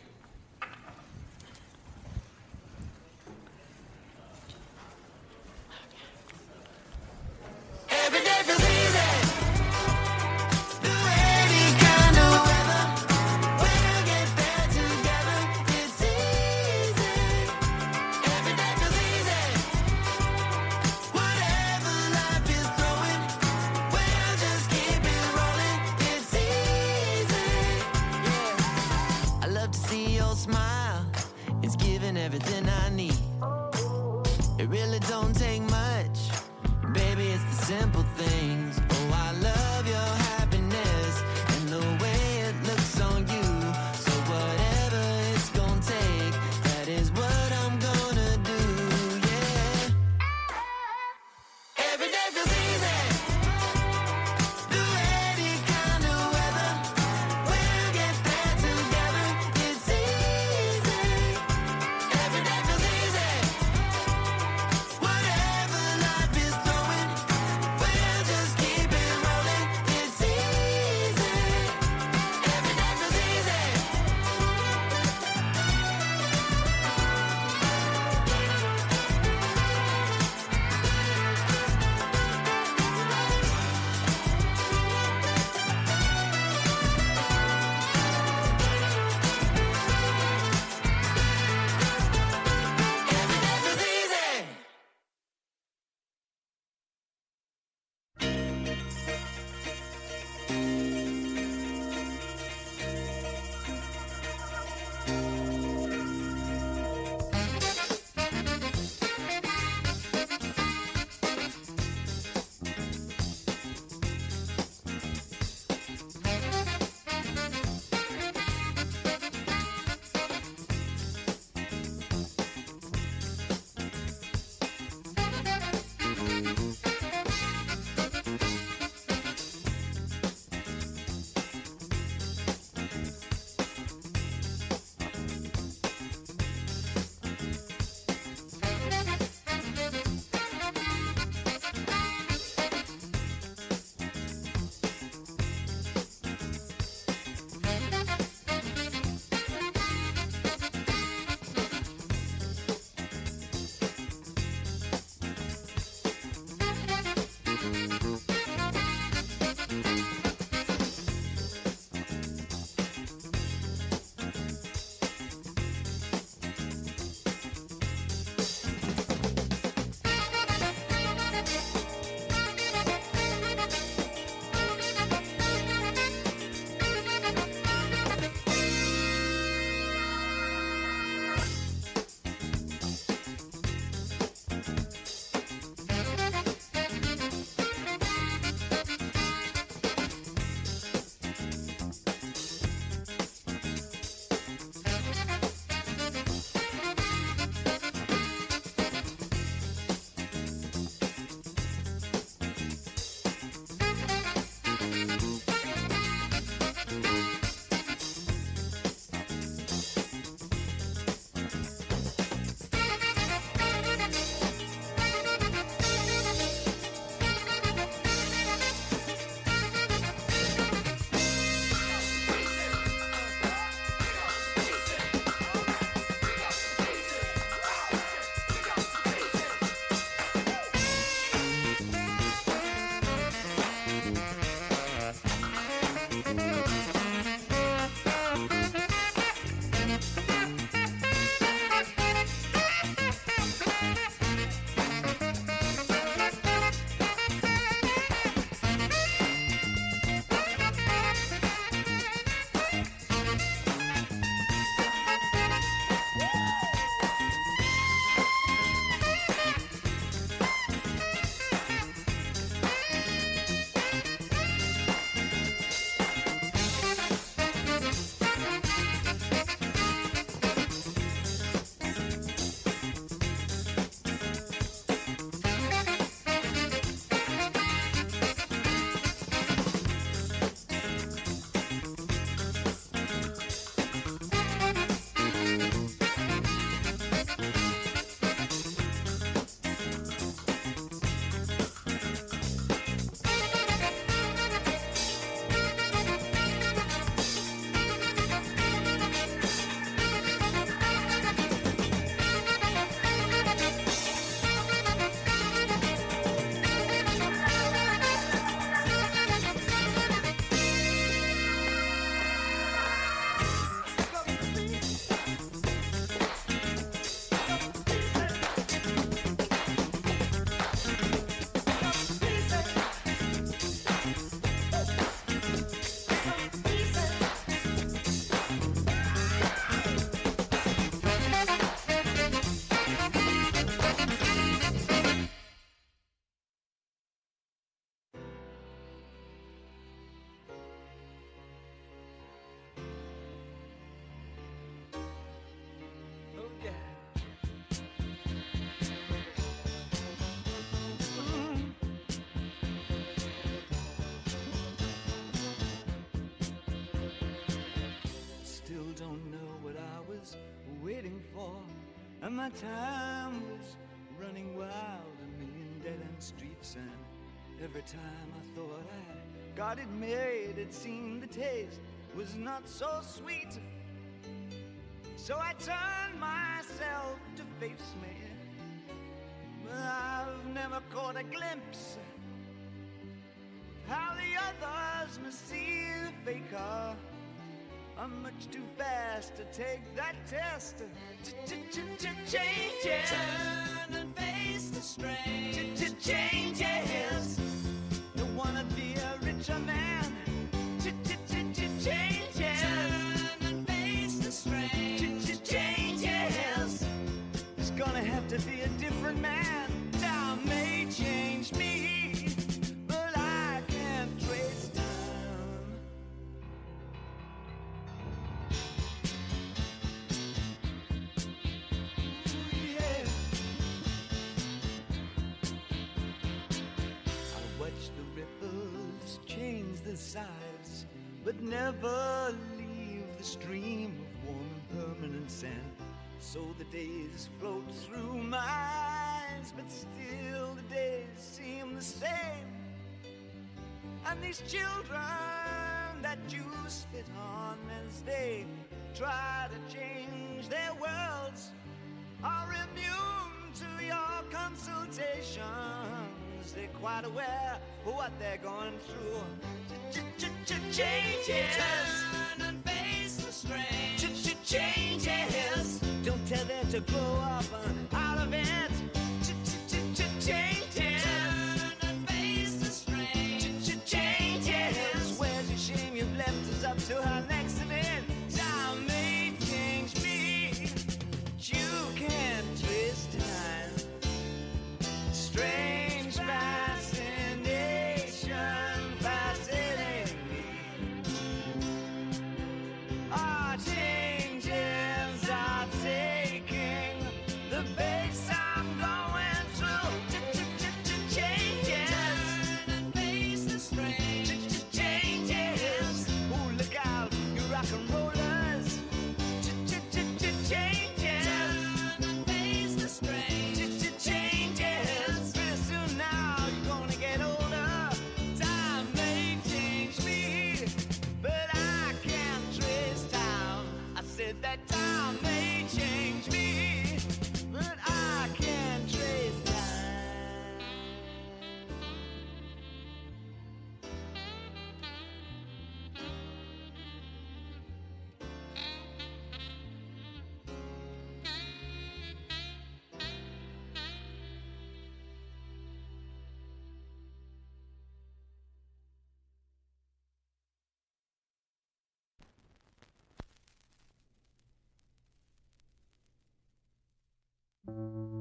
All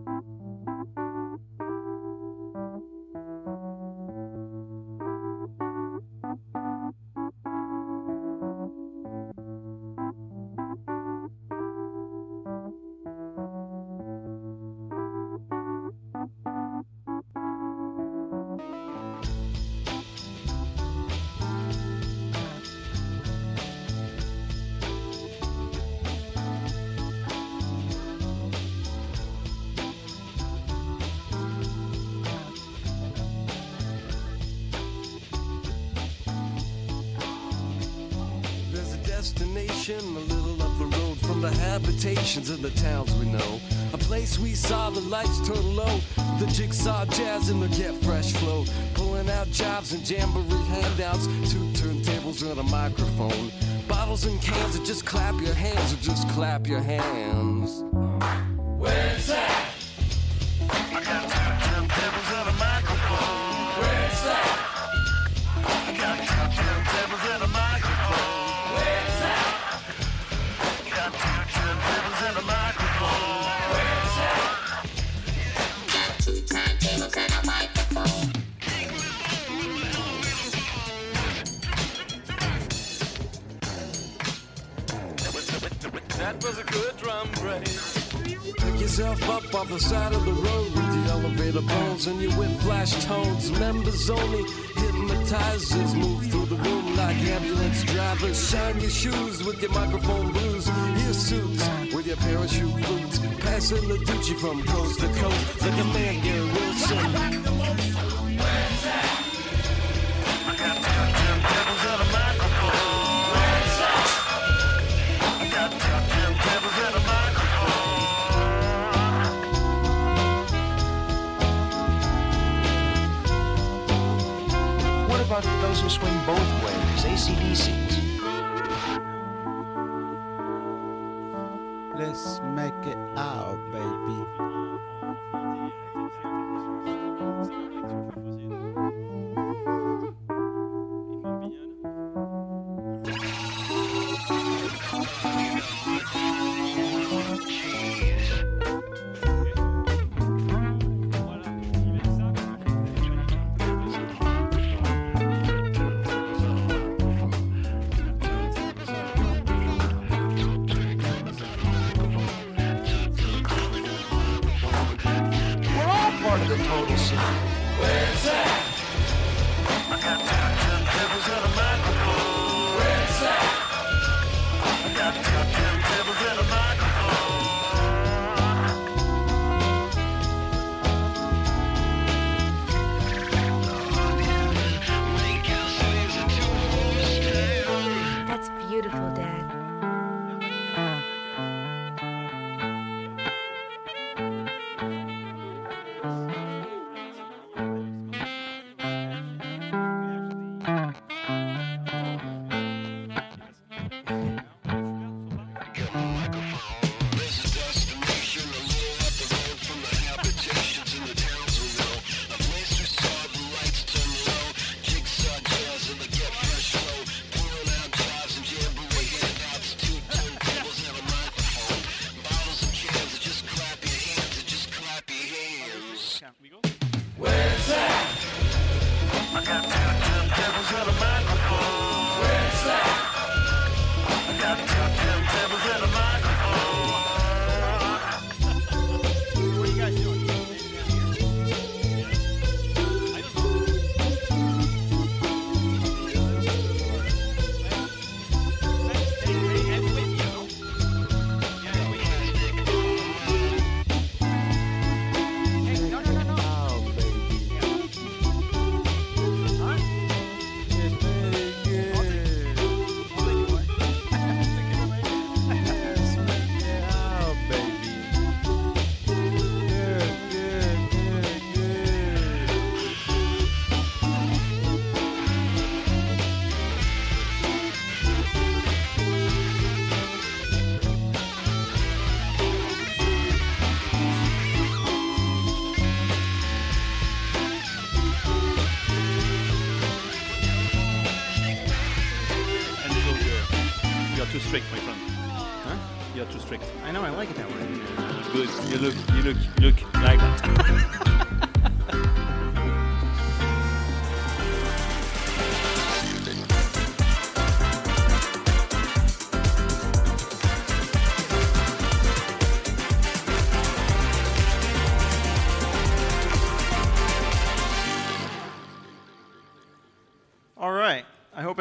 right, I hope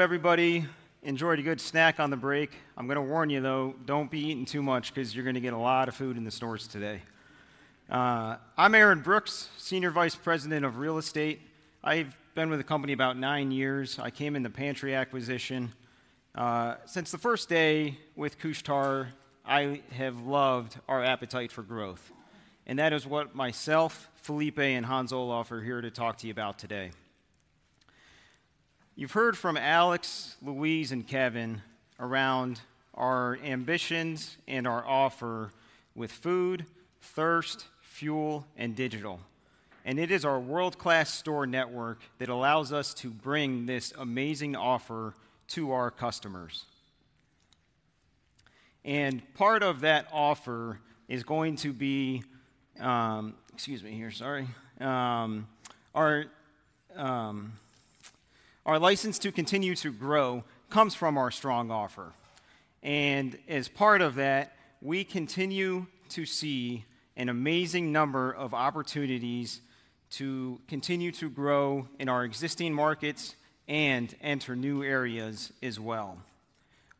everybody enjoyed a good snack on the break. I'm gonna warn you, though, don't be eating too much 'cause you're gonna get a lot of food in the stores today. I'm Aaron Brooks, Senior Vice President of Real Estate. I've been with the company about nine years. I came in The Pantry acquisition. Since the first day with Couche-Tard, I have loved our appetite for growth, and that is what myself, Filipe, and Hans-Olav are here to talk to you about today. You've heard from Alex, Louise, and Kevin around our ambitions and our offer with food, thirst, fuel, and digital, and it is our world-class store network that allows us to bring this amazing offer to our customers. And part of that offer is going to be, Excuse me here, sorry. Our license to continue to grow comes from our strong offer, and as part of that, we continue to see an amazing number of opportunities to continue to grow in our existing markets and enter new areas as well.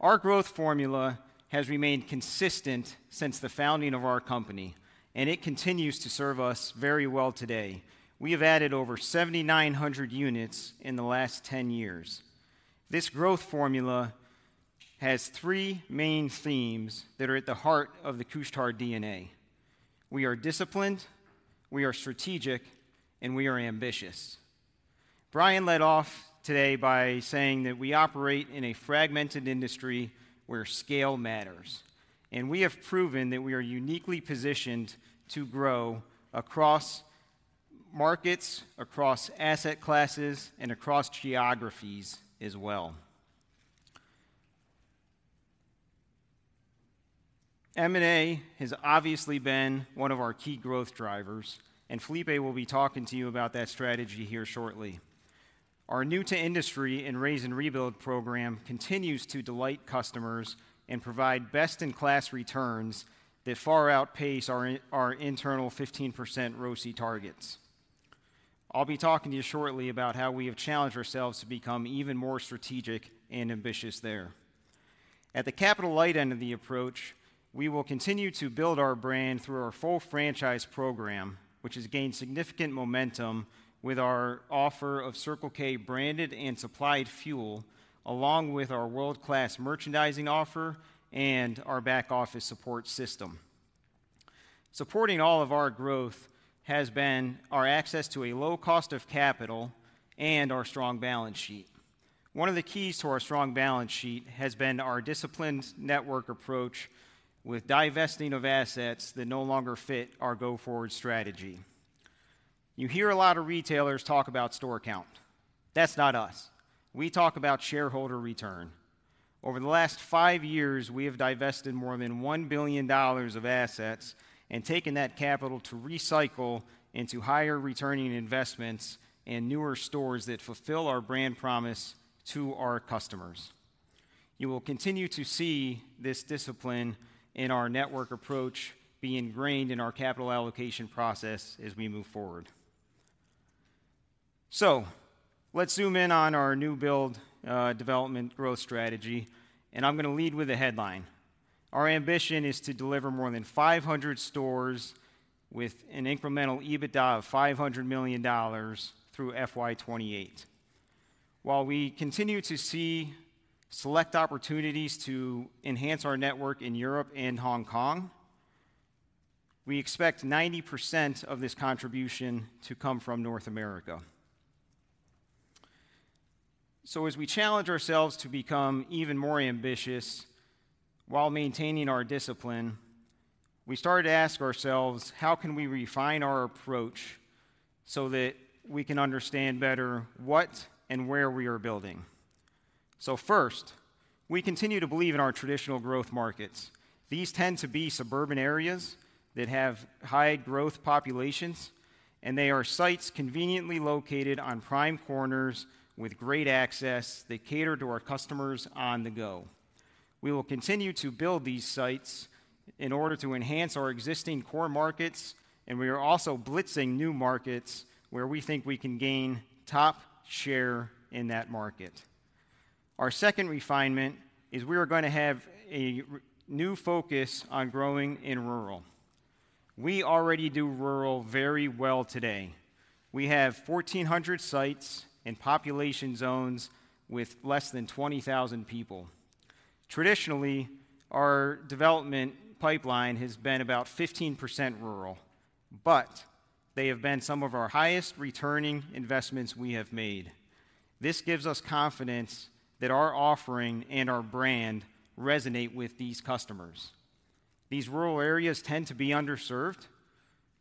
Our growth formula has remained consistent since the founding of our company, and it continues to serve us very well today. We have added over 7,900 units in the last 10 years. This growth formula has three main themes that are at the heart of the Couche-Tard DNA: we are disciplined, we are strategic, and we are ambitious. Brian led off today by saying that we operate in a fragmented industry where scale matters, and we have proven that we are uniquely positioned to grow across markets, across asset classes, and across geographies as well. M&A has obviously been one of our key growth drivers, and Filipe will be talking to you about that strategy here shortly. Our new-to-industry and raise and rebuild program continues to delight customers and provide best-in-class returns that far outpace our our internal 15% ROCE targets. I'll be talking to you shortly about how we have challenged ourselves to become even more strategic and ambitious there. At the capital light end of the approach, we will continue to build our brand through our full franchise program, which has gained significant momentum with our offer of Circle K branded and supplied fuel, along with our world-class merchandising offer and our back office support system. Supporting all of our growth has been our access to a low cost of capital and our strong balance sheet. One of the keys to our strong balance sheet has been our disciplined network approach with divesting of assets that no longer fit our go-forward strategy. You hear a lot of retailers talk about store count. That's not us. We talk about shareholder return. Over the last five years, we have divested more than $1 billion of assets and taken that capital to recycle into higher-returning investments and newer stores that fulfill our brand promise to our customers. You will continue to see this discipline in our network approach be ingrained in our capital allocation process as we move forward. Let's zoom in on our new build, development growth strategy, and I'm gonna lead with a headline. Our ambition is to deliver more than 500 stores with an incremental EBITDA of $500 million through FY 2028. While we continue to see select opportunities to enhance our network in Europe and Hong Kong, we expect 90% of this contribution to come from North America. As we challenge ourselves to become even more ambitious while maintaining our discipline, we started to ask ourselves: how can we refine our approach so that we can understand better what and where we are building? First, we continue to believe in our traditional growth markets. These tend to be suburban areas that have high growth populations, and they are sites conveniently located on prime corners with great access that cater to our customers on the go. We will continue to build these sites in order to enhance our existing core markets, and we are also blitzing new markets where we think we can gain top share in that market. Our second refinement is we are gonna have a new focus on growing in rural. We already do rural very well today. We have 1,400 sites in population zones with less than 20,000 people. Traditionally, our development pipeline has been about 15% rural, but they have been some of our highest returning investments we have made. This gives us confidence that our offering and our brand resonate with these customers. These rural areas tend to be underserved,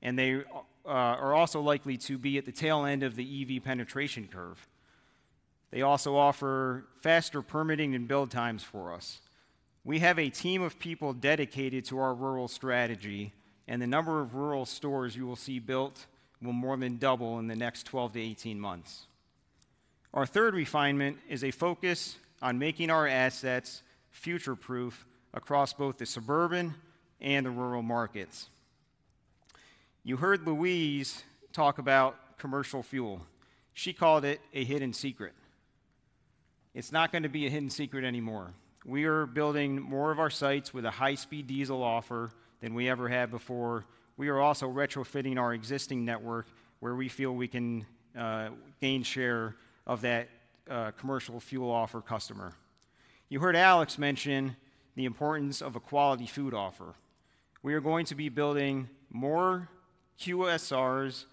and they are also likely to be at the tail end of the EV penetration curve. They also offer faster permitting and build times for us. We have a team of people dedicated to our rural strategy, and the number of rural stores you will see built will more than double in the next 12-18 months. Our third refinement is a focus on making our assets future-proof across both the suburban and the rural markets. You heard Louise talk about commercial fuel. She called it a hidden secret. It's not going to be a hidden secret anymore. We are building more of our sites with a high-speed diesel offer than we ever have before. We are also retrofitting our existing network, where we feel we can gain share of that commercial fuel offer customer. You heard Alex mention the importance of a quality food offer. We are going to be building more QSRs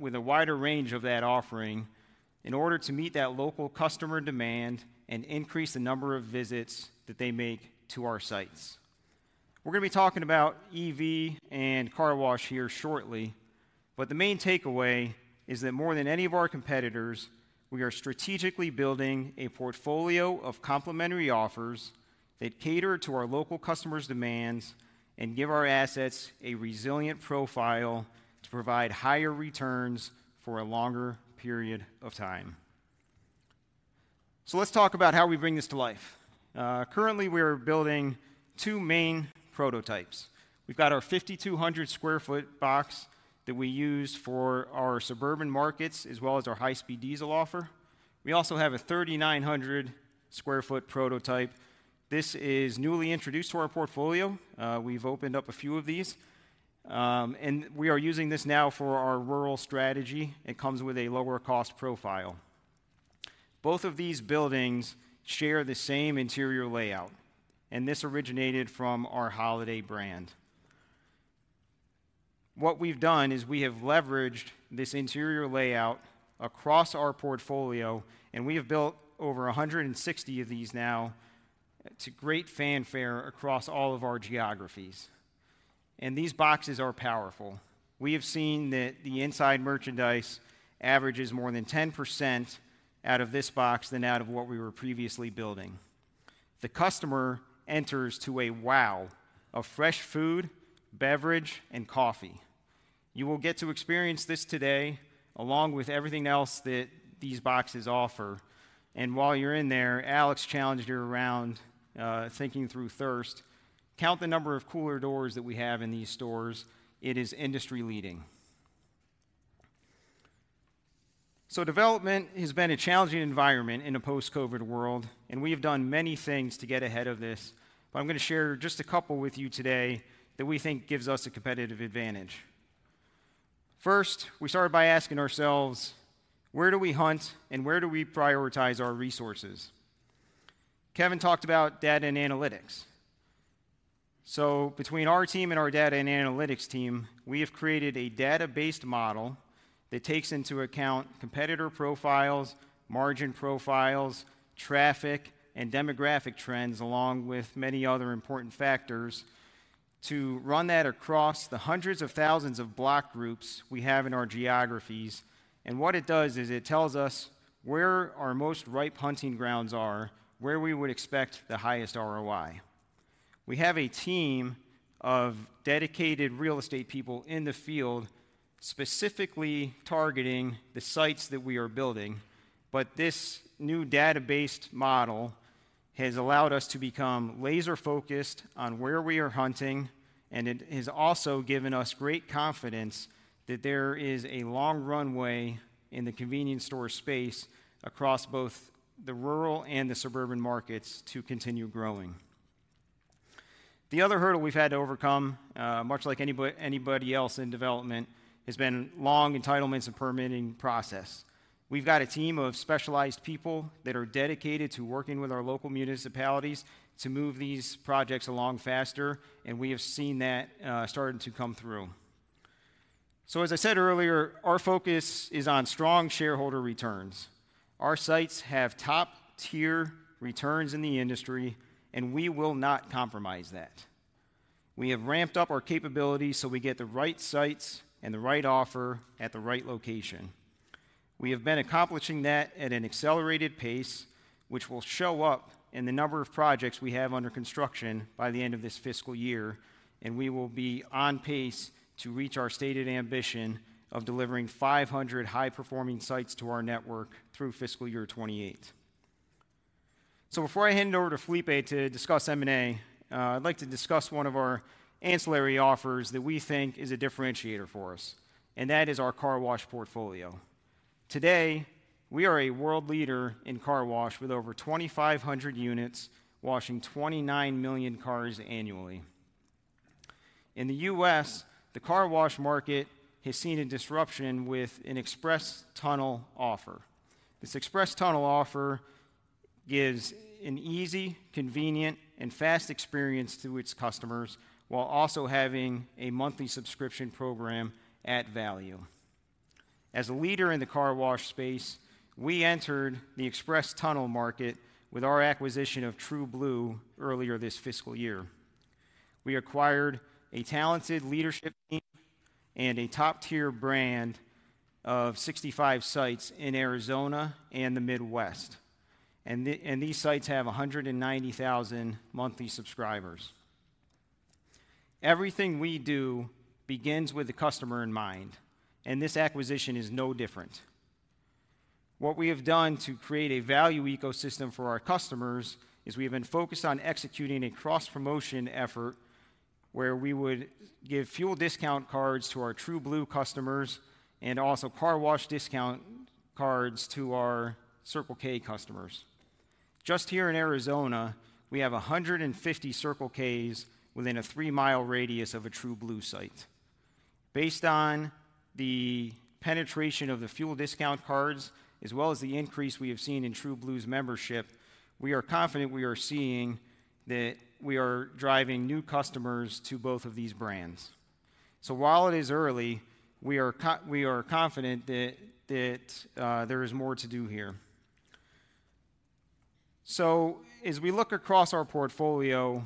with a wider range of that offering in order to meet that local customer demand and increase the number of visits that they make to our sites. We're going to be talking about EV and car wash here shortly, but the main takeaway is that more than any of our competitors, we are strategically building a portfolio of complementary offers that cater to our local customers' demands and give our assets a resilient profile to provide higher returns for a longer period of time. So let's talk about how we bring this to life. Currently, we are building two main prototypes. We've got our 5,200 sq ft box that we use for our suburban markets, as well as our high-speed diesel offer. We also have a 3,900 sq ft prototype. This is newly introduced to our portfolio. We've opened up a few of these, and we are using this now for our rural strategy. It comes with a lower cost profile. Both of these buildings share the same interior layout, and this originated from our Holiday brand. What we've done is we have leveraged this interior layout across our portfolio, and we have built over 160 of these now to great fanfare across all of our geographies. These boxes are powerful. We have seen that the inside merchandise averages more than 10% out of this box than out of what we were previously building. The customer enters to a wow of fresh food, beverage, and coffee. You will get to experience this today, along with everything else that these boxes offer. And while you're in there, Alex challenged you around, thinking through thirst. Count the number of cooler doors that we have in these stores. It is industry-leading. So development has been a challenging environment in a post-COVID world, and we have done many things to get ahead of this. But I'm going to share just a couple with you today that we think gives us a competitive advantage. First, we started by asking ourselves: where do we hunt, and where do we prioritize our resources? Kevin talked about data and analytics. So between our team and our data and analytics team, we have created a data-based model that takes into account competitor profiles, margin profiles, traffic, and demographic trends, along with many other important factors, to run that across the hundreds of thousands of block groups we have in our geographies. And what it does is it tells us where our most ripe hunting grounds are, where we would expect the highest ROI. We have a team of dedicated real estate people in the field, specifically targeting the sites that we are building. But this new data-based model has allowed us to become laser-focused on where we are hunting, and it has also given us great confidence that there is a long runway in the convenience store space across both the rural and the suburban markets to continue growing. The other hurdle we've had to overcome, much like anybody else in development, has been long entitlements and permitting process. We've got a team of specialized people that are dedicated to working with our local municipalities to move these projects along faster, and we have seen that starting to come through. So, as I said earlier, our focus is on strong shareholder returns. Our sites have top-tier returns in the industry, and we will not compromise that. We have ramped up our capabilities so we get the right sites and the right offer at the right location. We have been accomplishing that at an accelerated pace, which will show up in the number of projects we have under construction by the end of this fiscal year, and we will be on pace to reach our stated ambition of delivering 500 high-performing sites to our network through fiscal year 2028. Before I hand it over to Filipe to discuss M&A, I'd like to discuss one of our ancillary offers that we think is a differentiator for us, and that is our car wash portfolio. Today, we are a world leader in car wash, with over 2,500 units washing 29 million cars annually. In the U.S., the car wash market has seen a disruption with an express tunnel offer. This express tunnel offer gives an easy, convenient, and fast experience to its customers, while also having a monthly subscription program at value. As a leader in the car wash space, we entered the express tunnel market with our acquisition of True Blue earlier this fiscal year. We acquired a talented leadership team and a top-tier brand of 65 sites in Arizona and the Midwest. And these sites have 190,000 monthly subscribers. Everything we do begins with the customer in mind, and this acquisition is no different. What we have done to create a value ecosystem for our customers is we have been focused on executing a cross-promotion effort where we would give fuel discount cards to our True Blue customers and also car wash discount cards to our Circle K customers. Just here in Arizona, we have 150 Circle Ks within a three-mile radius of a True Blue site. Based on the penetration of the fuel discount cards, as well as the increase we have seen in True Blue's membership, we are confident we are seeing that we are driving new customers to both of these brands. So while it is early, we are confident that there is more to do here. So as we look across our portfolio,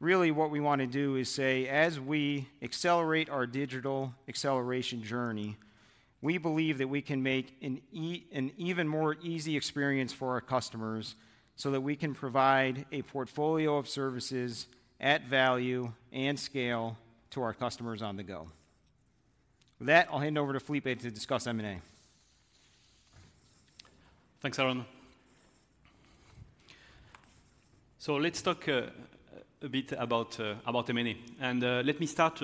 really what we want to do is say, as we accelerate our digital acceleration journey, we believe that we can make an even more easy experience for our customers so that we can provide a portfolio of services at value and scale to our customers on the go. With that, I'll hand over to Filipe to discuss M&A. Thanks, Aaron. Let's talk a bit about M&A, and let me start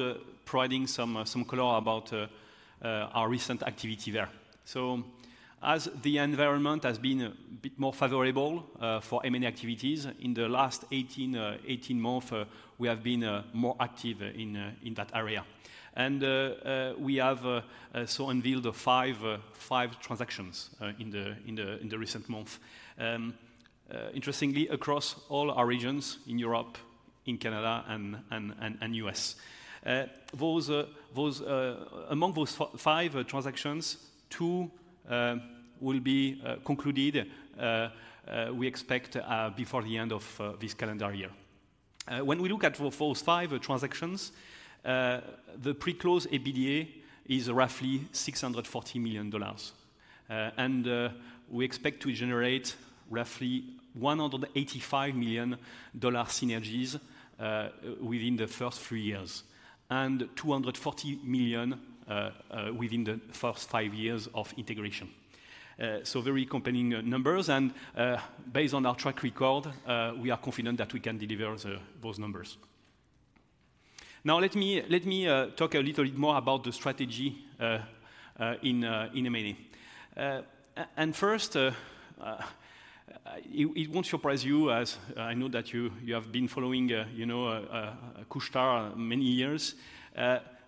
providing some color about our recent activity there. As the environment has been a bit more favorable for M&A activities in the last 18 months, we have been more active in that area. We have unveiled 5 transactions in the recent months, interestingly, across all our regions in Europe, in Canada, and in the U.S. Among those five transactions, two will be concluded, we expect, before the end of this calendar year. When we look at those five transactions, the pre-close EBITDA is roughly $640 million. And we expect to generate roughly $185 million dollar synergies within the first three years, and $240 million within the first five years of integration. So very compelling numbers, and based on our track record, we are confident that we can deliver those numbers. Now, let me talk a little bit more about the strategy in M&A. And first, it won't surprise you, as I know that you have been following, you know, Couche-Tard many years.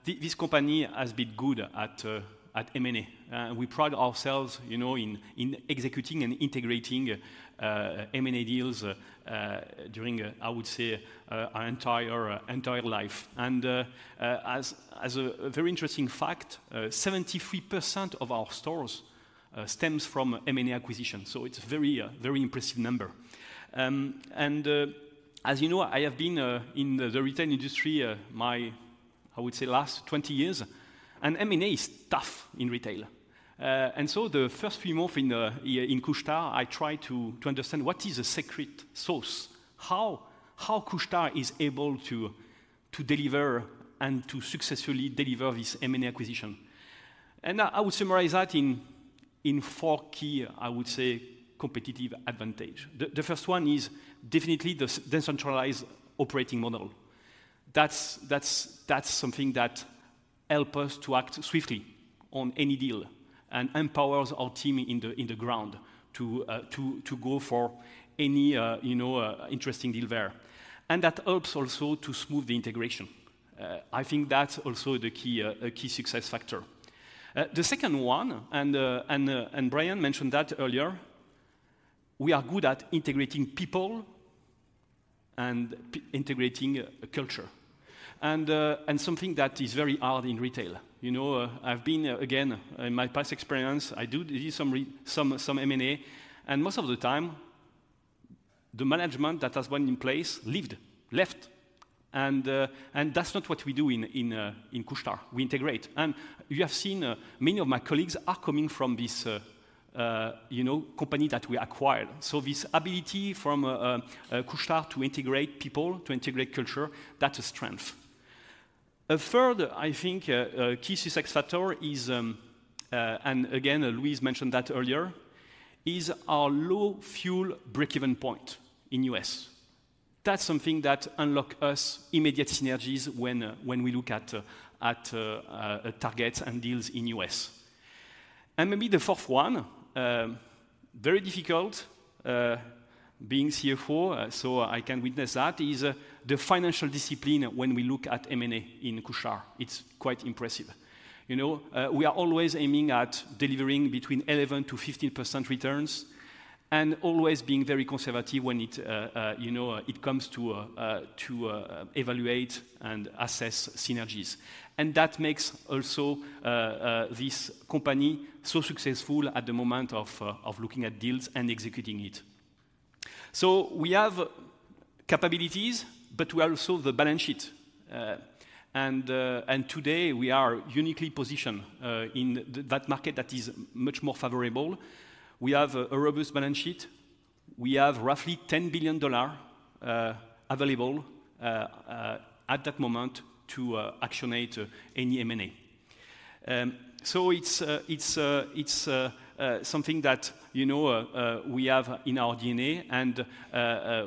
This company has been good at M&A. We pride ourselves, you know, in executing and integrating M&A deals during, I would say, our entire life. As a very interesting fact, 73% of our stores stems from M&A acquisition, so it's very impressive number. As you know, I have been in the retail industry my I would say last 20 years, and M&A is tough in retail. So the first few months in Couche-Tard, I tried to understand what is the secret sauce, how Couche-Tard is able to deliver and to successfully deliver this M&A acquisition. I would summarize that in four key I would say competitive advantage. The first one is definitely the decentralized operating model. That's something that helps us to act swiftly on any deal and empowers our team on the ground to go for any, you know, interesting deal there. And that helps also to smooth the integration. I think that's also the key, a key success factor. The second one, and Brian mentioned that earlier, we are good at integrating people and integrating culture, and something that is very hard in retail. You know, I've been again, in my past experience, I did some some M&A, and most of the time, the management that has been in place left, and that's not what we do in Couche-Tard. We integrate. And you have seen, many of my colleagues are coming from this, you know, company that we acquired. So this ability from Couche-Tard to integrate people, to integrate culture, that's a strength. A third, I think, key success factor is, and again, Louise mentioned that earlier, is our low fuel breakeven point in U.S. That's something that unlock us immediate synergies when we look at targets and deals in U.S. And maybe the fourth one, very difficult, being CFO, so I can witness that, is the financial discipline when we look at M&A in Couche-Tard. It's quite impressive. You know, we are always aiming at delivering between 11%-15% returns and always being very conservative when it, you know, it comes to evaluate and assess synergies. And that makes also this company so successful at the moment of looking at deals and executing it. So we have capabilities, but we have also the balance sheet. And today we are uniquely positioned in that market that is much more favorable. We have a robust balance sheet. We have roughly $10 billion available at that moment to actionate any M&A. So it's something that, you know, we have in our DNA and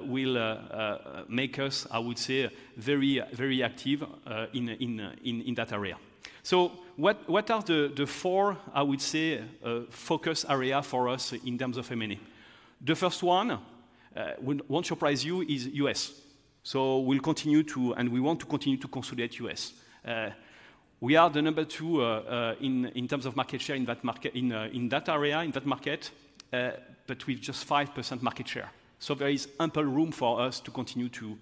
will make us, I would say, very, very active in that area. So what are the four, I would say, focus area for us in terms of M&A? The first one won't surprise you, is U.S. So we'll continue to, and we want to continue to consolidate U.S. We are the number two in terms of market share in that market, in that area, in that market, but with just 5% market share. So there is ample room for us to continue to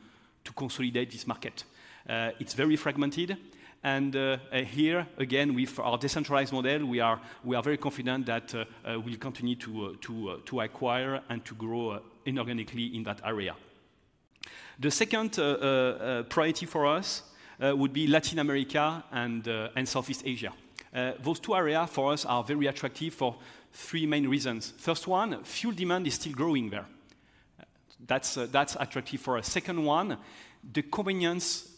consolidate this market. It's very fragmented, and here, again, with our decentralized model, we are very confident that we'll continue to acquire and to grow inorganically in that area. The second priority for us would be Latin America and Southeast Asia. Those two areas for us are very attractive for three main reasons. First one, fuel demand is still growing there. That's attractive for us. Second one, the convenience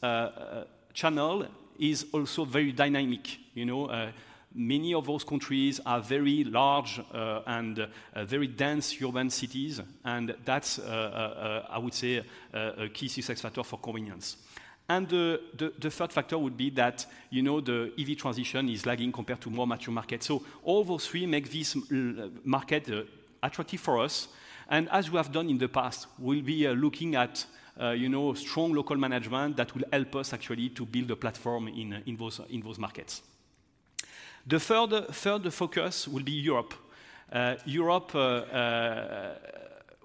channel is also very dynamic. You know, many of those countries are very large and very dense urban cities, and that's, I would say, a key success factor for convenience. And the third factor would be that, you know, the EV transition is lagging compared to more mature markets. All those three make this market attractive for us. As we have done in the past, we'll be looking at strong local management that will help us actually to build a platform in those markets. The third focus will be Europe. Europe,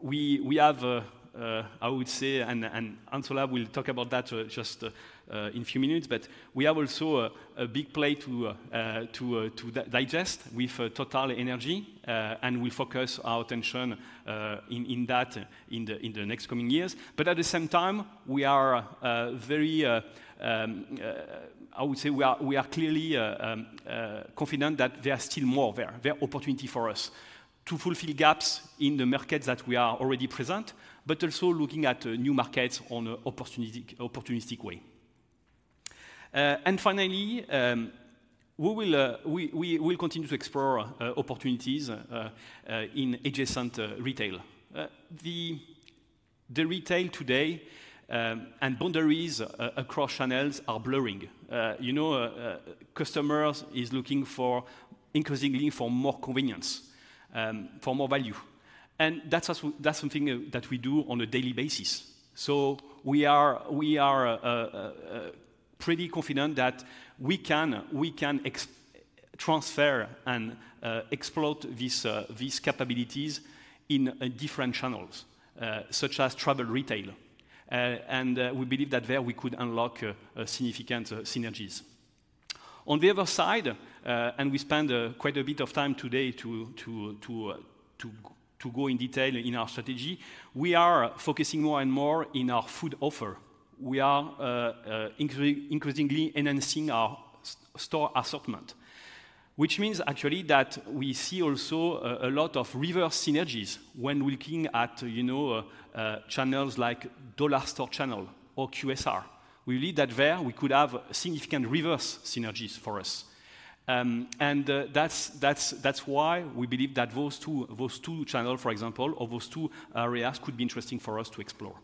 we have, I would say, and Hans-Olav will talk about that in a few minutes, but we have also a big plate to digest with TotalEnergies, and we focus our attention in that in the next coming years. At the same time, we are very, I would say we are, we are clearly confident that there are still more there. There are opportunity for us to fulfill gaps in the markets that we are already present, but also looking at new markets on a opportunistic way. Finally, we will continue to explore opportunities in adjacent retail. The retail today and boundaries across channels are blurring. You know, customers is looking for increasingly for more convenience for more value. And that's also that's something that we do on a daily basis. We are pretty confident that we can transfer and exploit these capabilities in different channels such as travel retail. And we believe that there we could unlock significant synergies. On the other side, and we spend quite a bit of time today to go in detail in our strategy, we are focusing more and more in our food offer. We are increasingly enhancing our store assortment, which means actually that we see also a lot of reverse synergies when looking at, you know, channels like dollar store channel or QSR. We believe that there we could have significant reverse synergies for us. And that's why we believe that those two channels, for example, or those two areas could be interesting for us to explore.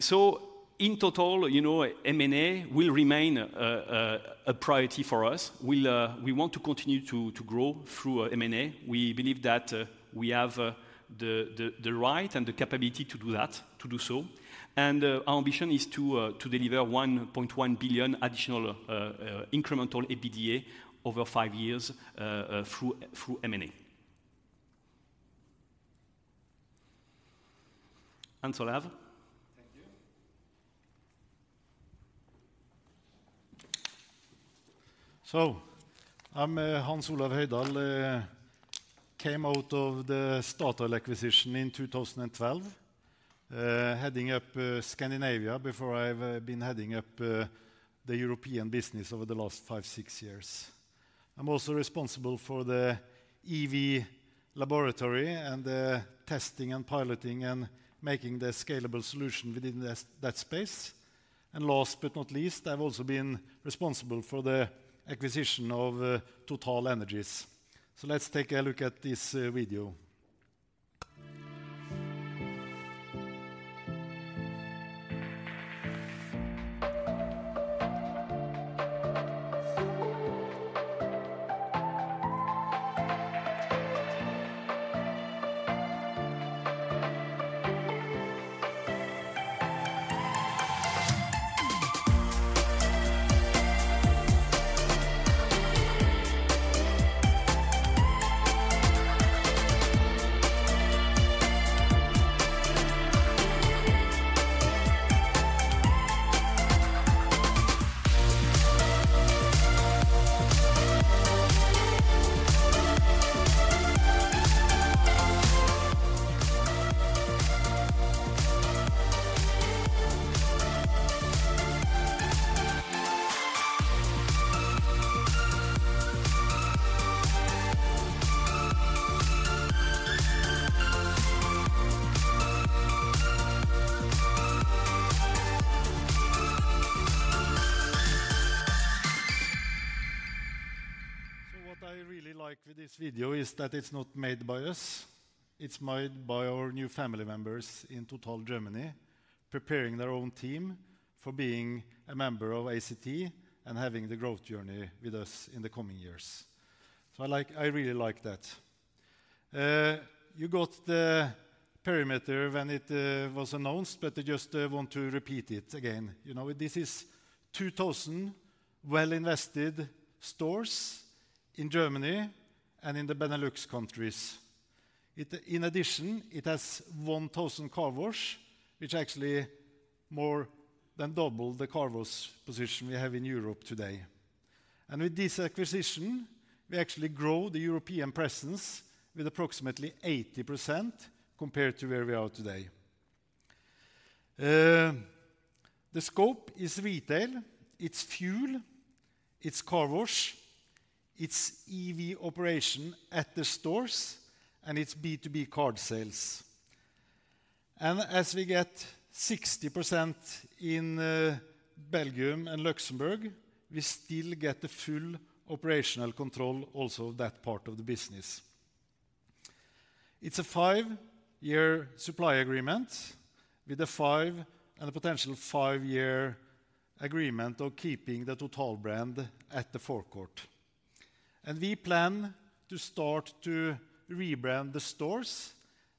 So in total, you know, M&A will remain a priority for us. We'll we want to continue to grow through M&A. We believe that we have the right and the capability to do that, to do so. Our ambition is to deliver $1.1 billion additional incremental EBITDA over five years through M&A. Hans-Olav? Thank you. So I'm, Hans-Olav Høidal. Came out of the Statoil acquisition in 2012, heading up, Scandinavia before I've, been heading up, the European business over the last five, six years. I'm also responsible for the EV laboratory and, testing and piloting and making the scalable solution within this, that space. And last but not least, I've also been responsible for the acquisition of, TotalEnergies. So let's take a look at this, video. So what I really like with this video is that it's not made by us, it's made by our new family members in Total Germany, preparing their own team for being a member of ACT and having the growth journey with us in the coming years. So I like, I really like that. You got the parameters when it was announced, but I just want to repeat it again. You know, this is 2,000 well-invested stores in Germany and in the Benelux countries. In addition, it has 1,000 car wash, which actually more than double the car wash position we have in Europe today. And with this acquisition, we actually grow the European presence with approximately 80% compared to where we are today. The scope is retail, it's fuel, it's car wash, it's EV operation at the stores, and it's B2B card sales. And as we get 60% in Belgium and Luxembourg, we still get the full operational control also of that part of the business. It's a five-year supply agreement, with a five and a potential five-year agreement of keeping the Total brand at the forecourt. We plan to start to rebrand the stores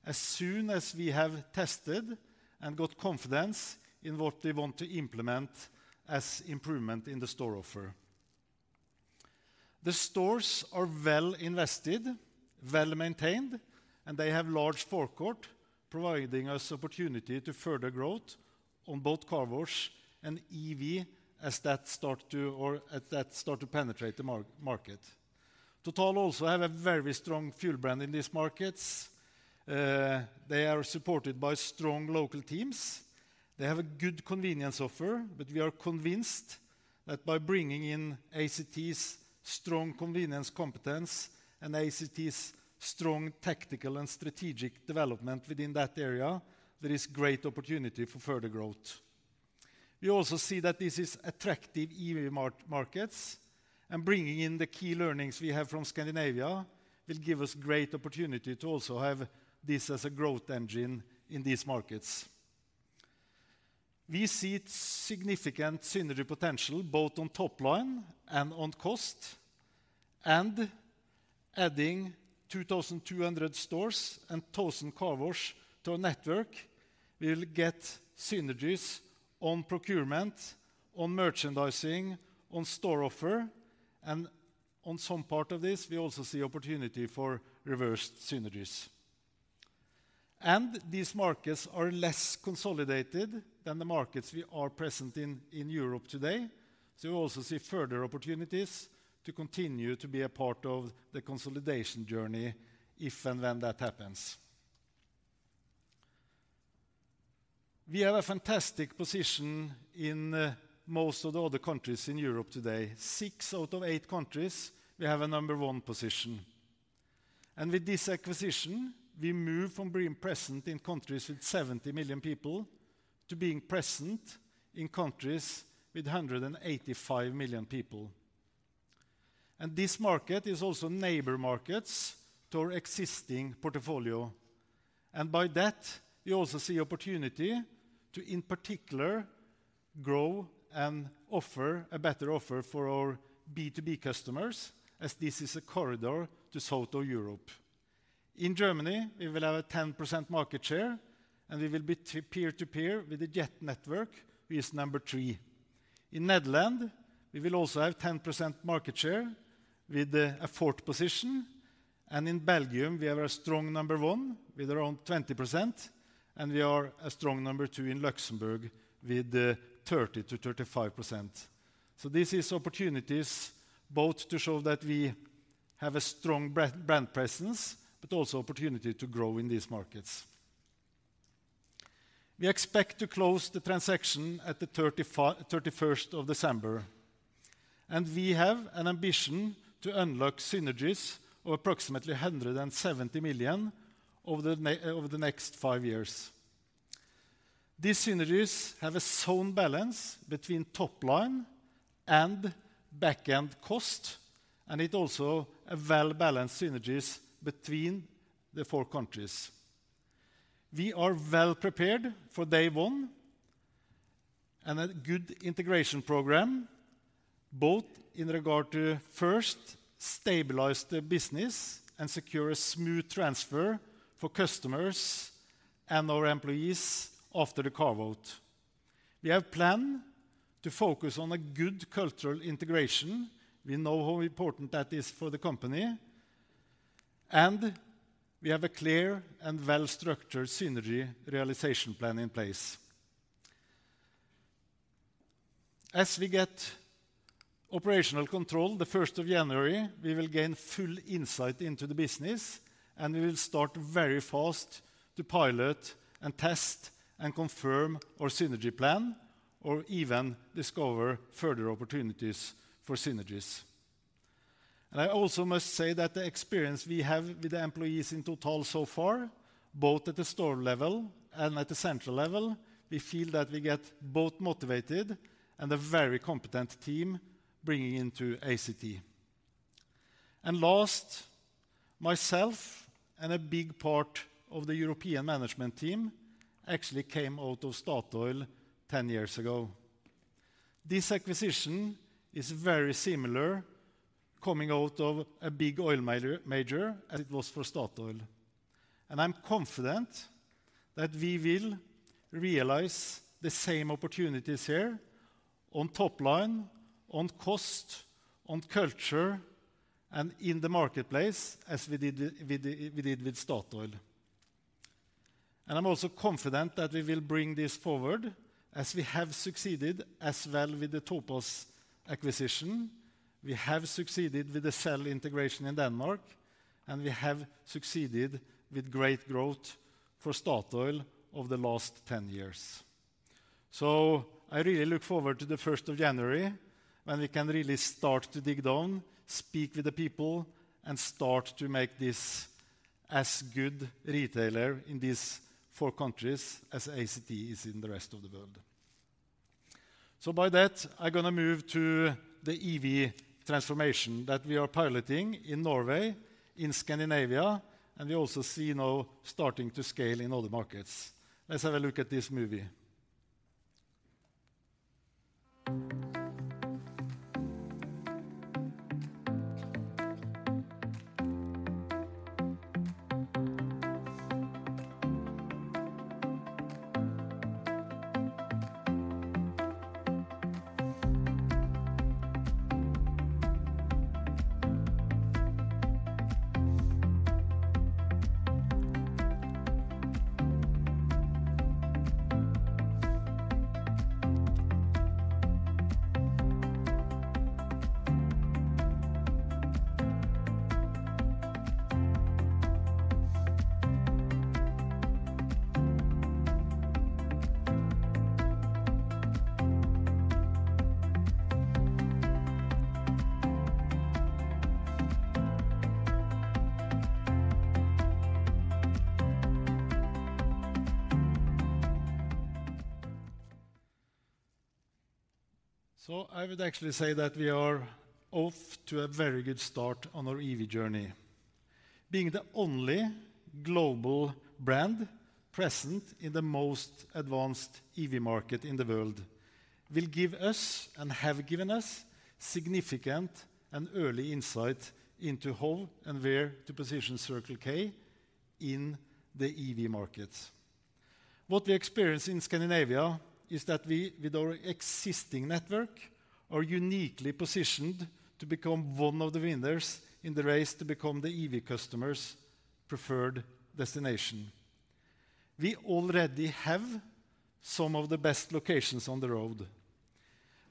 as soon as we have tested and got confidence in what we want to implement as improvement in the store offer. The stores are well invested, well maintained, and they have large forecourt, providing us opportunity to further growth on both car wash and EV as that starts to penetrate the market. Total also have a very strong fuel brand in these markets. They are supported by strong local teams. They have a good convenience offer, but we are convinced that by bringing in ACT's strong convenience competence and ACT's strong tactical and strategic development within that area, there is great opportunity for further growth. We also see that this is attractive EV markets, and bringing in the key learnings we have from Scandinavia will give us great opportunity to also have this as a growth engine in these markets. We see significant synergy potential, both on top line and on cost, and adding 2,000 stores and 1,000 car washes to our network will get synergies on procurement, on merchandising, on store offer, and on some part of this, we also see opportunity for reverse synergies. These markets are less consolidated than the markets we are present in, in Europe today. So we also see further opportunities to continue to be a part of the consolidation journey, if and when that happens. We have a fantastic position in most of the other countries in Europe today. Six out of eight countries, we have a number one position. With this acquisition, we move from being present in countries with 70 million people to being present in countries with 185 million people. And this market is also neighbor markets to our existing portfolio. And by that, we also see opportunity to, in particular, grow and offer a better offer for our B2B customers as this is a corridor to Southern Europe. In Germany, we will have a 10% market share, and we will be peer to peer with the Jet network, who is number three. In the Netherlands, we will also have 10% market share with a fourth position, and in Belgium, we are a strong number one with around 20%, and we are a strong number two in Luxembourg with 30%-35%. This is opportunities both to show that we have a strong brand presence, but also opportunity to grow in these markets. We expect to close the transaction at the 31st of December, and we have an ambition to unlock synergies of approximately $170 million over the next five years. These synergies have a sound balance between top line and back-end cost, and it also a well-balanced synergies between the four countries. We are well prepared for day one and a good integration program, both in regard to, first, stabilize the business and secure a smooth transfer for customers and our employees after the carve-out. We have plan to focus on a good cultural integration. We know how important that is for the company, and we have a clear and well-structured synergy realization plan in place. As we get operational control, the first of January, we will gain full insight into the business, and we will start very fast to pilot and test and confirm our synergy plan, or even discover further opportunities for synergies. And I also must say that the experience we have with the employees in Total so far, both at the store level and at the central level, we feel that we get both motivated and a very competent team bringing into ACT. And last, myself and a big part of the European management team actually came out of Statoil 10 years ago. This acquisition is very similar, coming out of a big oil major, major as it was for Statoil. And I'm confident that we will realize the same opportunities here on top line, on cost, on culture, and in the marketplace as we did, we did, we did with Statoil. And I'm also confident that we will bring this forward as we have succeeded as well with the Topaz acquisition, we have succeeded with the Shell integration in Denmark, and we have succeeded with great growth for Statoil over the last 10 years. So I really look forward to the first of January, when we can really start to dig down, speak with the people, and start to make this as good retailer in these four countries as ACT is in the rest of the world. So by that, I'm gonna move to the EV transformation that we are piloting in Norway, in Scandinavia, and we also see now starting to scale in other markets. Let's have a look at this movie. So I would actually say that we are off to a very good start on our EV journey. Being the only global brand present in the most advanced EV market in the world, will give us, and have given us, significant and early insight into how and where to position Circle K in the EV market. What we experience in Scandinavia is that we, with our existing network, are uniquely positioned to become one of the winners in the race to become the EV customers' preferred destination. We already have some of the best locations on the road.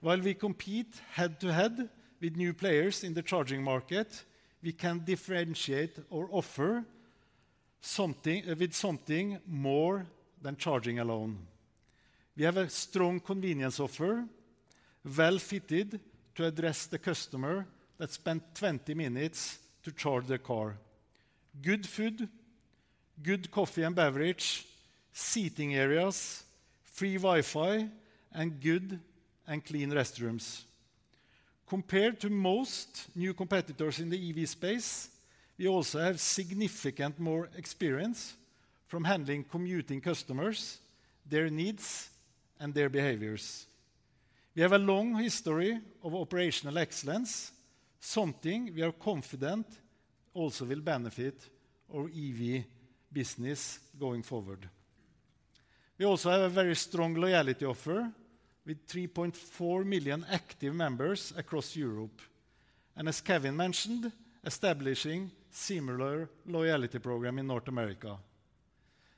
While we compete head-to-head with new players in the charging market, we can differentiate our offer something, with something more than charging alone. We have a strong convenience offer, well-fitted to address the customer that spent 20 minutes to charge their car. Good food, good coffee and beverage, seating areas, free Wi-Fi, and good and clean restrooms. Compared to most new competitors in the EV space, we also have significant more experience from handling commuting customers, their needs, and their behaviors. We have a long history of operational excellence, something we are confident also will benefit our EV business going forward. We also have a very strong loyalty offer, with 3.4 million active members across Europe, and as Kevin mentioned, establishing similar loyalty program in North America.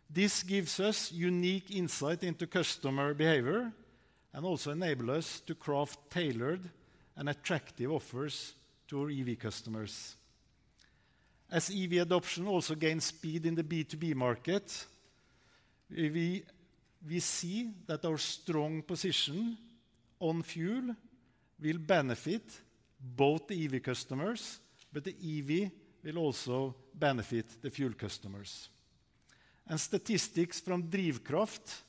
This gives us unique insight into customer behavior and also enable us to craft tailored and attractive offers to our EV customers. As EV adoption also gains speed in the B2B market, we see that our strong position on fuel will benefit both the EV customers, but the EV will also benefit the fuel customers. Statistics from Drivkraft,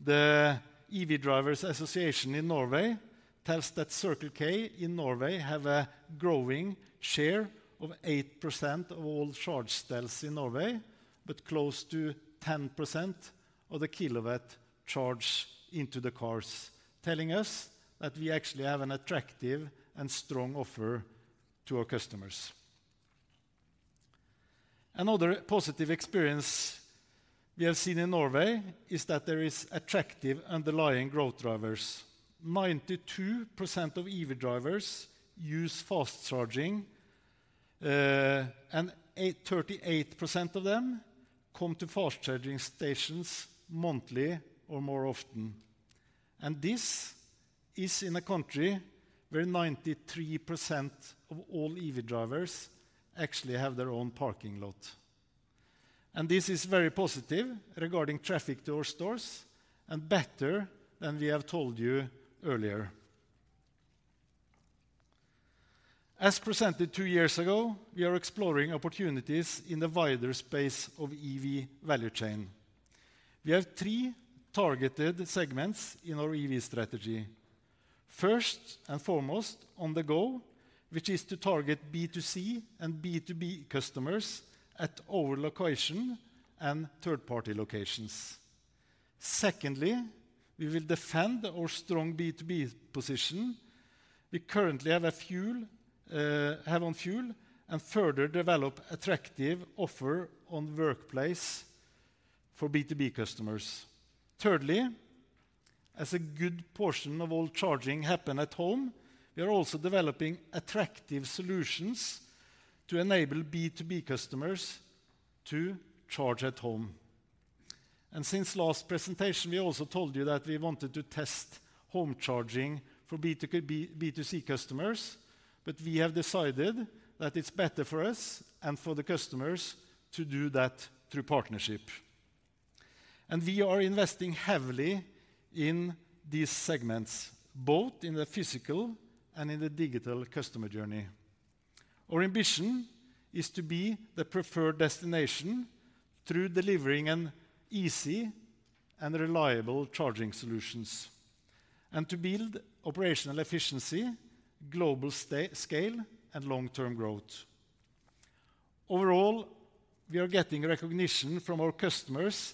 the EV Drivers Association in Norway, tells that Circle K in Norway have a growing share of 8% of all charge sales in Norway, but close to 10% of the kilowatt charge into the cars, telling us that we actually have an attractive and strong offer to our customers. Another positive experience we have seen in Norway is that there is attractive underlying growth drivers. 92% of EV drivers use fast charging and 88% of them come to fast charging stations monthly or more often. And this is in a country where 93% of all EV drivers actually have their own parking lot. And this is very positive regarding traffic to our stores, and better than we have told you earlier. As presented two years ago, we are exploring opportunities in the wider space of EV value chain. We have three targeted segments in our EV strategy. First and foremost, on the go, which is to target B2C and B2B customers at our location and third-party locations. Secondly, we will defend our strong B2B position. We currently have fuel, have on fuel, and further develop attractive offer on workplace for B2B customers. Thirdly, as a good portion of all charging happen at home, we are also developing attractive solutions to enable B2B customers to charge at home. Since last presentation, we also told you that we wanted to test home charging for B2C customers, but we have decided that it's better for us and for the customers to do that through partnership. We are investing heavily in these segments, both in the physical and in the digital customer journey. Our ambition is to be the preferred destination through delivering an easy and reliable charging solutions, and to build operational efficiency, global scale, and long-term growth. Overall, we are getting recognition from our customers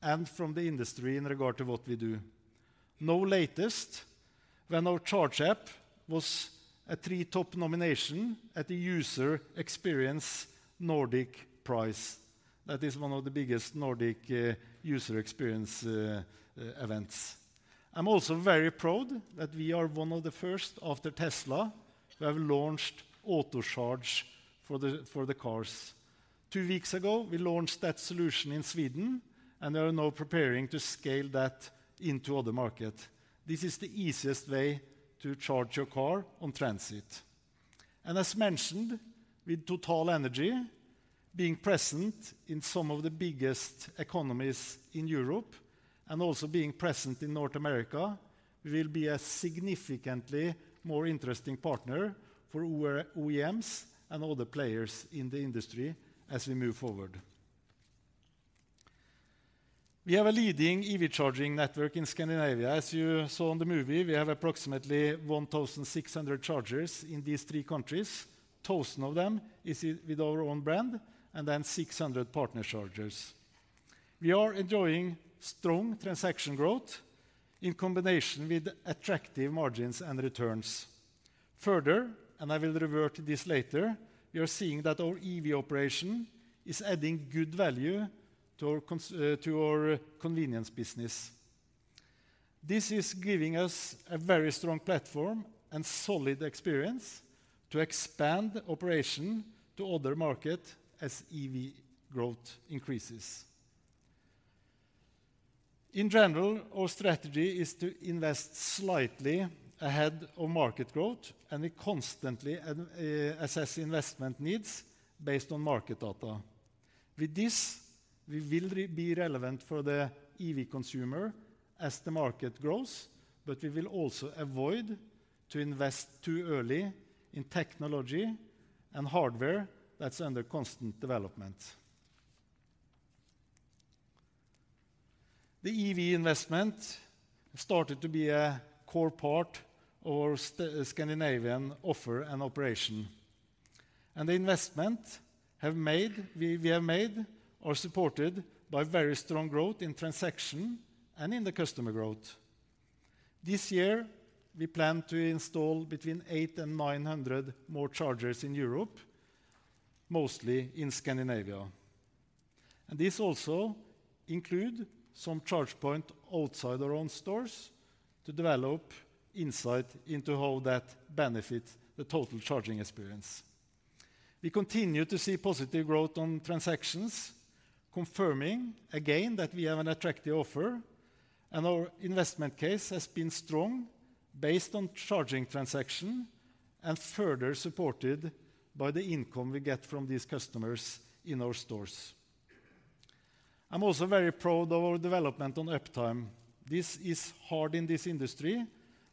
and from the industry in regard to what we do. No latest, when our charge app was a three top nomination at the User Experience Nordic Prize. That is one of the biggest Nordic user experience events. I'm also very proud that we are one of the first, after Tesla, to have launched Autocharge for the cars. Two weeks ago, we launched that solution in Sweden, and we are now preparing to scale that into other market. This is the easiest way to charge your car on transit. As mentioned, with TotalEnergies being present in some of the biggest economies in Europe, and also being present in North America, we will be a significantly more interesting partner for OEM-OEMs and other players in the industry as we move forward. We have a leading EV charging network in Scandinavia. As you saw in the movie, we have approximately 1,600 chargers in these three countries. 1,000 of them is with our own brand, and then 600 partner chargers. We are enjoying strong transaction growth in combination with attractive margins and returns. Further, and I will revert to this later, we are seeing that our EV operation is adding good value to our convenience business. This is giving us a very strong platform and solid experience to expand operation to other market as EV growth increases. In general, our strategy is to invest slightly ahead of market growth, and we constantly assess investment needs based on market data. With this, we will be relevant for the EV consumer as the market grows, but we will also avoid to invest too early in technology and hardware that's under constant development. The EV investment started to be a core part of our Scandinavian offer and operation. And the investments we have made are supported by very strong growth in transaction and in the customer growth. This year, we plan to install between 800 and 900 more chargers in Europe, mostly in Scandinavia. And this also include some charge point outside our own stores to develop insight into how that benefits the total charging experience. We continue to see positive growth on transactions, confirming again that we have an attractive offer, and our investment case has been strong based on charging transaction, and further supported by the income we get from these customers in our stores. I'm also very proud of our development on uptime. This is hard in this industry,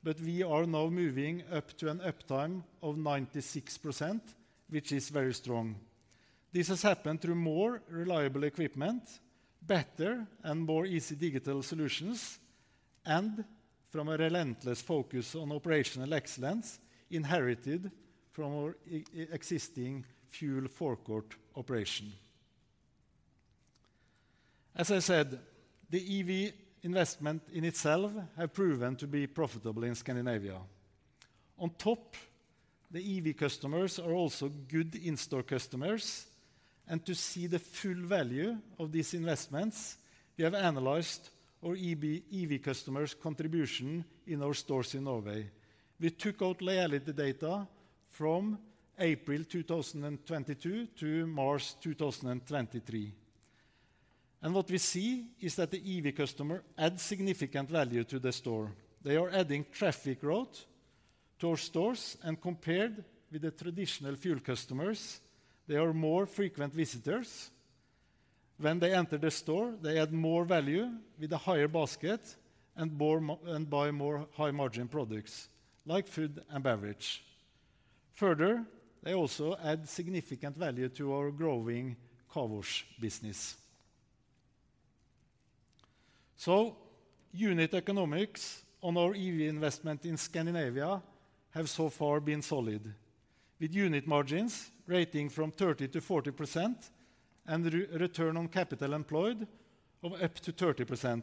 but we are now moving up to an uptime of 96%, which is very strong. This has happened through more reliable equipment, better and more easy digital solutions, and from a relentless focus on operational excellence inherited from our existing fuel forecourt operation. As I said, the EV investment in itself have proven to be profitable in Scandinavia. On top, the EV customers are also good in-store customers. And to see the full value of these investments, we have analyzed our EV customers' contribution in our stores in Norway. We took out loyalty data from April 2022 to March 2023. What we see is that the EV customer adds significant value to the store. They are adding traffic growth to our stores, and compared with the traditional fuel customers, they are more frequent visitors. When they enter the store, they add more value with a higher basket and buy more high-margin products, like food and beverage. Further, they also add significant value to our growing car wash business. Unit economics on our EV investment in Scandinavia have so far been solid, with unit margins ranging from 30%-40% and return on capital employed of up to 30%.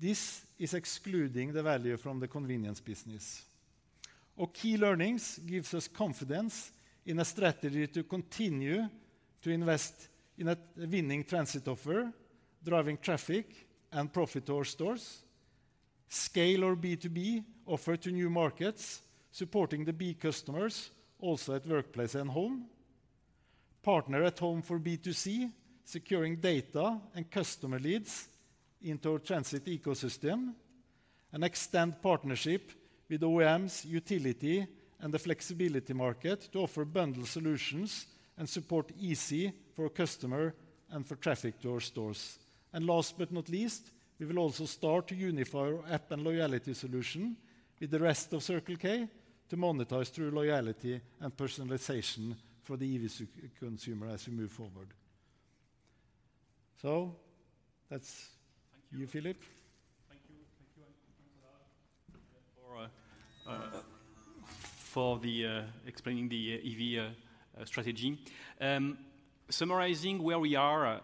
This is excluding the value from the convenience business. Our key learnings gives us confidence in a strategy to continue to invest in a winning transit offer, driving traffic and profit to our stores, scale our B2B offer to new markets, supporting the B customers also at workplace and home, partner at home for B2C, securing data and customer leads into our transit ecosystem, and extend partnership with OEMs, utility, and the flexibility market to offer bundle solutions and support easy for our customer and for traffic to our stores. And last but not least, we will also start to unify our app and loyalty solution with the rest of Circle K to monetize through loyalty and personalization for the EV super consumer as we move forward. So that's you, Filipe. Thank you. Thank you, thank you, thanks a lot for, for the, explaining the EV strategy. Summarizing where we are,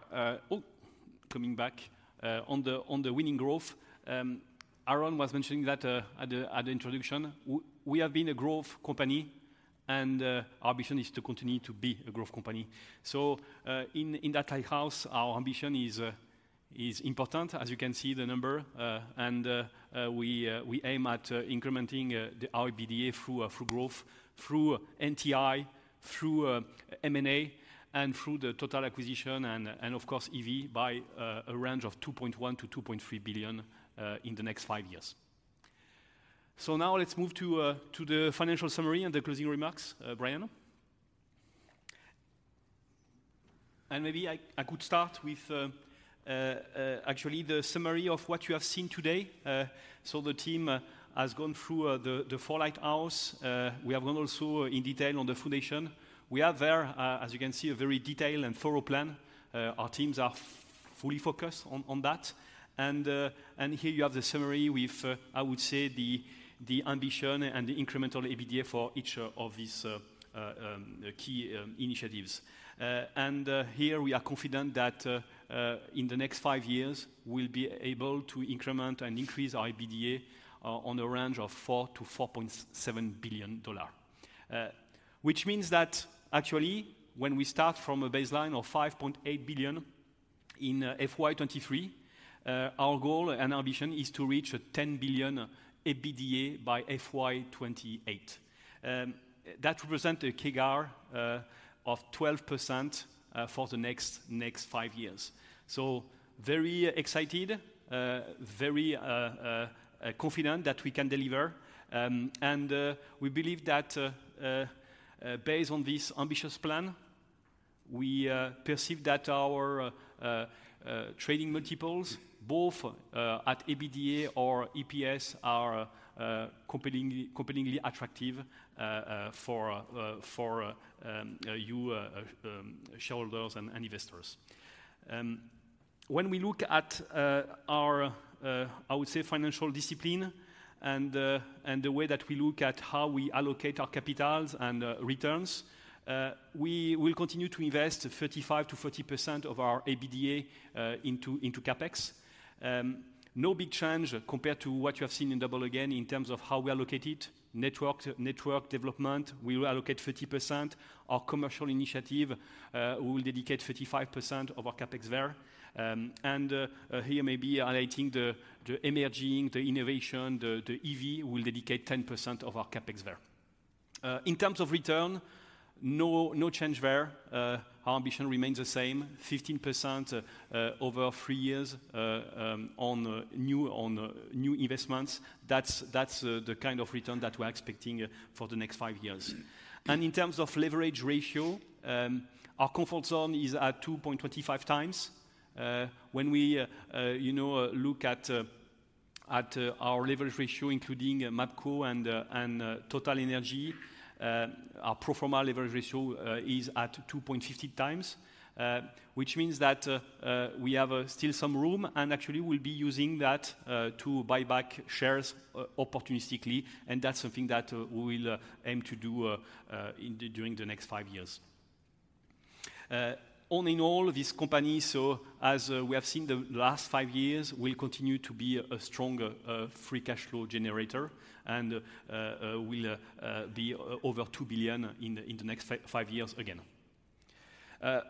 coming back, on the, on the winning growth, Aaron was mentioning that, at the, at the introduction, we have been a growth company, and, our ambition is to continue to be a growth company. So, in, in that lighthouse, our ambition is, is important, as you can see the number, and, we, we aim at incrementing, the EBITDA through, through growth, through NTI, through, M&A, and through the Total acquisition and, and of course, EV by, a range of $2.1 billion-$2.3 billion, in the next five years. So now let's move to, to the financial summary and the closing remarks, Brian. Maybe I could start with, actually, the summary of what you have seen today. The team has gone through the four lighthouse. We have gone also in detail on the foundation. We have there, as you can see, a very detailed and thorough plan. Our teams are fully focused on that. Here you have the summary with, I would say, the ambition and the incremental EBITDA for each of these key initiatives. Here we are confident that, in the next five years, we'll be able to increment and increase our EBITDA in a range of $4 billion-$4.7 billion. Which means that actually, when we start from a baseline of $5.8 billion in FY 2023, our goal and ambition is to reach a $10 billion EBITDA by FY 2028. That represent a CAGR of 12% for the next five years. So very excited, very confident that we can deliver. And we believe that based on this ambitious plan, we perceive that our trading multiples, both at EBITDA or EPS, are compellingly attractive for you shareholders and investors. When we look at our I would say financial discipline and the way that we look at how we allocate our capitals and returns, we will continue to invest 35%-40% of our EBITDA into CapEx. No big change compared to what you have seen in double again in terms of how we allocate it. Network development, we will allocate 30%. Our commercial initiative, we will dedicate 35% of our CapEx there. And here maybe highlighting the emerging, the innovation, the EV, we will dedicate 10% of our CapEx there. In terms of return, no change there. Our ambition remains the same, 15% over three years on new investments. That's the kind of return that we are expecting for the next five years. In terms of leverage ratio, our comfort zone is at 2.25x. When we, you know, look at our leverage ratio, including MAPCO and TotalEnergies, our pro forma leverage ratio is at 2.50x, which means that we have still some room, and actually we'll be using that to buy back shares opportunistically, and that's something that we will aim to do during the next five years. All in all, this company, so as we have seen the last five years, will continue to be a strong free cash flow generator and will be over $2 billion in the next five years again.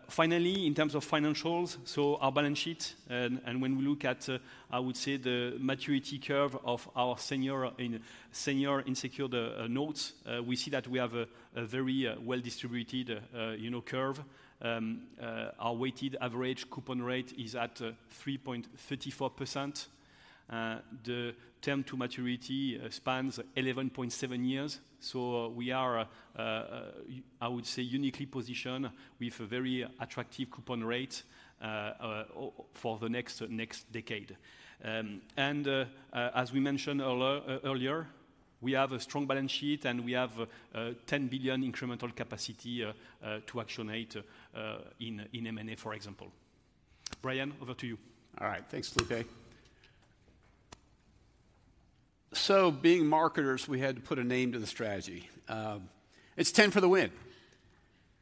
Finally, in terms of financials, so our balance sheet, and when we look at, I would say the maturity curve of our senior unsecured notes, we see that we have a very well-distributed, you know, curve. Our weighted average coupon rate is at 3.34%. The term to maturity spans 11.7 years. So we are, I would say, uniquely positioned with a very attractive coupon rate for the next decade. As we mentioned earlier, we have a strong balance sheet, and we have $10 billion incremental capacity to actionate in M&A, for example. Brian, over to you. All right. Thanks, Filipe. So being marketers, we had to put a name to the strategy. It's Ten for the Win,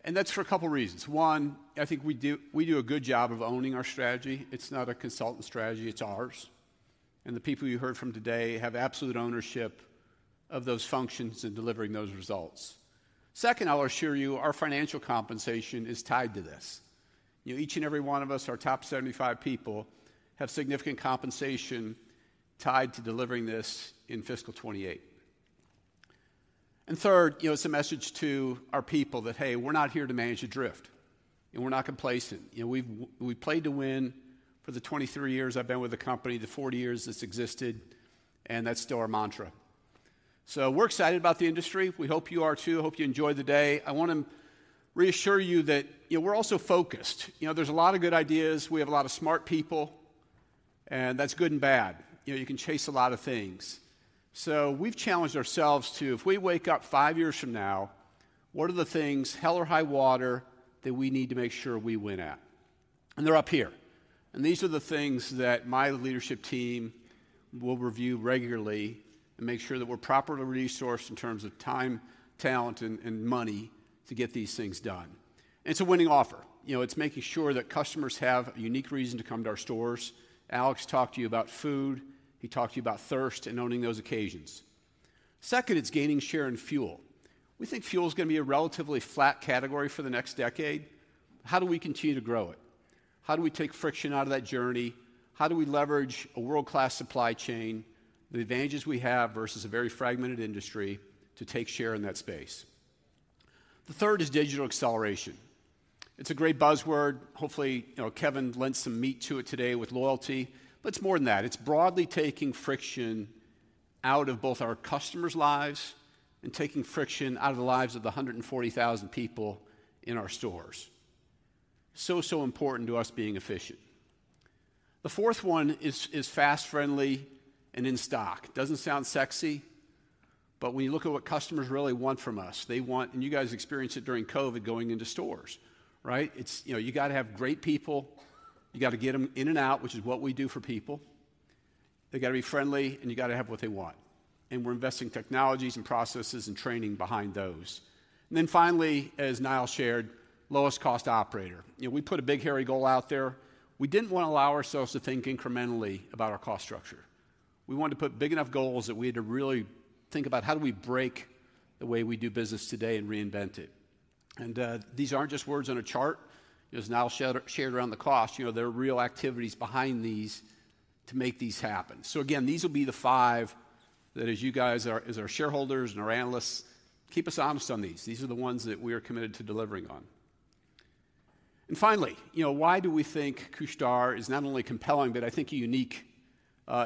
and that's for a couple of reasons. One, I think we do, we do a good job of owning our strategy. It's not a consultant strategy, it's ours. And the people you heard from today have absolute ownership of those functions in delivering those results. Second, I'll assure you, our financial compensation is tied to this. You know, each and every one of us, our top 75 people, have significant compensation tied to delivering this in fiscal 2028. And third, you know, it's a message to our people that, "Hey, we're not here to manage a drift, and we're not complacent." You know, we've we've played to win for the 23 years I've been with the company, the 40 years this existed, and that's still our mantra. So we're excited about the industry. We hope you are too. Hope you enjoy the day. I want to reassure you that, you know, we're also focused. You know, there's a lot of good ideas. We have a lot of smart people, and that's good and bad. You know, you can chase a lot of things. So we've challenged ourselves to if we wake up five years from now, what are the things, hell or high water, that we need to make sure we win at? And they're up here. And these are the things that my leadership team will review regularly and make sure that we're properly resourced in terms of time, talent, and money to get these things done. It's a winning offer. You know, it's making sure that customers have a unique reason to come to our stores. Alex talked to you about food. He talked to you about thirst and owning those occasions. Second, it's gaining share and fuel. We think fuel is going to be a relatively flat category for the next decade. How do we continue to grow it? How do we take friction out of that journey? How do we leverage a world-class supply chain, the advantages we have versus a very fragmented industry, to take share in that space? The third is digital acceleration. It's a great buzzword. Hopefully, you know, Kevin lent some meat to it today with loyalty, but it's more than that. It's broadly taking friction out of both our customers' lives and taking friction out of the lives of the 140,000 people in our stores. So, so important to us being efficient. The fourth one is, is fast, friendly, and in stock. Doesn't sound sexy, but when you look at what customers really want from us, they want... And you guys experienced it during COVID going into stores, right? It's, you know, you got to have great people. You got to get them in and out, which is what we do for people. They've got to be friendly, and you got to have what they want, and we're investing technologies and processes and training behind those. And then finally, as Niall shared, lowest cost operator. You know, we put a big, hairy goal out there. We didn't want to allow ourselves to think incrementally about our cost structure. We wanted to put big enough goals that we had to really think about how do we break the way we do business today and reinvent it. And, these aren't just words on a chart. As Niall shared around the cost, you know, there are real activities behind these to make these happen. So again, these will be the five that, as our shareholders and our analysts, keep us honest on these. These are the ones that we are committed to delivering on. And finally, you know, why do we think Couche-Tard is not only compelling, but I think a unique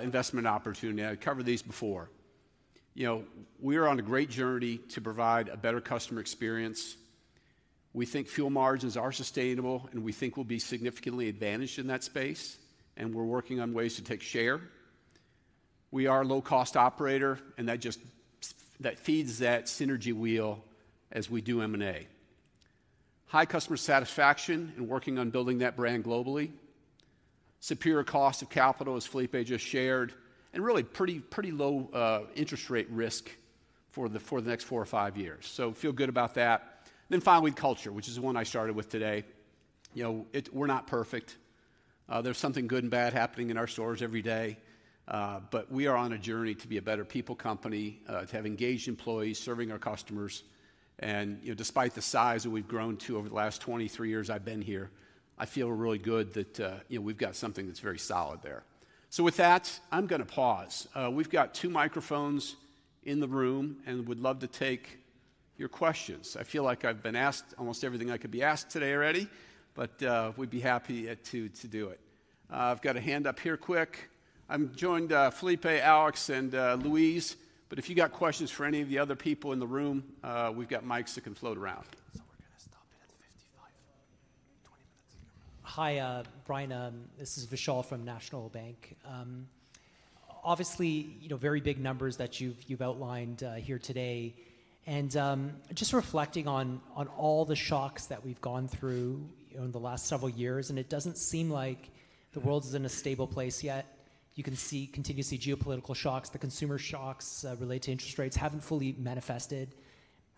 investment opportunity? I covered these before. You know, we are on a great journey to provide a better customer experience. We think fuel margins are sustainable, and we think we'll be significantly advantaged in that space, and we're working on ways to take share. We are a low-cost operator, and that just that feeds that synergy wheel as we do M&A. High customer satisfaction and working on building that brand globally. Superior cost of capital, as Filipe just shared, and really pretty, pretty low interest rate risk for the next four or five years. So feel good about that. Then finally, culture, which is the one I started with today. You know, we're not perfect. There's something good and bad happening in our stores every day, but we are on a journey to be a better people company, to have engaged employees serving our customers. And, you know, despite the size that we've grown to over the last 23 years I've been here, I feel really good that, you know, we've got something that's very solid there. So with that, I'm going to pause. We've got two microphones in the room and would love to take your questions. I feel like I've been asked almost everything I could be asked today already, but we'd be happy to do it. I've got a hand up here quick. I'm joined by Filipe, Alex, and Louise. But if you got questions for any of the other people in the room, we've got mics that can float around. We're going to stop it at 55, 20 minutes. Hi, Brian. This is Vishal from National Bank. Obviously, you know, very big numbers that you've, you've outlined here today. Just reflecting on all the shocks that we've gone through, you know, in the last several years, and it doesn't seem like the world is in a stable place yet. You can see, continue to see geopolitical shocks, the consumer shocks related to interest rates haven't fully manifested.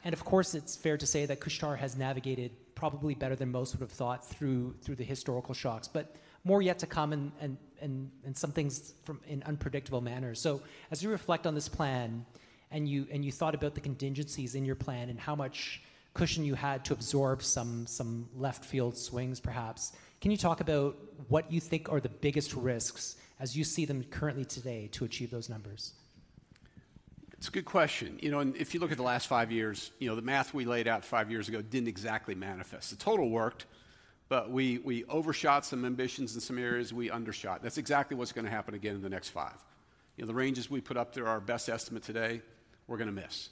And of course, it's fair to say that Couche-Tard has navigated probably better than most would have thought through the historical shocks. But more yet to come and some things from in unpredictable manners. So as you reflect on this plan, and you thought about the contingencies in your plan and how much cushion you had to absorb some left field swings, perhaps, can you talk about what you think are the biggest risks as you see them currently today to achieve those numbers? It's a good question. You know, and if you look at the last five years, you know, the math we laid out five years ago didn't exactly manifest. The total worked, but we overshot some ambitions in some areas, we undershot. That's exactly what's gonna happen again in the next five. You know, the ranges we put up there are our best estimate today, we're gonna miss.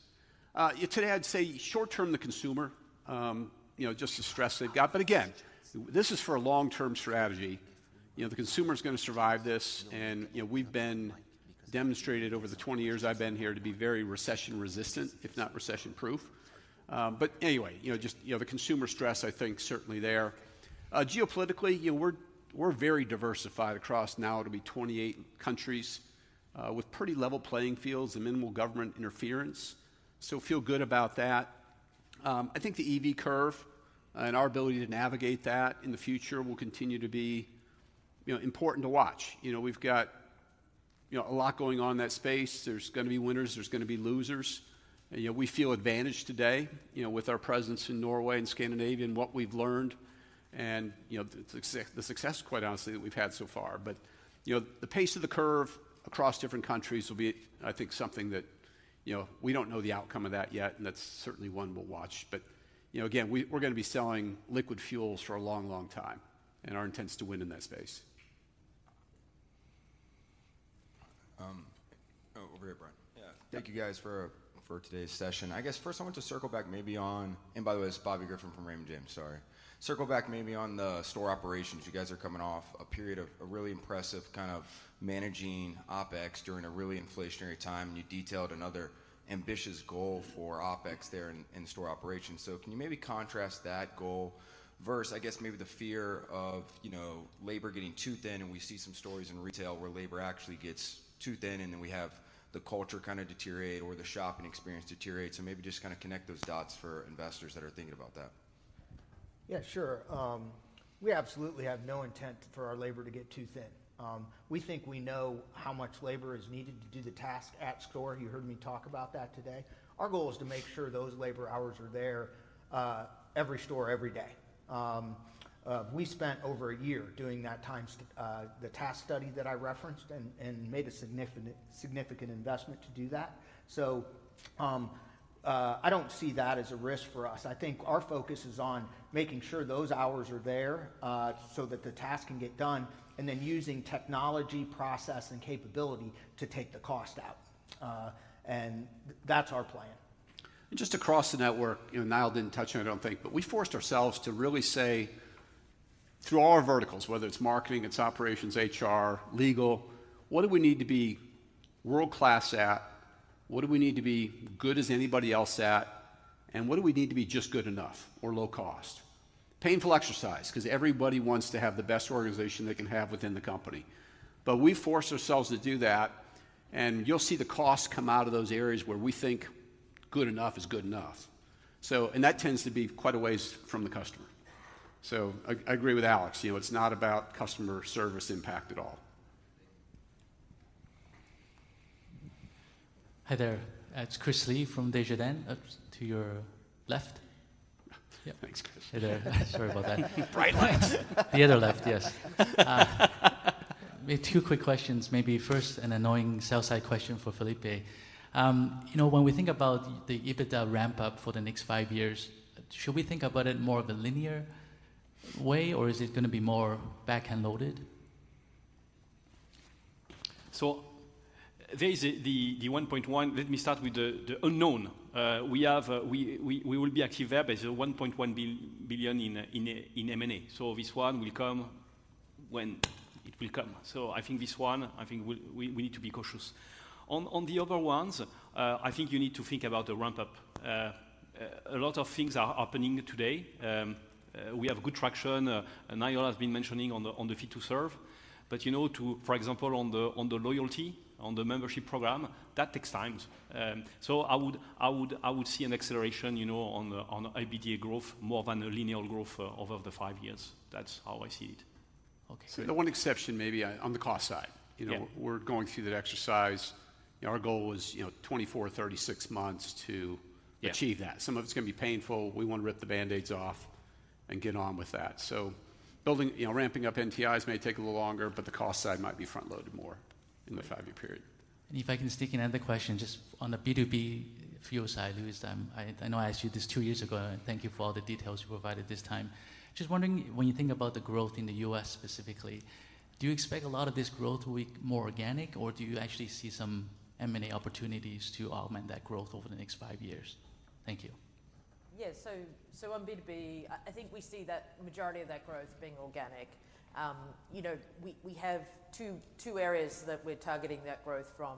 Yet today I'd say short term, the consumer, you know, just the stress they've got. But again, this is for a long-term strategy. You know, the consumer is gonna survive this, and, you know, we've been demonstrated over the 20 years I've been here to be very recession-resistant, if not recession-proof. But anyway, you know, just, you know, the consumer stress, I think, certainly there. Geopolitically, you know, we're very diversified across now 28 countries, with pretty level playing fields and minimal government interference. So feel good about that. I think the EV curve and our ability to navigate that in the future will continue to be, you know, important to watch. You know, we've got, you know, a lot going on in that space. There's gonna be winners, there's gonna be losers, and, you know, we feel advantaged today, you know, with our presence in Norway and Scandinavia and what we've learned and, you know, the success, quite honestly, that we've had so far. But, you know, the pace of the curve across different countries will be, I think, something that, you know, we don't know the outcome of that yet, and that's certainly one we'll watch. But, you know, again, we're gonna be selling liquid fuels for a long, long time, and our intent is to win in that space. Oh, over here, Brian. Yeah. Thank you guys for, for today's session. I guess first I want to circle back maybe on, and by the way, it's Bobby Griffin from Raymond James, sorry. Circle back maybe on the store operations. You guys are coming off a period of a really impressive kind of managing OpEx during a really inflationary time, and you detailed another ambitious goal for OpEx there in, in store operations. So can you maybe contrast that goal versus, I guess, maybe the fear of, you know, labor getting too thin, and we see some stories in retail where labor actually gets too thin, and then we have the culture kind of deteriorate or the shopping experience deteriorate. So maybe just kind of connect those dots for investors that are thinking about that. Yeah, sure. We absolutely have no intent for our labor to get too thin. We think we know how much labor is needed to do the task at store. You heard me talk about that today. Our goal is to make sure those labor hours are there, every store, every day. We spent over a year doing that time study that I referenced and made a significant, significant investment to do that. So, I don't see that as a risk for us. I think our focus is on making sure those hours are there, so that the task can get done, and then using technology, process, and capability to take the cost out. And that's our plan. Just across the network, you know, Niall didn't touch on it, I don't think, but we forced ourselves to really say through all our verticals, whether it's marketing, it's operations, HR, legal, what do we need to be world-class at? What do we need to be good as anybody else at? And what do we need to be just good enough or low cost? Painful exercise, 'cause everybody wants to have the best organization they can have within the company. But we force ourselves to do that, and you'll see the costs come out of those areas where we think good enough is good enough. So, and that tends to be quite a ways from the customer. So I, I agree with Alex. You know, it's not about customer service impact at all. Hi there. It's Christopher Li from Desjardins, up to your left. Yeah, thanks, Chris. Hi there. Sorry about that. Bright lights. The other left, yes. Two quick questions, maybe first, an annoying sell-side question for Filipe. You know, when we think about the EBITDA ramp-up for the next five years, should we think about it more of a linear way, or is it gonna be more back-end loaded? There is the 1.1. Let me start with the unknown. We have, we will be active there by the $1.1 billion in M&A. This one will come when it will come. I think this one, I think we need to be cautious. On the other ones, I think you need to think about the ramp-up. A lot of things are happening today. We have good traction, and Niall has been mentioning on the Fit to Serve. You know, for example, on the loyalty, on the membership program, that takes time. I would see an acceleration, you know, on the EBITDA growth more than a linear growth over the five years. That's how I see it. Okay. The one exception may be on the cost side. Yeah. You know, we're going through that exercise. Our goal was, you know, 24-36 months to achieve that. Some of it's going to be painful. We want to rip the Band-Aids off and get on with that. Building, you know, ramping up NTIs may take a little longer, but the cost side might be front-loaded more in the five-year period. If I can stick another question, just on the B2B fuel side, Louise, I know I asked you this two years ago, and thank you for all the details you provided this time. Just wondering, when you think about the growth in the U.S. specifically, do you expect a lot of this growth to be more organic, or do you actually see some M&A opportunities to augment that growth over the next five years? Thank you. Yeah. So on B2B, I think we see that majority of that growth being organic. You know, we have two areas that we're targeting that growth from.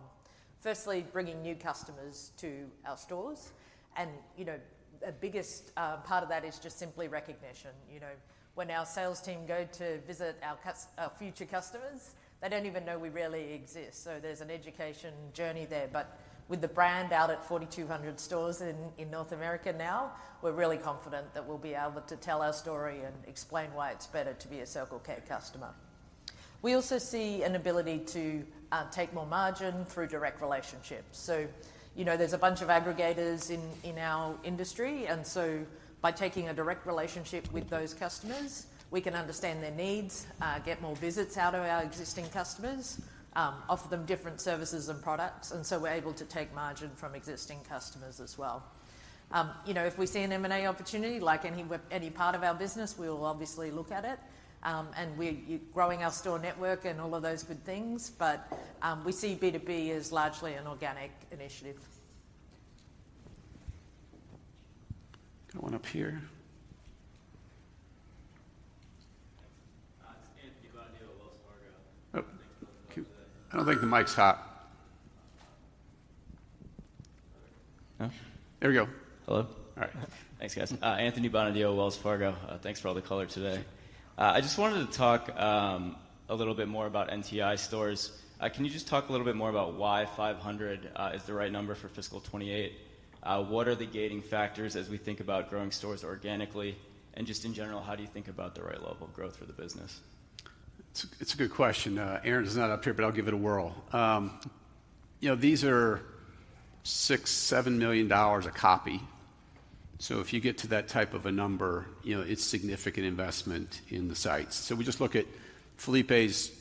Firstly, bringing new customers to our stores and, you know, the biggest part of that is just simply recognition. You know, when our sales team go to visit our cust, our future customers, they don't even know we really exist, so there's an education journey there. But with the brand out at 4,200 stores in North America now, we're really confident that we'll be able to tell our story and explain why it's better to be a Circle K customer. We also see an ability to take more margin through direct relationships. So, you know, there's a bunch of aggregators in our industry, and so by taking a direct relationship with those customers, we can understand their needs, get more visits out of our existing customers, offer them different services and products, and so we're able to take margin from existing customers as well. You know, if we see an M&A opportunity, like any part of our business, we will obviously look at it. And we're growing our store network and all of those good things, but we see B2B as largely an organic initiative. Got one up here. It's Anthony Bonadio, Wells Fargo. Oh, I don't think the mic's hot. No? There we go. Hello. All right. Thanks, guys. Anthony Bonadio, Wells Fargo. Thanks for all the color today. I just wanted to talk a little bit more about NTI stores. Can you just talk a little bit more about why 500 is the right number for fiscal 2028? What are the gating factors as we think about growing stores organically? And just in general, how do you think about the right level of growth for the business? It's a good question. Aaron is not up here, but I'll give it a whirl. You know, these are $6-$7 million a copy. So if you get to that type of a number, you know, it's significant investment in the sites. So we just look at Filipe's,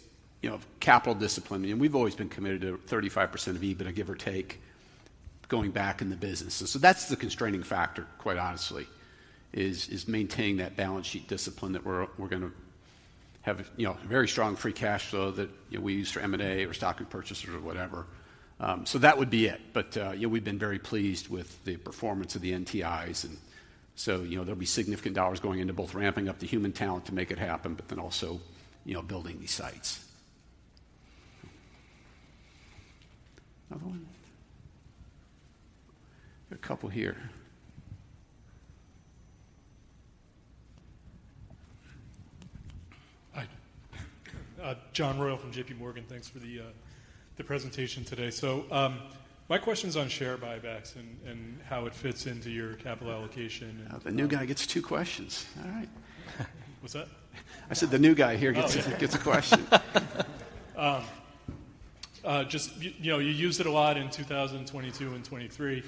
you know, capital discipline, and we've always been committed to 35% of EBITDA, give or take, going back in the business. So that's the constraining factor, quite honestly, is maintaining that balance sheet discipline that we're gonna have, you know, very strong free cash flow that, you know, we use for M&A or stock repurchases or whatever. So that would be it. You know, we've been very pleased with the performance of the NTIs, and so, you know, there'll be significant dollars going into both ramping up the human talent to make it happen, but then also, you know, building these sites. Another one? There are a couple here. Hi. John Royal from JPMorgan. Thanks for the presentation today. So, my question's on share buybacks and how it fits into your capital allocation. Oh, the new guy gets two questions. All right. What's that? I said, the new guy here gets. Oh, okay. Gets a question. Just, you know, you used it a lot in 2022 and 2023.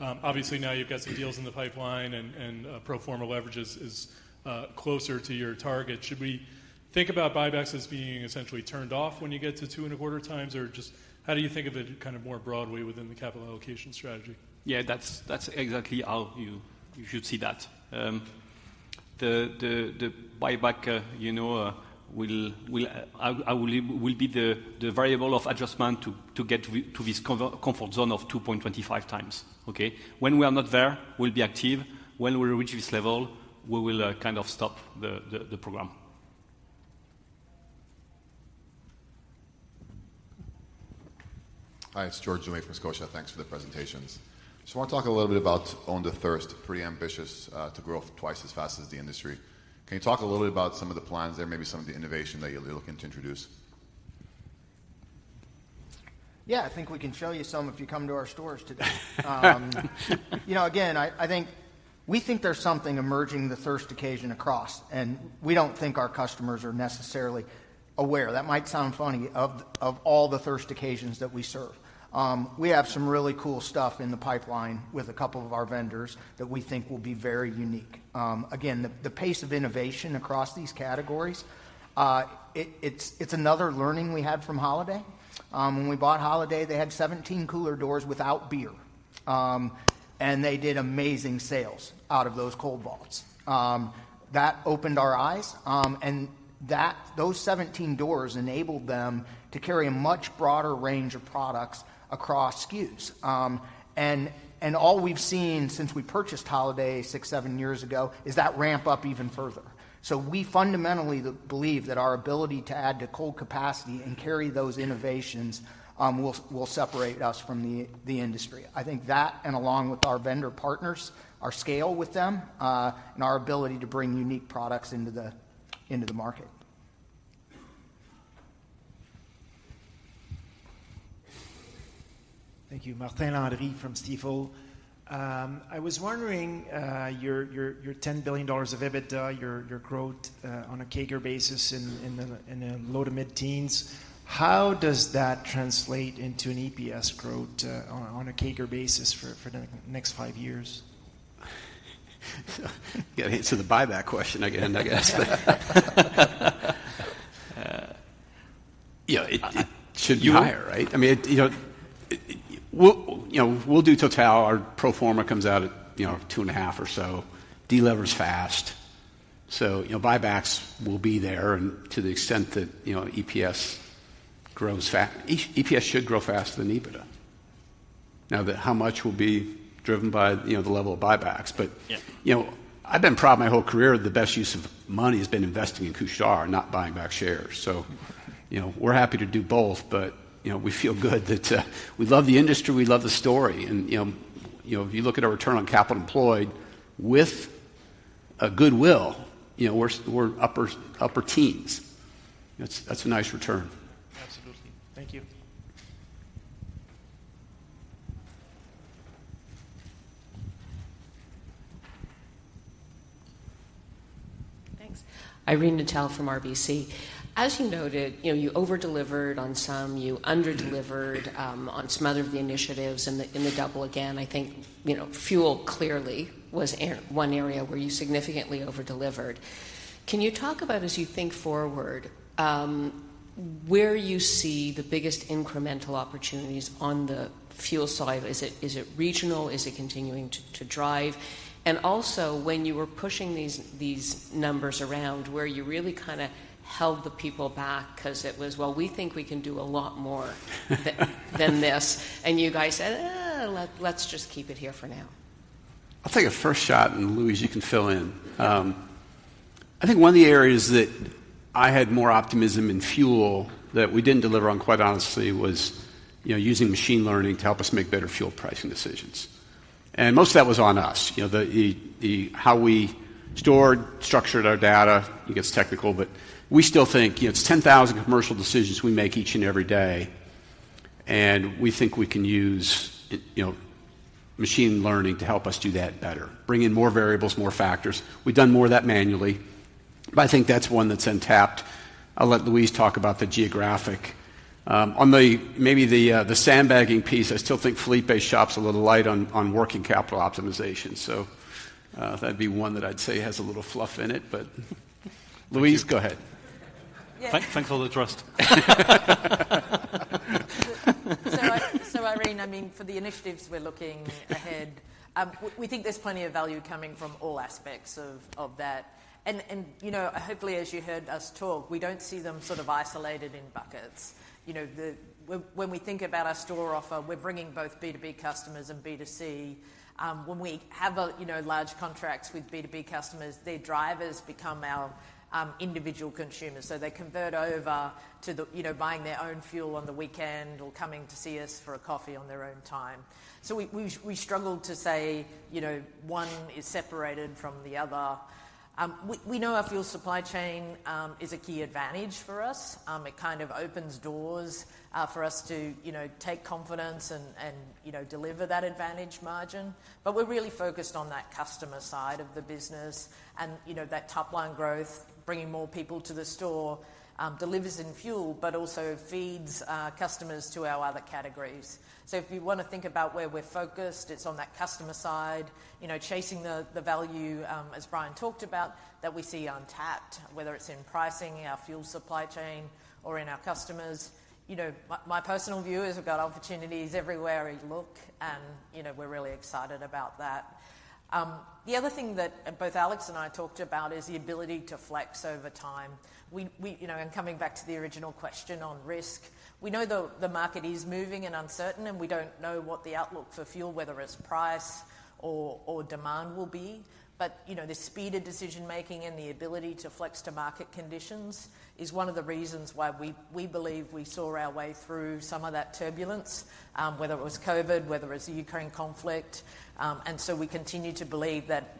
Obviously, now you've got some deals in the pipeline, and, and, pro forma leverage is closer to your target. Should we think about buybacks as being essentially turned off when you get to 2.25x? Or just how do you think of it kind of more broadly within the capital allocation strategy? Yeah, that's exactly how you should see that. The buyback, you know, will be the variable of adjustment to get to this comfort zone of 2.25x, okay? When we are not there, we'll be active. When we reach this level, we will kind of stop the program. Hi, it's George Doumet from Scotia. Thanks for the presentations. Just want to talk a little bit about own the thirst. Pretty ambitious to grow twice as fast as the industry. Can you talk a little bit about some of the plans there, maybe some of the innovation that you'll be looking to introduce? Yeah, I think we can show you some if you come to our stores today. You know, again, I think we think there's something emerging, the thirst occasion across, and we don't think our customers are necessarily aware, that might sound funny, of all the thirst occasions that we serve. We have some really cool stuff in the pipeline with a couple of our vendors that we think will be very unique. Again, the pace of innovation across these categories, it's another learning we had from Holiday. When we bought Holiday, they had 17 cooler doors without beer, and they did amazing sales out of those cold vaults. That opened our eyes, and those 17 doors enabled them to carry a much broader range of products across SKUs. All we've seen since we purchased Holiday 6-7 years ago is that ramp up even further. We fundamentally believe that our ability to add to cold capacity and carry those innovations will separate us from the industry. I think that, and along with our vendor partners, our scale with them, and our ability to bring unique products into the market. Thank you. Martin Landry from Stifel. I was wondering, your $10 billion of EBITDA, your growth on a CAGR basis in the low- to mid-teens%, how does that translate into an EPS growth on a CAGR basis for the next five years? You got into the buyback question again, I guess. Yeah, it- Should be higher, right? I mean, you know, it. We'll, you know, we'll do total. Our pro forma comes out at, you know, 2.5 or so. Delever's fast, so, you know, buybacks will be there and to the extent that, you know, EPS grows fast, EPS should grow faster than EBITDA. Now, that how much will be driven by, you know, the level of buybacks, but- Yeah. You know, I've been proud my whole career, the best use of money has been investing in Couche-Tard, not buying back shares. So, you know, we're happy to do both, but, you know, we feel good that, we love the industry, we love the story. And, you know, you know, if you look at our return on capital employed with a goodwill, you know, we're, we're upper, upper teens. That's, that's a nice return. Absolutely. Thank you. Thanks. Irene Nattel from RBC. As you noted, you know, you over-delivered on some, you under-delivered on some other of the initiatives in the, in the Double Again I think, you know, fuel clearly was one area where you significantly over-delivered. Can you talk about as you think forward, where you see the biggest incremental opportunities on the fuel side? Is it, is it regional? Is it continuing to, to drive? And also, when you were pushing these, these numbers around, where you really kinda held the people back 'cause it was, "Well, we think we can do a lot more than, than this," and you guys said, "Eh, let's just keep it here for now? I'll take a first shot, and Louise, you can fill in. I think one of the areas that I had more optimism in fuel that we didn't deliver on, quite honestly, was, you know, using machine learning to help us make better fuel pricing decisions. Most of that was on us. You know, how we stored, structured our data, it gets technical, but we still think, you know, it's 10,000 commercial decisions we make each and every day, and we think we can use it, you know, machine learning to help us do that better, bring in more variables, more factors. We've done more of that manually, but I think that's one that's untapped. I'll let Louise talk about the geographic. On the sandbagging piece, I still think Filipe's shop's a little light on working capital optimization, so that'd be one that I'd say has a little fluff in it. But Louise, go ahead. Yeah. Thanks for all the trust. So, Irene, I mean, for the initiatives we're looking ahead, we think there's plenty of value coming from all aspects of that. And, you know, hopefully, as you heard us talk, we don't see them sort of isolated in buckets. You know, when we think about our store offer, we're bringing both B2B customers and B2C. When we have, you know, large contracts with B2B customers, their drivers become our individual consumers. So they convert over to, you know, buying their own fuel on the weekend or coming to see us for a coffee on their own time. So we struggle to say, you know, one is separated from the other. We know our fuel supply chain is a key advantage for us. It kind of opens doors for us to, you know, take confidence and deliver that advantage margin. But we're really focused on that customer side of the business and, you know, that top-line growth, bringing more people to the store, delivers in fuel, but also feeds customers to our other categories. So if you want to think about where we're focused, it's on that customer side, you know, chasing the value, as Brian talked about, that we see untapped, whether it's in pricing, our fuel supply chain, or in our customers. You know, my personal view is we've got opportunities everywhere we look, and, you know, we're really excited about that. The other thing that both Alex and I talked about is the ability to flex over time. You know, and coming back to the original question on risk, we know the market is moving and uncertain, and we don't know what the outlook for fuel, whether it's price or demand, will be. But, you know, the speed of decision-making and the ability to flex to market conditions is one of the reasons why we believe we saw our way through some of that turbulence, whether it was COVID, whether it's the Ukraine conflict. And so we continue to believe that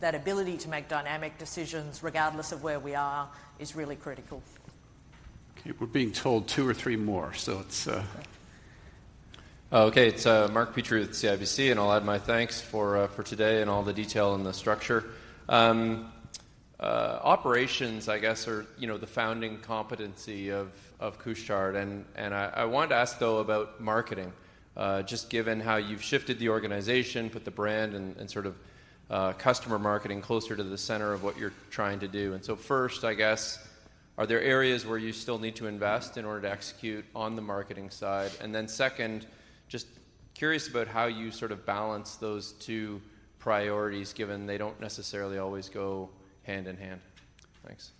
that ability to make dynamic decisions, regardless of where we are, is really critical. Okay, we're being told two or three more, so let's. Okay, it's Mark Petrie with CIBC, and I'll add my thanks for today and all the detail and the structure. Operations, I guess, are, you know, the founding competency of Couche-Tard, and I want to ask, though, about marketing just given how you've shifted the organization, put the brand and sort of customer marketing closer to the center of what you're trying to do. And so first, I guess, are there areas where you still need to invest in order to execute on the marketing side? And then second, just curious about how you sort of balance those two priorities, given they don't necessarily always go hand in hand. Thanks.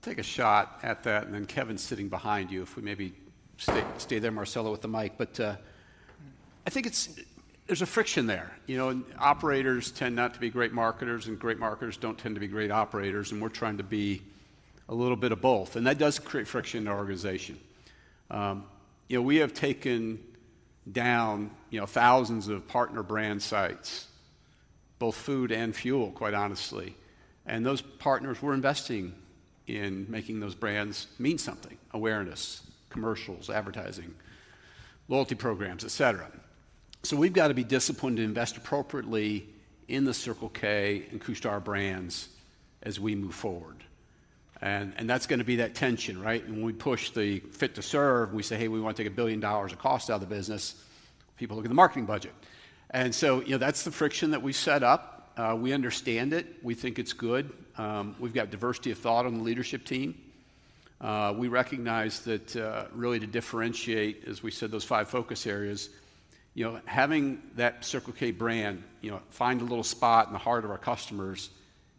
Take a shot at that, and then Kevin's sitting behind you, if we maybe stay, stay there, Marcelo, with the mic. But, I think it's. There's a friction there. You know, operators tend not to be great marketers, and great marketers don't tend to be great operators, and we're trying to be a little bit of both, and that does create friction in our organization. You know, we have taken down, you know, thousands of partner brand sites, both food and fuel, quite honestly. And those partners were investing in making those brands mean something: awareness, commercials, advertising, loyalty programs, et cetera. So we've got to be disciplined to invest appropriately in the Circle K and Couche-Tard brands as we move forward. And, and that's gonna be that tension, right? When we push the Fit to Serve, we say, "Hey, we want to take $1 billion of cost out of the business," people look at the marketing budget. And so, you know, that's the friction that we set up. We understand it. We think it's good. We've got diversity of thought on the leadership team. We recognize that, really to differentiate, as we said, those five focus areas, you know, having that Circle K brand, you know, find a little spot in the heart of our customers,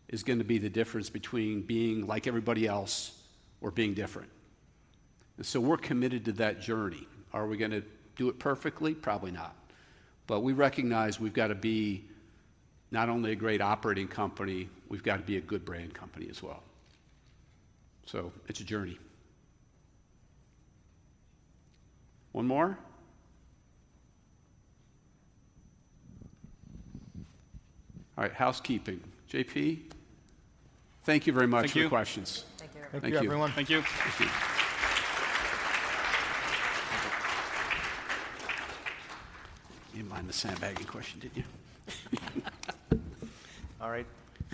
is gonna be the difference between being like everybody else or being different. So we're committed to that journey. Are we gonna do it perfectly? Probably not. But we recognize we've got to be not only a great operating company, we've got to be a good brand company as well. It's a journey. One more? All right, housekeeping. JP, thank you very much for the questions. Thank you. Thank you. Thank you, everyone. Thank you. Thank you. You didn't mind the sandbagging question, did you? All right.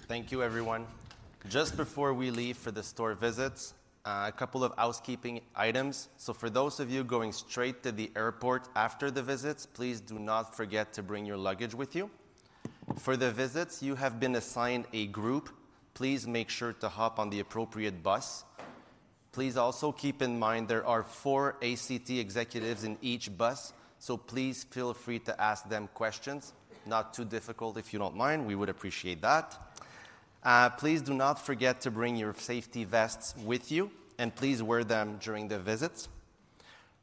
Thank you, everyone. Just before we leave for the store visits, a couple of housekeeping items. So for those of you going straight to the airport after the visits, please do not forget to bring your luggage with you. For the visits, you have been assigned a group. Please make sure to hop on the appropriate bus. Please also keep in mind there are four ACT executives in each bus, so please feel free to ask them questions. Not too difficult, if you don't mind, we would appreciate that. Please do not forget to bring your safety vests with you, and please wear them during the visits.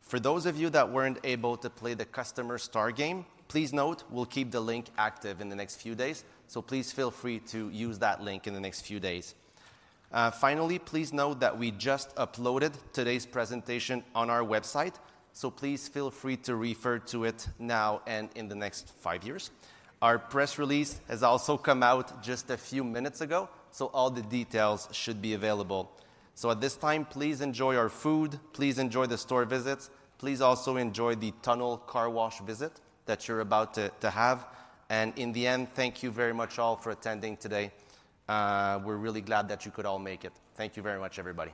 For those of you that weren't able to play the Customer Star game, please note, we'll keep the link active in the next few days, so please feel free to use that link in the next few days. Finally, please note that we just uploaded today's presentation on our website, so please feel free to refer to it now and in the next five years. Our press release has also come out just a few minutes ago, so all the details should be available. At this time, please enjoy our food. Please enjoy the store visits. Please also enjoy the tunnel car wash visit that you're about to have, and in the end, thank you very much all for attending today. We're really glad that you could all make it. Thank you very much, everybody.